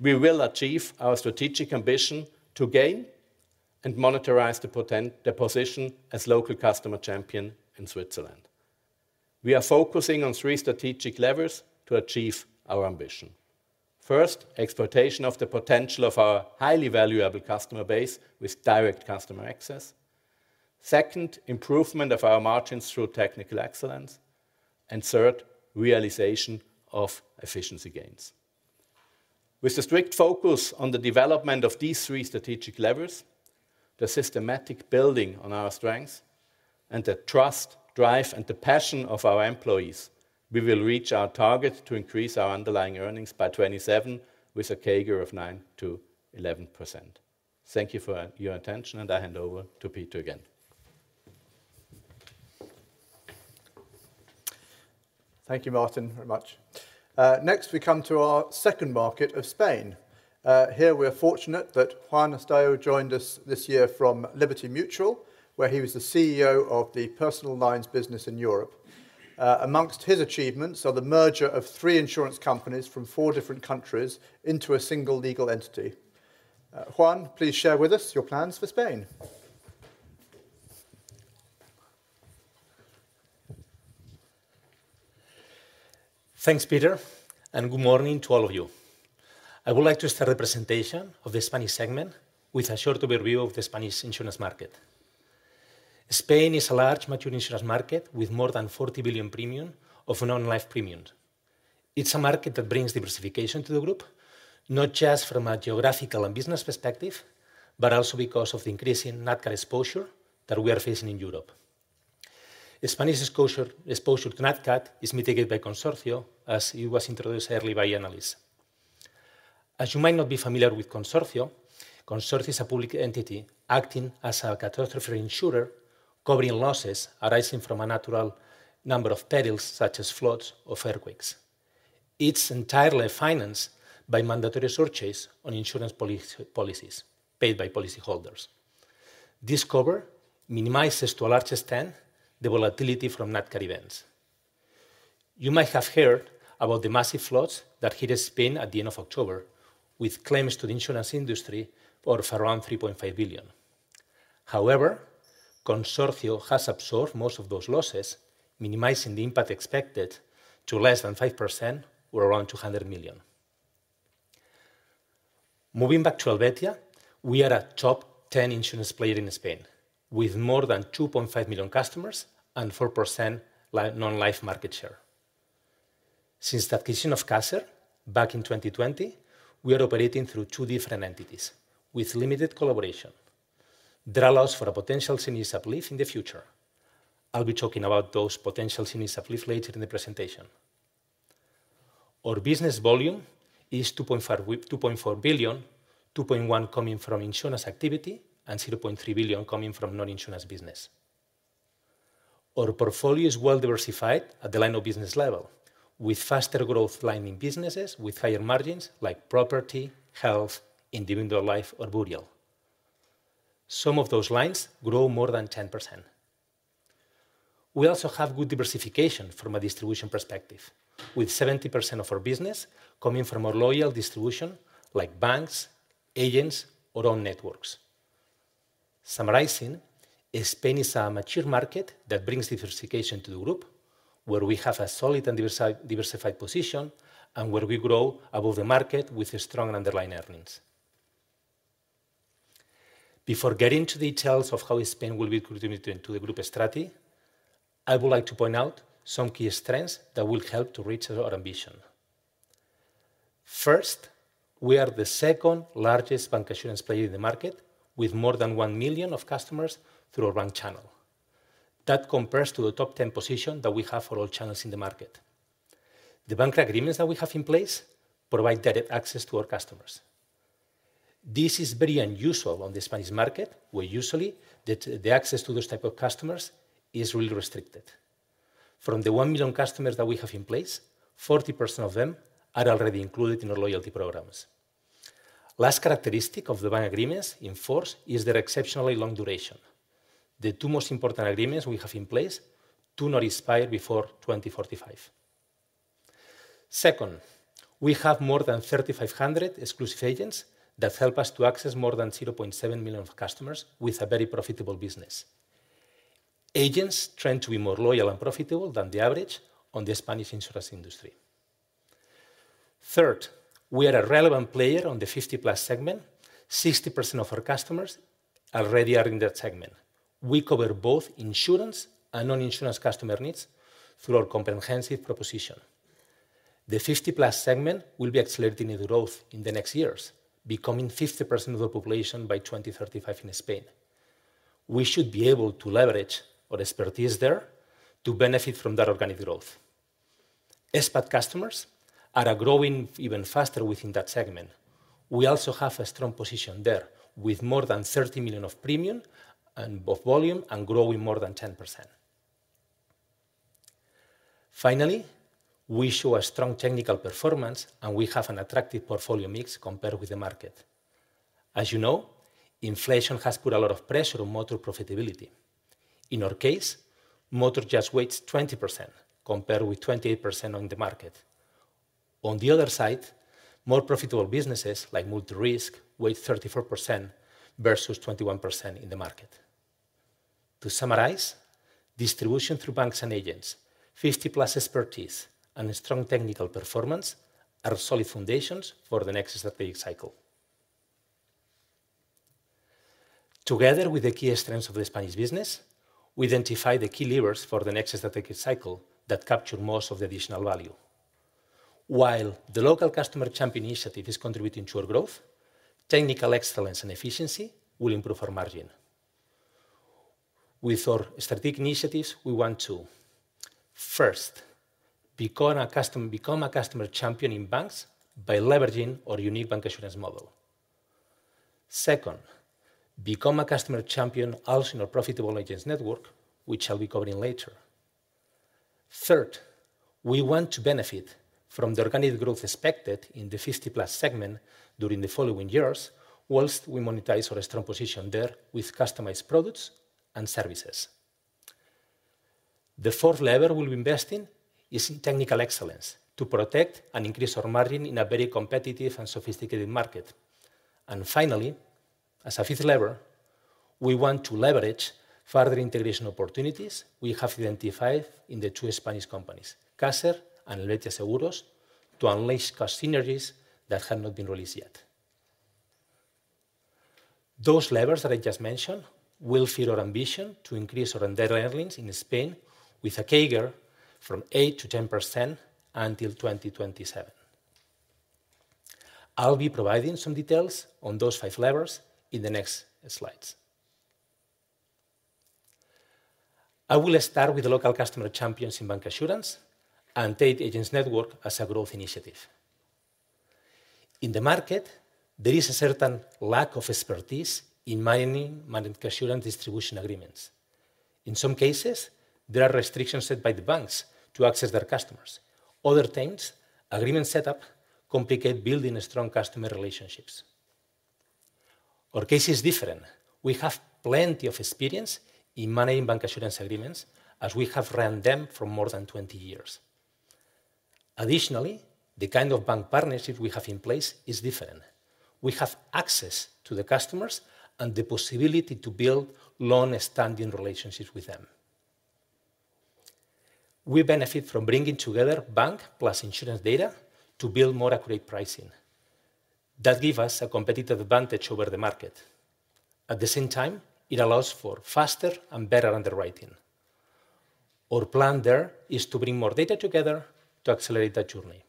we will achieve our strategic ambition to gain and monetize the position as local customer champion in Switzerland. We are focusing on three strategic levers to achieve our ambition. First, exploitation of the potential of our highly valuable customer base with direct customer access. Second, improvement of our margins through technical excellence. And third, realization of efficiency gains. With the strict focus on the development of these three strategic levers, the systematic building on our strengths, and the trust, drive, and the passion of our employees, we will reach our target to increase our underlying earnings by 2027 with a CAGR of 9%-11%. Thank you for your attention, and I hand over to Peter again.
Thank you, Martin, very much. Next, we come to our second market of Spain. Here, we are fortunate that Juan Estallo joined us this year from Liberty Mutual, where he was the CEO of the personal lines business in Europe. Among his achievements are the merger of three insurance companies from four different countries into a single legal entity. Juan, please share with us your plans for Spain.
Thanks, Peter, and good morning to all of you. I would like to start the presentation of the Spanish segment with a short overview of the Spanish insurance market. Spain is a large mature insurance market with more than 40 billion premium of non-life premiums. It's a market that brings diversification to the group, not just from a geographical and business perspective, but also because of the increasing NatCat exposure that we are facing in Europe. Spanish exposure to NatCat is mitigated by Consorcio, as it was introduced early by Annelis. As you might not be familiar with Consorcio, Consorcio is a public entity acting as a catastrophe insurer, covering losses arising from a natural number of perils such as floods or earthquakes. It's entirely financed by mandatory surcharge on insurance policies paid by policyholders. This cover minimizes, to a large extent, the volatility from NatCat events. You might have heard about the massive floods that hit Spain at the end of October with claims to the insurance industry worth around 3.5 billion. However, Consorcio has absorbed most of those losses, minimizing the impact expected to less than 5% or around 200 million. Moving back to Helvetia, we are a top 10 insurance player in Spain with more than 2.5 million customers and 4% non-life market share. Since the acquisition of Caser, back in 2020, we are operating through two different entities with limited collaboration. There are lots for a potential senior uplift in the future. I'll be talking about those potential senior uplift later in the presentation. Our business volume is 2.4 billion, 2.1 coming from insurance activity and 0.3 billion coming from non-insurance business. Our portfolio is well diversified at the line of business level with faster growth line in businesses with higher margins like property, health, individual life, or burial. Some of those lines grow more than 10%. We also have good diversification from a distribution perspective with 70% of our business coming from our loyal distribution like banks, agents, or own networks. Summarizing, Spain is a mature market that brings diversification to the group where we have a solid and diversified position and where we grow above the market with strong underlying earnings. Before getting into details of how Spain will be contributing to the group strategy, I would like to point out some key strengths that will help to reach our ambition. First, we are the second largest bancassurance player in the market with more than 1 million customers through our bank channel. That compares to the top 10 position that we have for all channels in the market. The bank agreements that we have in place provide direct access to our customers. This is very unusual on the Spanish market where usually the access to those types of customers is really restricted. From the 1 million customers that we have in place, 40% of them are already included in our loyalty programs. Last characteristic of the bank agreements in force is their exceptionally long duration. The two most important agreements we have in place do not expire before 2045. Second, we have more than 3,500 exclusive agents that help us to access more than 0.7 million customers with a very profitable business. Agents tend to be more loyal and profitable than the average on the Spanish insurance industry. Third, we are a relevant player on the 50+ segment. 60% of our customers already are in that segment. We cover both insurance and non-insurance customer needs through our comprehensive proposition. The 50+ segment will be accelerating in growth in the next years, becoming 50% of the population by 2035 in Spain. We should be able to leverage our expertise there to benefit from that organic growth. Expat customers are growing even faster within that segment. We also have a strong position there with more than 30 million of premium and both volume and growing more than 10%. Finally, we show a strong technical performance and we have an attractive portfolio mix compared with the market. As you know, inflation has put a lot of pressure on motor profitability. In our case, motor just weighs 20% compared with 28% on the market. On the other side, more profitable businesses like multi-risk weigh 34% versus 21% in the market. To summarize, distribution through banks and agents, 50+ expertise, and strong technical performance are solid foundations for the next strategic cycle. Together with the key strengths of the Spanish business, we identify the key levers for the next strategic cycle that capture most of the additional value. While the local customer champion initiative is contributing to our growth, technical excellence and efficiency will improve our margin. With our strategic initiatives, we want to, first, become a customer champion in banks by leveraging our unique bancassurance model. Second, become a customer champion also in our profitable agents network, which I'll be covering later. Third, we want to benefit from the organic growth expected in the 50+ segment during the following years while we monetize our strong position there with customized products and services. The fourth lever we'll be investing in is in technical excellence to protect and increase our margin in a very competitive and sophisticated market. Finally, as a fifth lever, we want to leverage further integration opportunities we have identified in the two Spanish companies, Caser and Helvetia Seguros, to unleash cost synergies that have not been released yet. Those levers that I just mentioned will feed our ambition to increase our net earnings in Spain with a CAGR from 8%-10% until 2027. I'll be providing some details on those five levers in the next slides. I will start with the local customer champions in bancassurance and tied agents network as a growth initiative. In the market, there is a certain lack of expertise in managing bancassurance distribution agreements. In some cases, there are restrictions set by the banks to access their customers. Other agreements set up complicate building strong customer relationships. Our case is different. We have plenty of experience in managing bancassurance agreements as we have ran them for more than 20 years. Additionally, the kind of bank partnership we have in place is different. We have access to the customers and the possibility to build long-standing relationships with them. We benefit from bringing together bank plus insurance data to build more accurate pricing. That gives us a competitive advantage over the market. At the same time, it allows for faster and better underwriting. Our plan there is to bring more data together to accelerate that journey.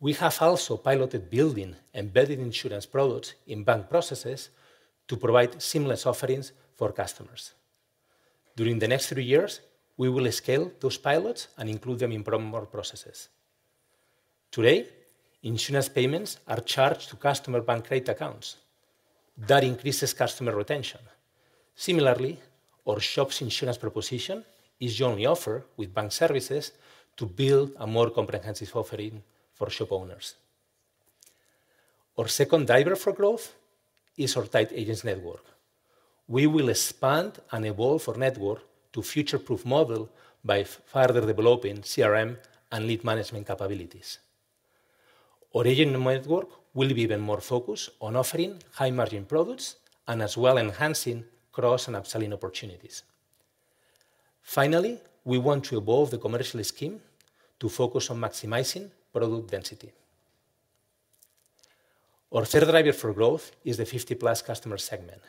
We have also piloted building embedded insurance products in bank processes to provide seamless offerings for customers. During the next three years, we will scale those pilots and include them in more processes. Today, insurance payments are charged to customer bank credit accounts. That increases customer retention. Similarly, our shop's insurance proposition is jointly offered with bank services to build a more comprehensive offering for shop owners. Our second driver for growth is our tied agents network. We will expand and evolve our network to a future-proof model by further developing CRM and lead management capabilities. Our agent network will be even more focused on offering high-margin products and as well enhancing cross and upselling opportunities. Finally, we want to evolve the commercial scheme to focus on maximizing product density. Our third driver for growth is the 50+ customer segment.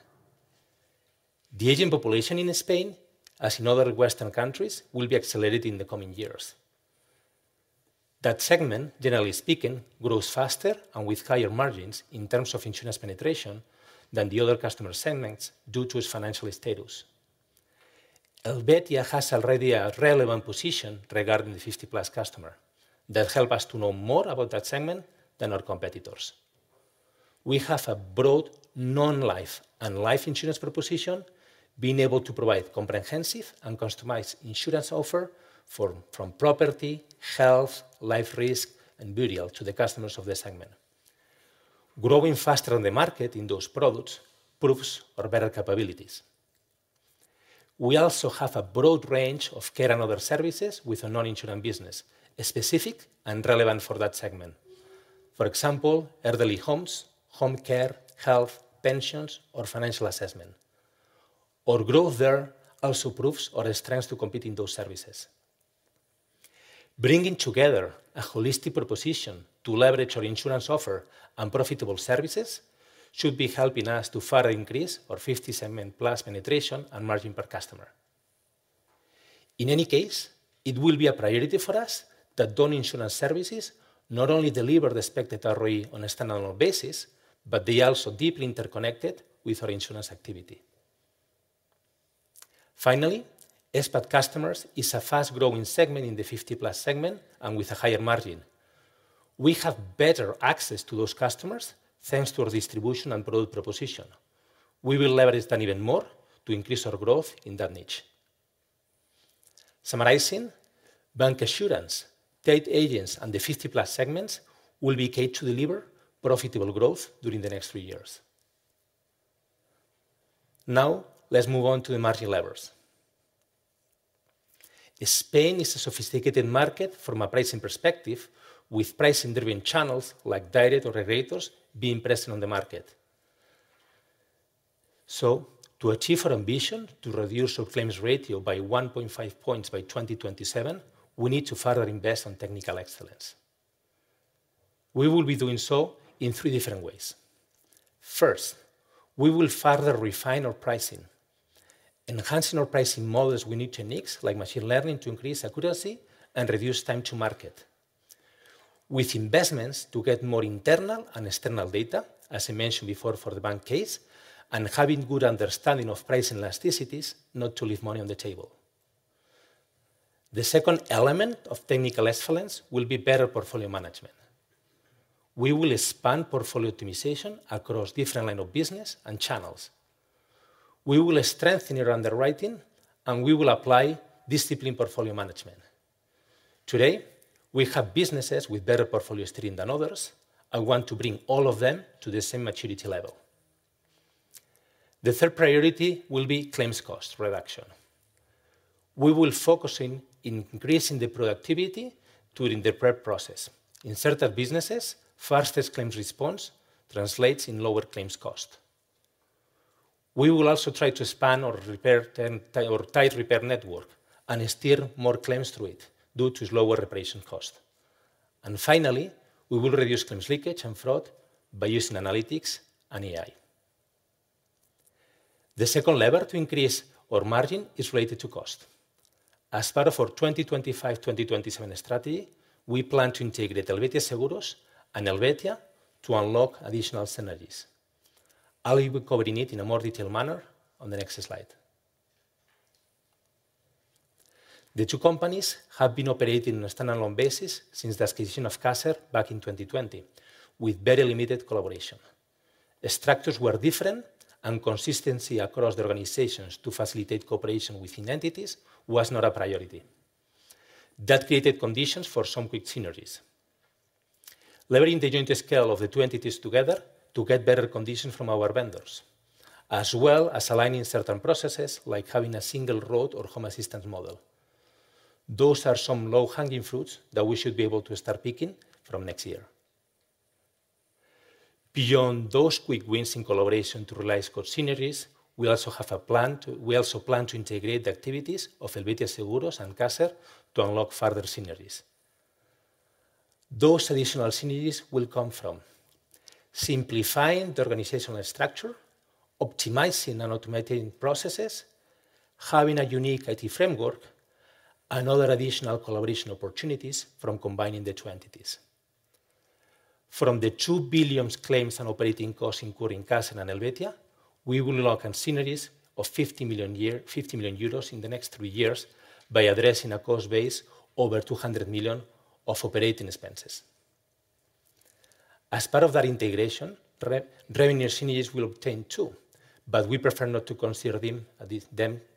The agent population in Spain, as in other Western countries, will be accelerated in the coming years. That segment, generally speaking, grows faster and with higher margins in terms of insurance penetration than the other customer segments due to its financial status. Helvetia has already a relevant position regarding the 50+ customer that helps us to know more about that segment than our competitors. We have a broad non-life and life insurance proposition, being able to provide comprehensive and customized insurance offer from property, health, life risk, and burial to the customers of the segment. Growing faster on the market in those products proves our better capabilities. We also have a broad range of care and other services with a non-insurance business specific and relevant for that segment. For example, elderly homes, home care, health, pensions, or financial assessment. Our growth there also proves our strength to compete in those services. Bringing together a holistic proposition to leverage our insurance offer and profitable services should be helping us to further increase our 50+ segment penetration and margin per customer. In any case, it will be a priority for us that digital insurance services not only deliver the expected ROI on a standalone basis, but they are also deeply interconnected with our insurance activity. Finally, expat customers is a fast-growing segment in the 50+ segment and with a higher margin. We have better access to those customers thanks to our distribution and product proposition. We will leverage that even more to increase our growth in that niche. Summarizing, bancassurance, tied agents, and the 50+ segments will be key to deliver profitable growth during the next three years. Now, let's move on to the margin levers. Spain is a sophisticated market from a pricing perspective, with pricing-driven channels like direct or aggregator being present on the market. To achieve our ambition to reduce our claims ratio by 1.5 points by 2027, we need to further invest in Technical Excellence. We will be doing so in three different ways. First, we will further refine our pricing. Enhancing our pricing models, we need techniques like machine learning to increase accuracy and reduce time to market. With investments to get more internal and external data, as I mentioned before for the bank case, and having good understanding of pricing elasticities not to leave money on the table. The second element of Technical Excellence will be better portfolio management. We will expand portfolio optimization across different lines of business and channels. We will strengthen our underwriting, and we will apply disciplined portfolio management. Today, we have businesses with better portfolio stream than others and want to bring all of them to the same maturity level. The third priority will be claims cost reduction. We will focus on increasing the productivity during the prep process. In certain businesses, fastest claims response translates in lower claims cost. We will also try to expand our tight repair network and steer more claims through it due to lower reparation cost, and finally, we will reduce claims leakage and fraud by using analytics and AI. The second lever to increase our margin is related to cost. As part of our 2025-2027 strategy, we plan to integrate Helvetia Seguros and Helvetia to unlock additional synergies. I'll be covering it in a more detailed manner on the next slide. The two companies have been operating on a standalone basis since the acquisition of Caser back in 2020, with very limited collaboration. Structures were different, and consistency across the organizations to facilitate cooperation within entities was not a priority. That created conditions for some quick synergies. Leveraging the joint scale of the two entities together to get better conditions from our vendors, as well as aligning certain processes like having a single road or home assistance model. Those are some low-hanging fruits that we should be able to start picking from next year. Beyond those quick wins in collaboration to realize cost synergies, we also have a plan to integrate the activities of Helvetia Seguros and Caser to unlock further synergies. Those additional synergies will come from simplifying the organizational structure, optimizing and automating processes, having a unique IT framework, and other additional collaboration opportunities from combining the two entities. From the 2 billion claims and operating costs including Caser and Helvetia, we will unlock synergies of 50 million in the next three years by addressing a cost base over 200 million of operating expenses. As part of that integration, revenue synergies we'll obtain too, but we prefer not to consider them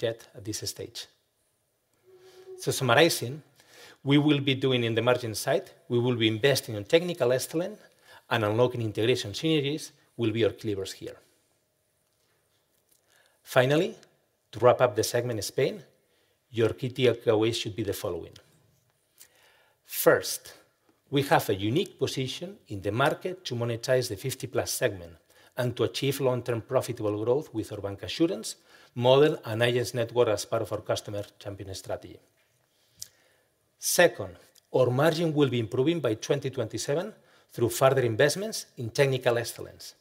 yet at this stage. Summarizing, we will be doing in the margin side, we will be investing in technical excellence, and unlocking integration synergies will be our key levers here. Finally, to wrap up the segment in Spain, your key takeaways should be the following. First, we have a unique position in the market to monetize the 50+ segment and to achieve long-term profitable growth with our bank assurance model and agents network as part of our customer champion strategy. Second, our margin will be improving by 2027 through further investments in technical excellence.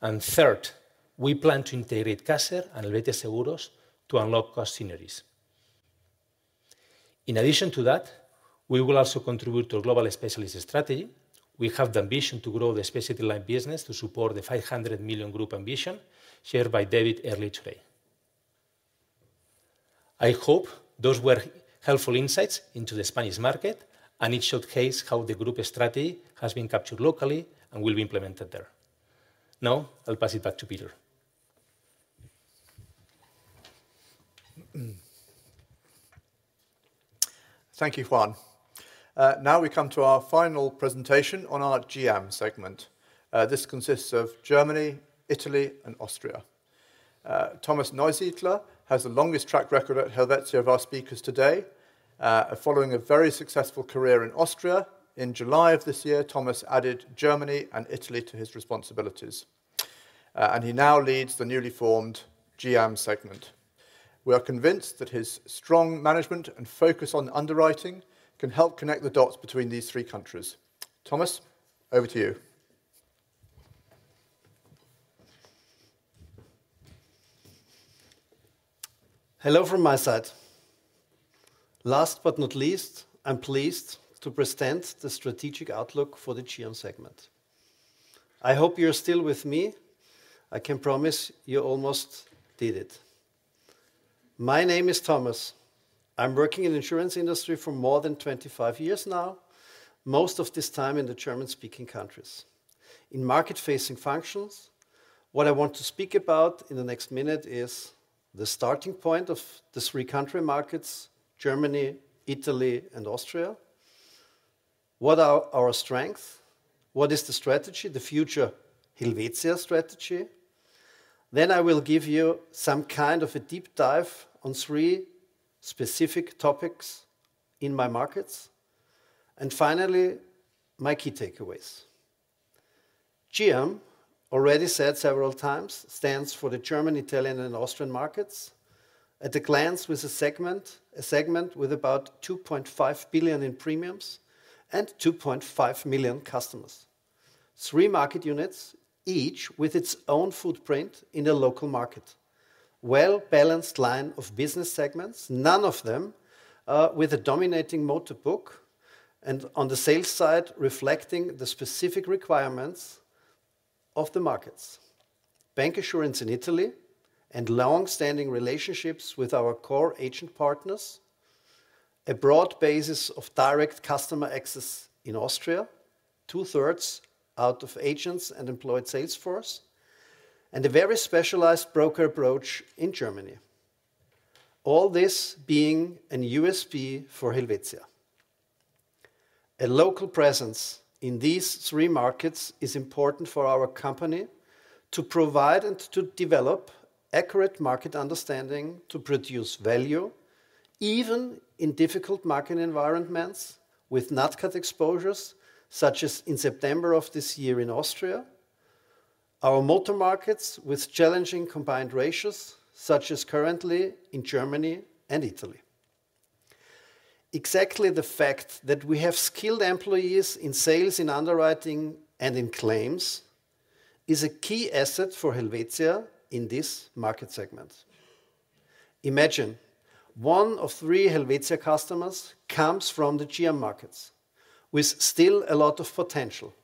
And third, we plan to integrate Caser and Helvetia Seguros to unlock cost synergies. In addition to that, we will also contribute to our global specialist strategy. We have the ambition to grow the specialty line business to support the 500 million group ambition shared by David earlier today. I hope those were helpful insights into the Spanish market, and it showcased how the group strategy has been captured locally and will be implemented there. Now, I'll pass it back to Peter.
Thank you, Juan. Now we come to our final presentation on our GIAM segment. This consists of Germany, Italy, and Austria. Thomas Neusiedler has the longest track record at Helvetia of our speakers today, following a very successful career in Austria. In July of this year, Thomas added Germany and Italy to his responsibilities, and he now leads the newly formed GIAM segment. We are convinced that his strong management and focus on underwriting can help connect the dots between these three countries. Thomas, over to you.
Hello from my side. Last but not least, I'm pleased to present the strategic outlook for the GIAM segment. I hope you're still with me. I can promise you almost did it. My name is Thomas. I'm working in the insurance industry for more than 25 years now, most of this time in the German-speaking countries. In market-facing functions, what I want to speak about in the next minute is the starting point of the three country markets, Germany, Italy, and Austria. What are our strengths? What is the strategy, the future Helvetia strategy? Then I will give you some kind of a deep dive on three specific topics in my markets. And finally, my key takeaways. GIAM, already said several times, stands for the German, Italian, and Austrian markets at a glance with a segment with about 2.5 billion in premiums and 2.5 million customers. Three market units, each with its own footprint in a local market. Well-balanced line of business segments, none of them with a dominating motorbook and on the sales side reflecting the specific requirements of the markets. Bancassurance in Italy and long-standing relationships with our core agent partners, a broad basis of direct customer access in Austria, two-thirds out of agents and employed salesforce, and a very specialized broker approach in Germany. All this being a new USP for Helvetia. A local presence in these three markets is important for our company to provide and to develop accurate market understanding to produce value even in difficult market environments with non-cat exposures such as in September of this year in Austria, our motor markets with challenging combined ratios such as currently in Germany and Italy. Exactly the fact that we have skilled employees in sales, in underwriting, and in claims is a key asset for Helvetia in this market segment. Imagine one of three Helvetia customers comes from the GIAM markets with still a lot of potential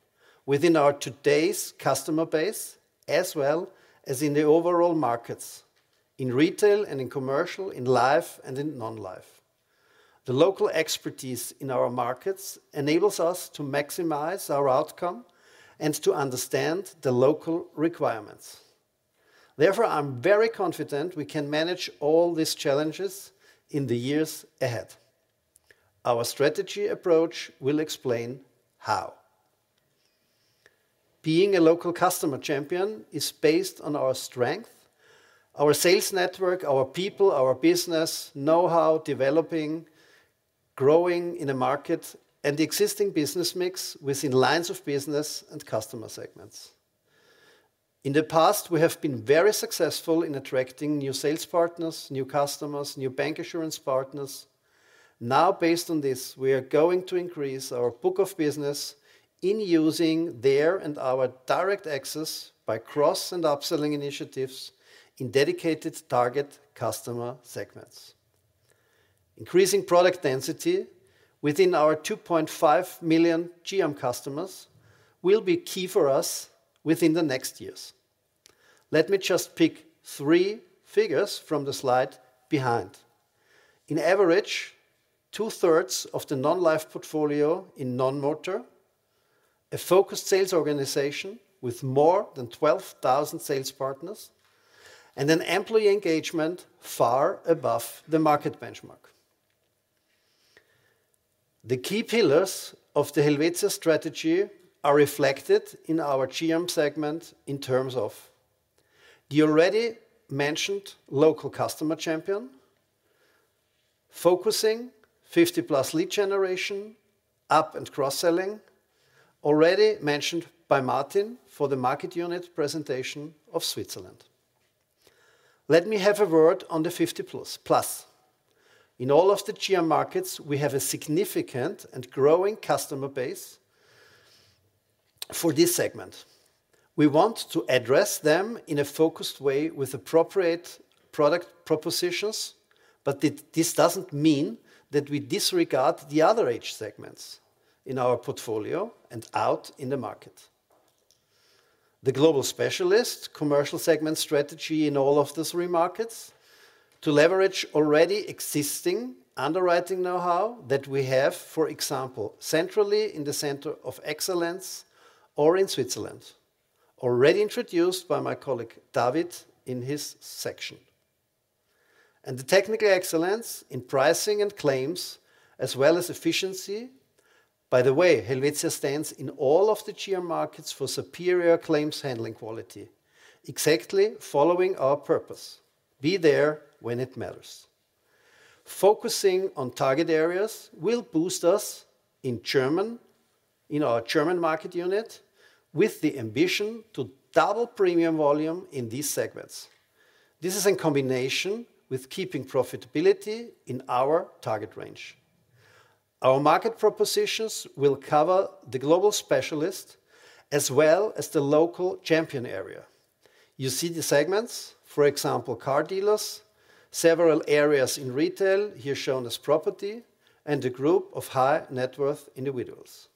within our today's customer base as well as in the overall markets in retail and in commercial, in life and in non-life. The local expertise in our markets enables us to maximize our outcome and to understand the local requirements. Therefore, I'm very confident we can manage all these challenges in the years ahead. Our strategy approach will explain how. Being a local customer champion is based on our strength, our sales network, our people, our business know-how, developing, growing in a market, and the existing business mix within lines of business and customer segments. In the past, we have been very successful in attracting new sales partners, new customers, new bank assurance partners. Now, based on this, we are going to increase our book of business in using their and our direct access by cross and upselling initiatives in dedicated target customer segments. Increasing product density within our 2.5 million GIAM customers will be key for us within the next years. Let me just pick three figures from the slide behind. On average, two-thirds of the non-life portfolio in non-motor, a focused sales organization with more than 12,000 sales partners, and an employee engagement far above the market benchmark. The key pillars of the Helvetia strategy are reflected in our GIAM segment in terms of the already mentioned local customer champion, focusing 50+ lead generation, up and cross-selling, already mentioned by Martin for the market unit presentation of Switzerland. Let me have a word on the 50+. In all of the GIAM markets, we have a significant and growing customer base for this segment. We want to address them in a focused way with appropriate product propositions, but this doesn't mean that we disregard the other age segments in our portfolio and out in the market. The global specialist commercial segment strategy in all of the three markets to leverage already existing underwriting know-how that we have, for example, centrally in the Center of Excellence or in Switzerland, already introduced by my colleague David in his section, and the technical excellence in pricing and claims, as well as efficiency. By the way, Helvetia stands in all of the GIAM markets for superior claims handling quality, exactly following our purpose: be there when it matters. Focusing on target areas will boost us in Germany, in our German market unit, with the ambition to double premium volume in these segments. This is in combination with keeping profitability in our target range. Our market propositions will cover the global specialist as well as the local champion area. You see the segments, for example, car dealers, several areas in retail here shown as property, and a group of high net worth individuals.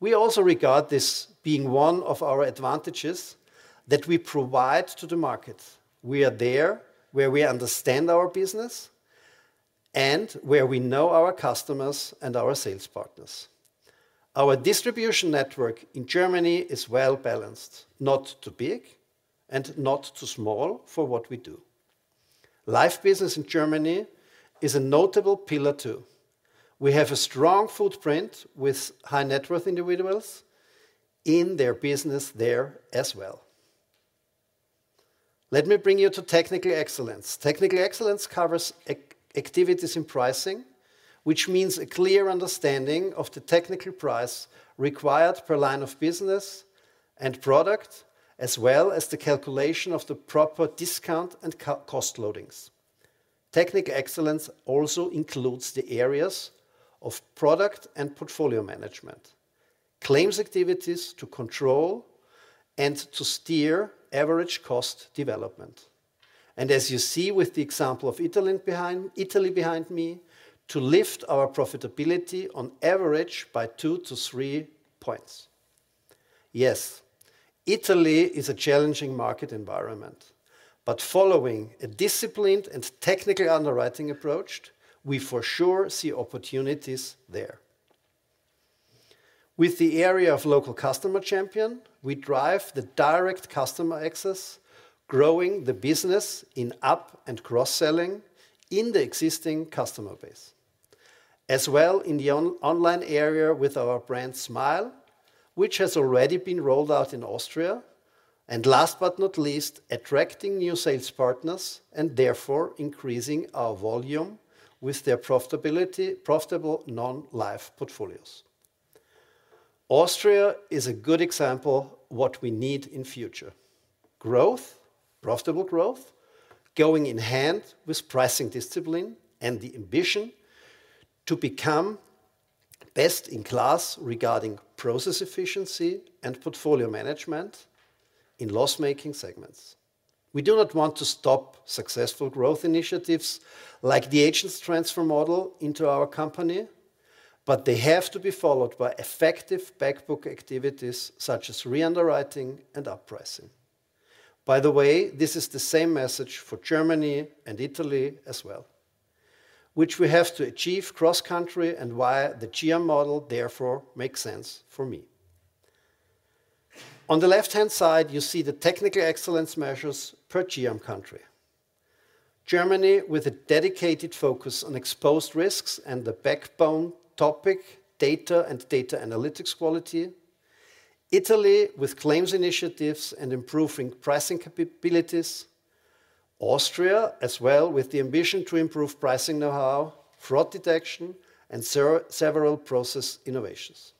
We also regard this being one of our advantages that we provide to the market. We are there where we understand our business and where we know our customers and our sales partners. Our distribution network in Germany is well balanced, not too big and not too small for what we do. Life business in Germany is a notable pillar too. We have a strong footprint with high net worth individuals in their business there as well. Let me bring you to Technical Excellence. Technical Excellence covers activities in pricing, which means a clear understanding of the technical price required per line of business and product, as well as the calculation of the proper discount and cost loadings. Technical Excellence also includes the areas of product and portfolio management, claims activities to control and to steer average cost development. And as you see with the example of Italy behind me, to lift our profitability on average by two to three points. Yes, Italy is a challenging market environment, but following a disciplined and technical underwriting approach, we for sure see opportunities there. With the area of local customer champion, we drive the direct customer access, growing the business in up and cross-selling in the existing customer base, as well as in the online area with our brand Smile, which has already been rolled out in Austria. And last but not least, attracting new sales partners and therefore increasing our volume with their profitable non-life portfolios. Austria is a good example of what we need in the future: growth, profitable growth, going hand in hand with pricing discipline and the ambition to become best in class regarding process efficiency and portfolio management in loss-making segments. We do not want to stop successful growth initiatives like the agents transfer model into our company, but they have to be followed by effective back book activities such as re-underwriting and up-pricing. By the way, this is the same message for Germany and Italy as well, which we have to achieve cross-country and why the GIAM model therefore makes sense for me. On the left-hand side, you see the technical excellence measures per GIAM country: Germany with a dedicated focus on exposed risks and the backbone topic data and data analytics quality. Italy with claims initiatives and improving pricing capabilities. Austria as well with the ambition to improve pricing know-how, fraud detection, and several process innovations.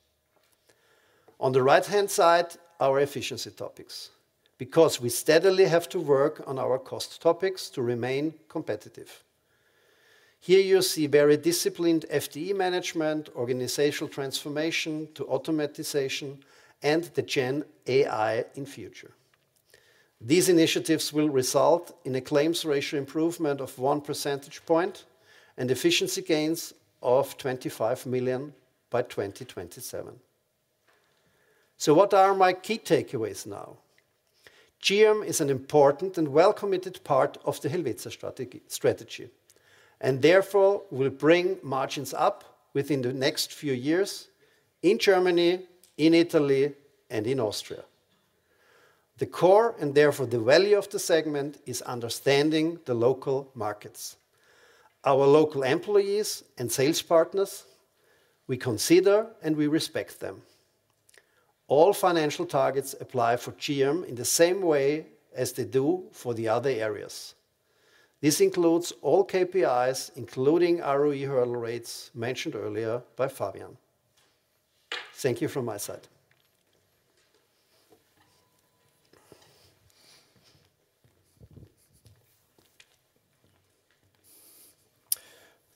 On the right-hand side, our efficiency topics, because we steadily have to work on our cost topics to remain competitive. Here you see very disciplined FTE management, organizational transformation to automation, and the Gen AI in the future. These initiatives will result in a claims ratio improvement of one percentage point and efficiency gains of 25 million by 2027. So what are my key takeaways now? GIAM is an important and well-integrated part of the Helvetia strategy and therefore will bring margins up within the next few years in Germany, in Italy, and in Austria. The core and therefore the value of the segment is understanding the local markets, our local employees and sales partners. We consider and we respect them. All financial targets apply for GIAM in the same way as they do for the other areas. This includes all KPIs, including ROE hurdle rates mentioned earlier by Fabian. Thank you from my side.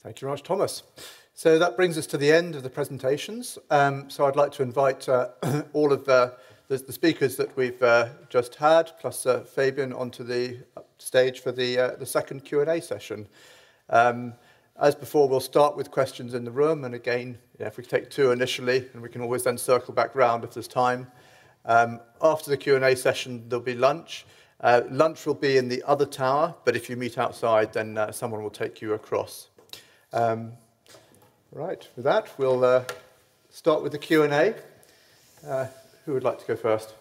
Thank you very much, Thomas. So that brings us to the end of the presentations. So I'd like to invite all of the speakers that we've just had, plus Fabian, onto the stage for the second Q&A session. As before, we'll start with questions in the room. And again, if we take two initially, and we can always then circle back around at this time. After the Q&A session, there'll be lunch. Lunch will be in the other tower, but if you meet outside, then someone will take you across. All right, with that, we'll start with the Q&A. Who would like to go first?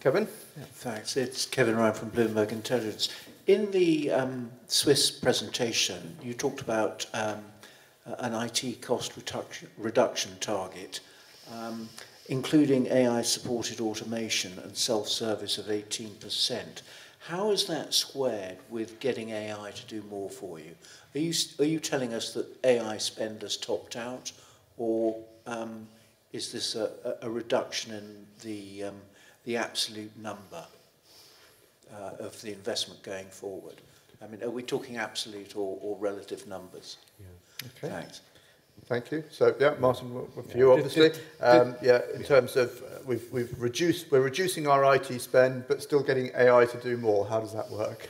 Kevin?
Thanks. It's Kevin Ryan from Bloomberg Intelligence. In the Swiss presentation, you talked about an IT cost reduction target, including AI-supported automation and self-service of 18%. How is that squared with getting AI to do more for you? Are you telling us that AI spend has topped out, or is this a reduction in the absolute number of the investment going forward? I mean, are we talking absolute or relative numbers? Yeah. Thanks.
Thank you. So yeah, Martin, a few obviously. Yeah, in terms of we're reducing our IT spend, but still getting AI to do more. How does that work?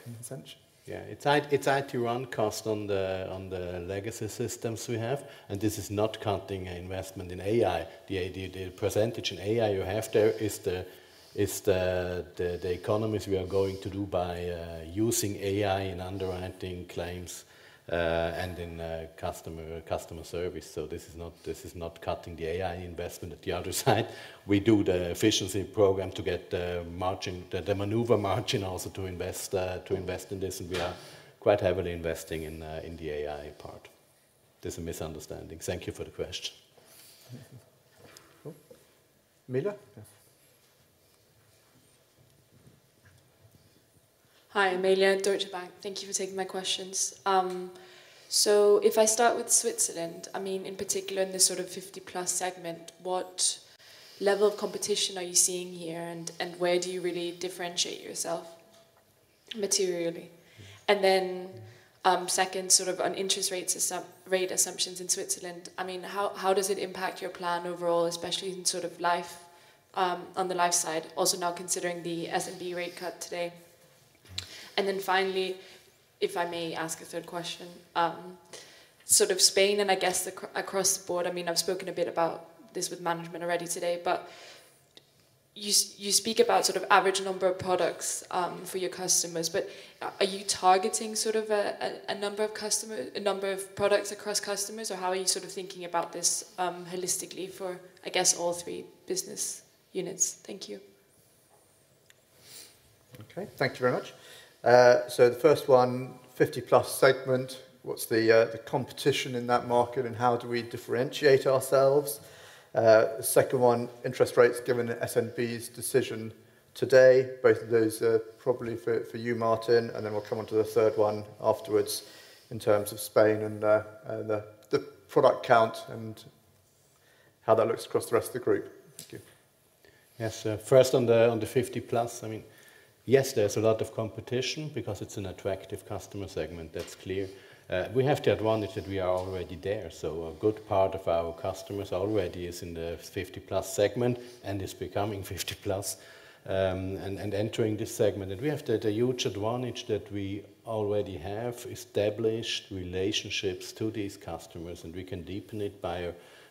Yeah, it's add to run cost on the legacy systems we have. And this is not counting investment in AI. The percentage in AI you have there is the economies we are going to do by using AI in underwriting claims and in customer service. So this is not cutting the AI investment at the other side. We do the efficiency program to get the maneuver margin also to invest in this. And we are quite heavily investing in the AI part. There's a misunderstanding. Thank you for the question.
Amelia?
Hi, Amelia, Deutsche Bank. Thank you for taking my questions. So if I start with Switzerland, I mean, in particular in the sort of 50+ segment, what level of competition are you seeing here? And where do you really differentiate yourself materially? And then second, sort of on interest rate assumptions in Switzerland, I mean, how does it impact your plan overall, especially in sort of life on the life side, also now considering the SNB rate cut today? And then finally, if I may ask a third question, sort of Spain and I guess across the board, I mean, I've spoken a bit about this with management already today, but you speak about sort of average number of products for your customers, but are you targeting sort of a number of products across customers, or how are you sort of thinking about this holistically for, I guess, all three business units? Thank you.
Okay, thank you very much. So the first one, 50+ segment, what's the competition in that market and how do we differentiate ourselves? Second one, interest rates given SNB's decision today, both of those are probably for you, Martin, and then we'll come on to the third one afterwards in terms of Spain and the product count and how that looks across the rest of the group. Thank you.
Yes, first on the 50+, I mean, yes, there's a lot of competition because it's an attractive customer segment, that's clear. We have the advantage that we are already there. So a good part of our customers already is in the 50+ segment and is becoming 50+ and entering this segment. And we have the huge advantage that we already have established relationships to these customers, and we can deepen it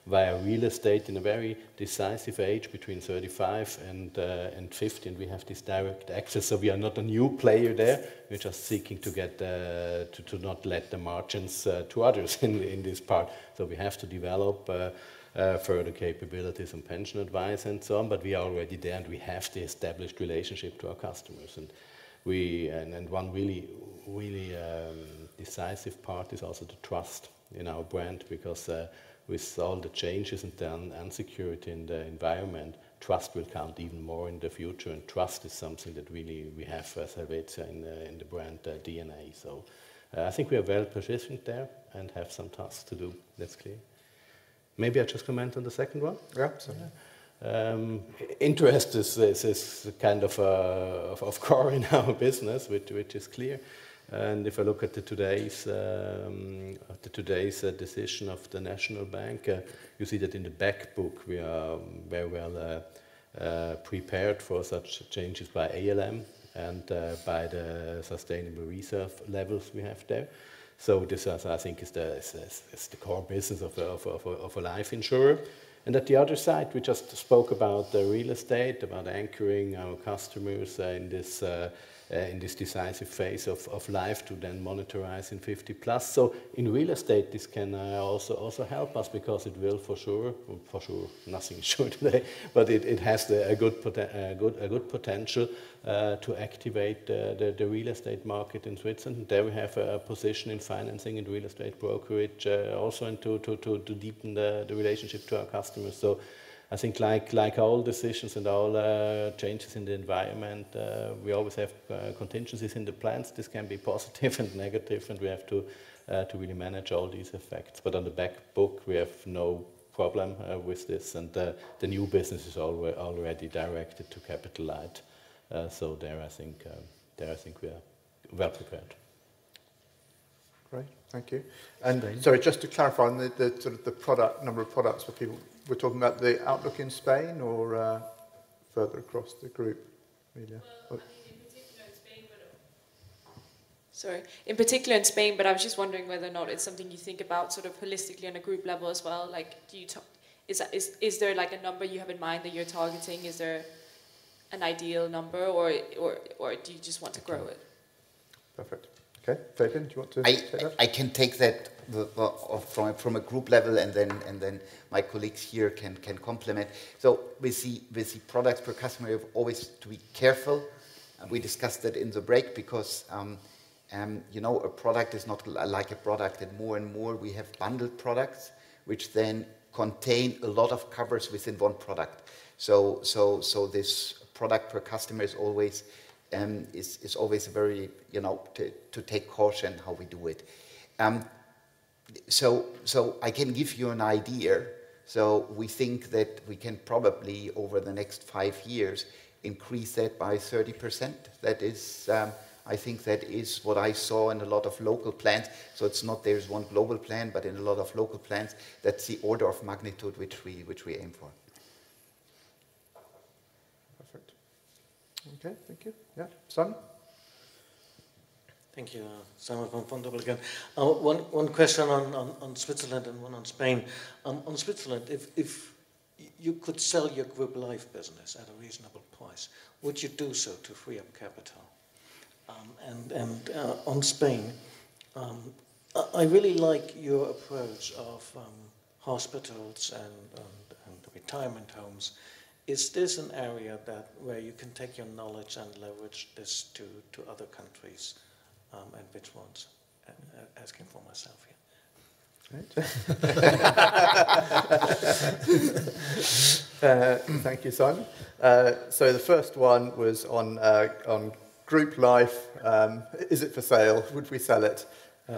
via real estate in a very decisive age between 35 and 50. And we have this direct access. So we are not a new player there. We're just seeking to not let the margins to others in this part. So we have to develop further capabilities and pension advice and so on, but we are already there and we have the established relationship to our customers. And one really decisive part is also the trust in our brand because with all the changes and uncertainty in the environment, trust will count even more in the future. And trust is something that really we have as Helvetia in the brand DNA. So I think we are well positioned there and have some tasks to do. That's clear. Maybe I just comment on the second one? Yeah, absolutely. Interest is kind of the core in our business, which is clear. And if I look at today's decision of the Swiss National Bank, you see that in the back book, we are very well prepared for such changes by ALM and by the sustainable reserve levels we have there. So this is, I think, the core business of a life insurer. And at the other side, we just spoke about the real estate, about anchoring our customers in this decisive phase of life to then monetize in 50+. So in real estate, this can also help us because it will for sure, for sure, nothing is sure today, but it has a good potential to activate the real estate market in Switzerland. There we have a position in financing and real estate brokerage also and to deepen the relationship to our customers. So I think like all decisions and all changes in the environment, we always have contingencies in the plans. This can be positive and negative, and we have to really manage all these effects. But on the back book, we have no problem with this. And the new business is already directed to capitalize. So there, I think we are well prepared.
Great. Thank you. And sorry, just to clarify on the number of products for people, we're talking about the outlook in Spain or further across the group?
Sorry. In particular in Spain, but I was just wondering whether or not it's something you think about sort of holistically on a group level as well. Is there a number you have in mind that you're targeting? Is there an ideal number, or do you just want to grow it?
Perfect. Okay. Fabian, do you want to take that?
I can take that from a group level, and then my colleagues here can complement. So we see products per customer always to be careful. We discussed it in the break because a product is not like a product. And more and more, we have bundled products, which then contain a lot of covers within one product. So this product per customer is always a very to take caution how we do it. So I can give you an idea. So we think that we can probably, over the next five years, increase that by 30%. I think that is what I saw in a lot of local plans. So it's not. There's one global plan, but in a lot of local plans, that's the order of magnitude which we aim for.
Perfect. Okay, thank you. Yeah, Simon?
Thank you. Simon Fössmeier again. One question on Switzerland and one on Spain. On Switzerland, if you could sell your group life business at a reasonable price, would you do so to free up capital? And on Spain, I really like your approach of hospitals and retirement homes. Is this an area where you can take your knowledge and leverage this to other countries? And which ones? Asking for myself here.
Thank you, Simon. So the first one was on group life. Is it for sale? Would we sell it?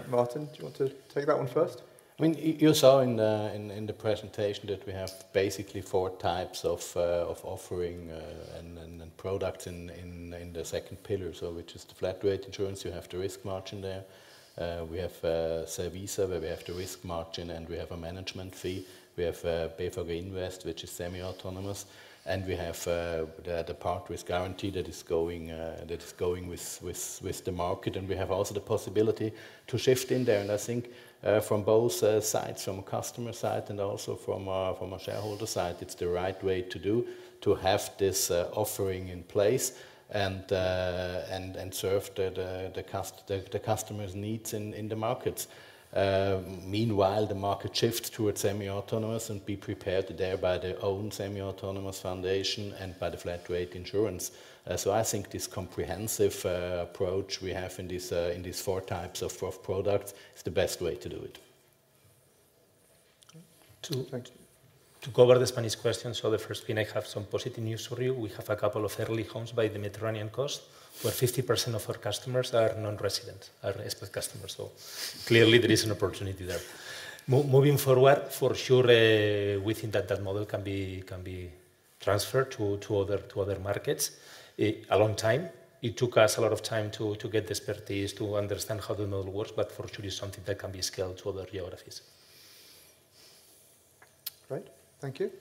Martin, do you want to take that one first?
I mean, you saw in the presentation that we have basically four types of offering and products in the second pillar, which is the flat rate insurance. You have the risk margin there. We have Servisa, where we have the risk margin, and we have a management fee. We have Helvetia LOB Invest, which is semi-autonomous. We have the part with guarantee that is going with the market. We have also the possibility to shift in there. I think from both sides, from a customer side and also from a shareholder side, it's the right way to do to have this offering in place and serve the customer's needs in the markets. Meanwhile, the market shifts towards semi-autonomous and be prepared to drive by the own semi-autonomous function and by the flat rate insurance. I think this comprehensive approach we have in these four types of products is the best way to do it.
To cover the Spanish question, the first thing I have some positive news for you. We have a couple of holiday homes by the Mediterranean coast where 50% of our customers are non-residents, are expat customers. Clearly, there is an opportunity there. Moving forward, for sure, we think that that model can be transferred to other markets. A long time. It took us a lot of time to get the expertise, to understand how the model works, but for sure, it's something that can be scaled to other geographies.
Great. Thank you.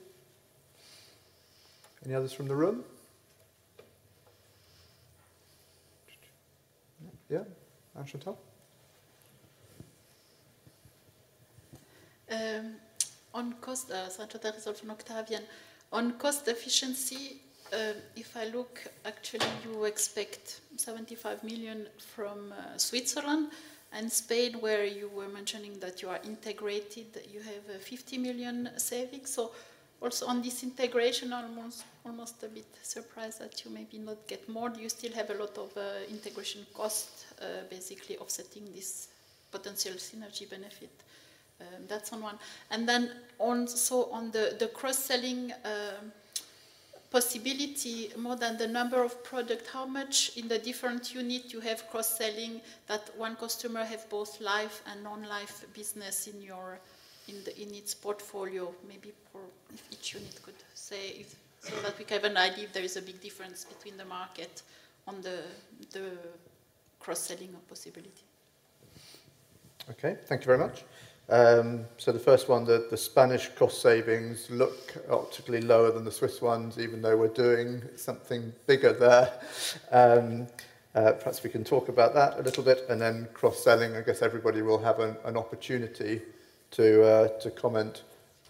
Any others from the room? Yeah, Chantal?
On cost, Chantal Risold from Octavian. On cost efficiency, if I look, actually, you expect 75 million from Switzerland. And Spain, where you were mentioning that you are integrated, you have 50 million savings. So also on this integration, almost a bit surprised that you maybe not get more. Do you still have a lot of integration cost, basically offsetting this potential synergy benefit? That's on one. And then also on the cross-selling possibility, more than the number of products, how much in the different unit you have cross-selling that one customer has both life and non-life business in its portfolio? Maybe each unit could say so that we can have an idea if there is a big difference between the market on the cross-selling possibility.
Okay, thank you very much. So the first one, the Spanish cost savings look optically lower than the Swiss ones, even though we're doing something bigger there. Perhaps we can talk about that a little bit. And then cross-selling, I guess everybody will have an opportunity to comment.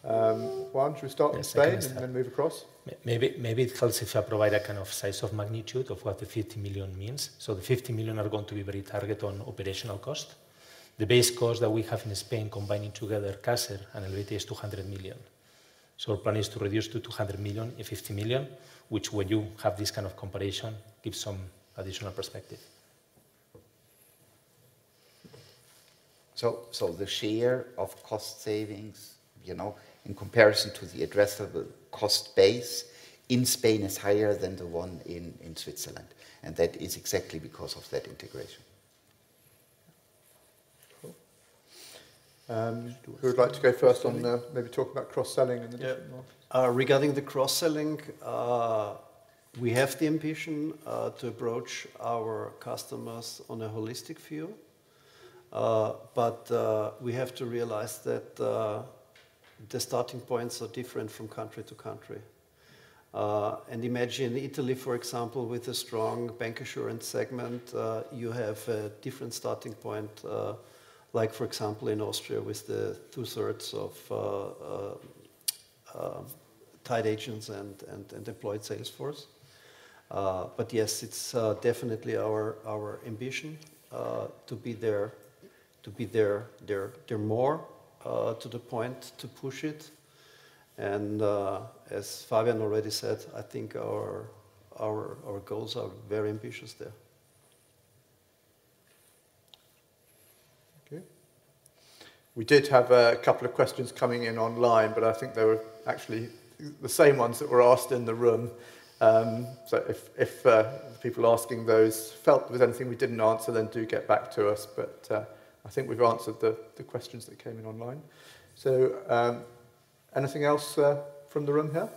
Juan, should we start with Spain and then move across?
Maybe it's closer if I provide a kind of size of magnitude of what the 50 million means. So the 50 million are going to be very targeted on operational cost. The base cost that we have in Spain combining together Caser and Helvetia is 200 million. So our plan is to reduce by 50 million to 150 million, which when you have this kind of comparison gives some additional perspective.
So the share of cost savings in comparison to the addressable cost base in Spain is higher than the one in Switzerland. And that is exactly because of that integration.
Who would like to go first on maybe talking about cross-selling in the different markets?
Regarding the cross-selling, we have the ambition to approach our customers on a holistic view. But we have to realize that the starting points are different from country to country. And imagine Italy, for example, with a strong bancassurance segment, you have a different starting point, like for example in Austria with the two-thirds of tied agents and employed salesforce. But yes, it's definitely our ambition to be there more to the point to push it. And as Fabian already said, I think our goals are very ambitious there.
Okay. We did have a couple of questions coming in online, but I think they were actually the same ones that were asked in the room. So if people asking those felt there was anything we didn't answer, then do get back to us. But I think we've answered the questions that came in online. So anything else from the room here?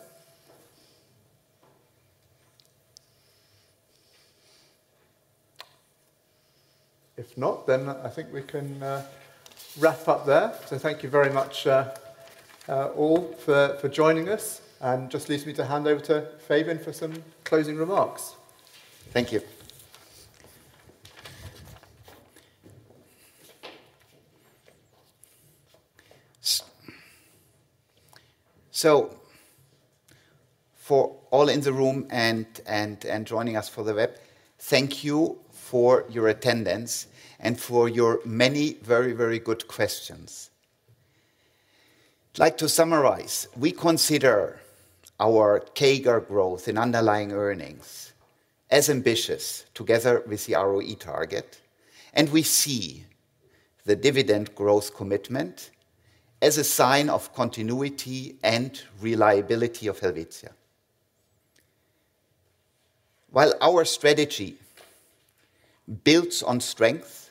If not, then I think we can wrap up there. So thank you very much all for joining us. And just leaves me to hand over to Fabian for some closing remarks.
Thank you. So for all in the room and joining us for the web, thank you for your attendance and for your many very, very good questions. I'd like to summarize. We consider our CAGR growth and underlying earnings as ambitious together with the ROE target, and we see the dividend growth commitment as a sign of continuity and reliability of Helvetia. While our strategy builds on strength,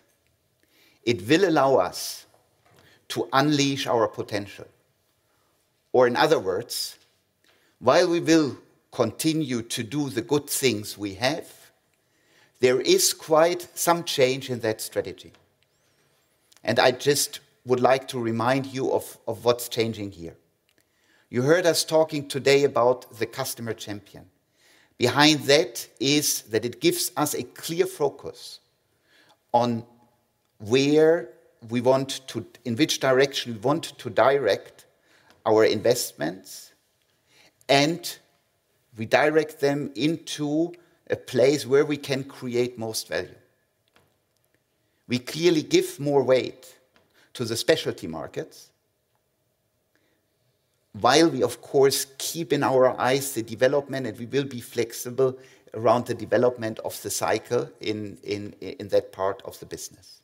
it will allow us to unleash our potential, or in other words, while we will continue to do the good things we have, there is quite some change in that strategy, and I just would like to remind you of what's changing here. You heard us talking today about the customer champion. Behind that is that it gives us a clear focus on where we want to, in which direction we want to direct our investments, and we direct them into a place where we can create most value. We clearly give more weight to the Specialty Markets while we, of course, keep in our eyes the development, and we will be flexible around the development of the cycle in that part of the business.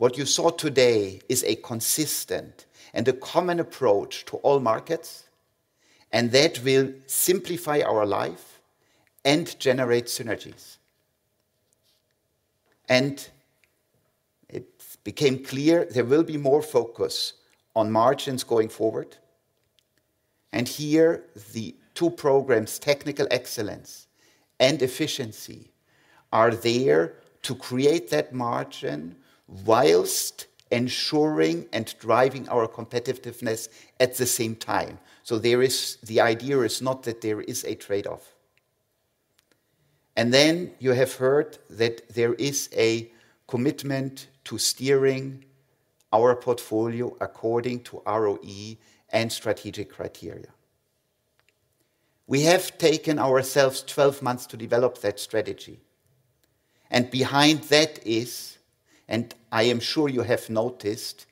What you saw today is a consistent and a common approach to all markets, and that will simplify our life and generate synergies, and it became clear there will be more focus on margins going forward, and here, the two programs, technical excellence and efficiency, are there to create that margin whilst ensuring and driving our competitiveness at the same time, so the idea is not that there is a trade-off, and then you have heard that there is a commitment to steering our portfolio according to ROE and strategic criteria. We have taken ourselves 12 months to develop that strategy. And behind that is, and I am sure you have noticed,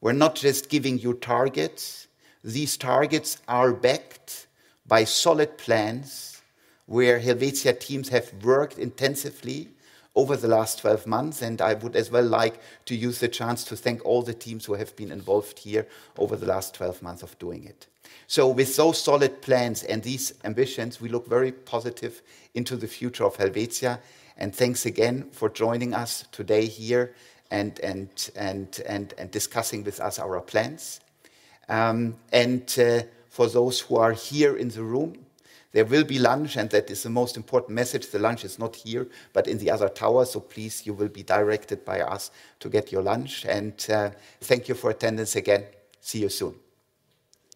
we're not just giving you targets. These targets are backed by solid plans where Helvetia teams have worked intensively over the last 12 months. And I would as well like to use the chance to thank all the teams who have been involved here over the last 12 months of doing it. So with those solid plans and these ambitions, we look very positive into the future of Helvetia. And thanks again for joining us today here and discussing with us our plans. And for those who are here in the room, there will be lunch, and that is the most important message. The lunch is not here, but in the other towers. So please, you will be directed by us to get your lunch. And thank you for attendance again. See you soon.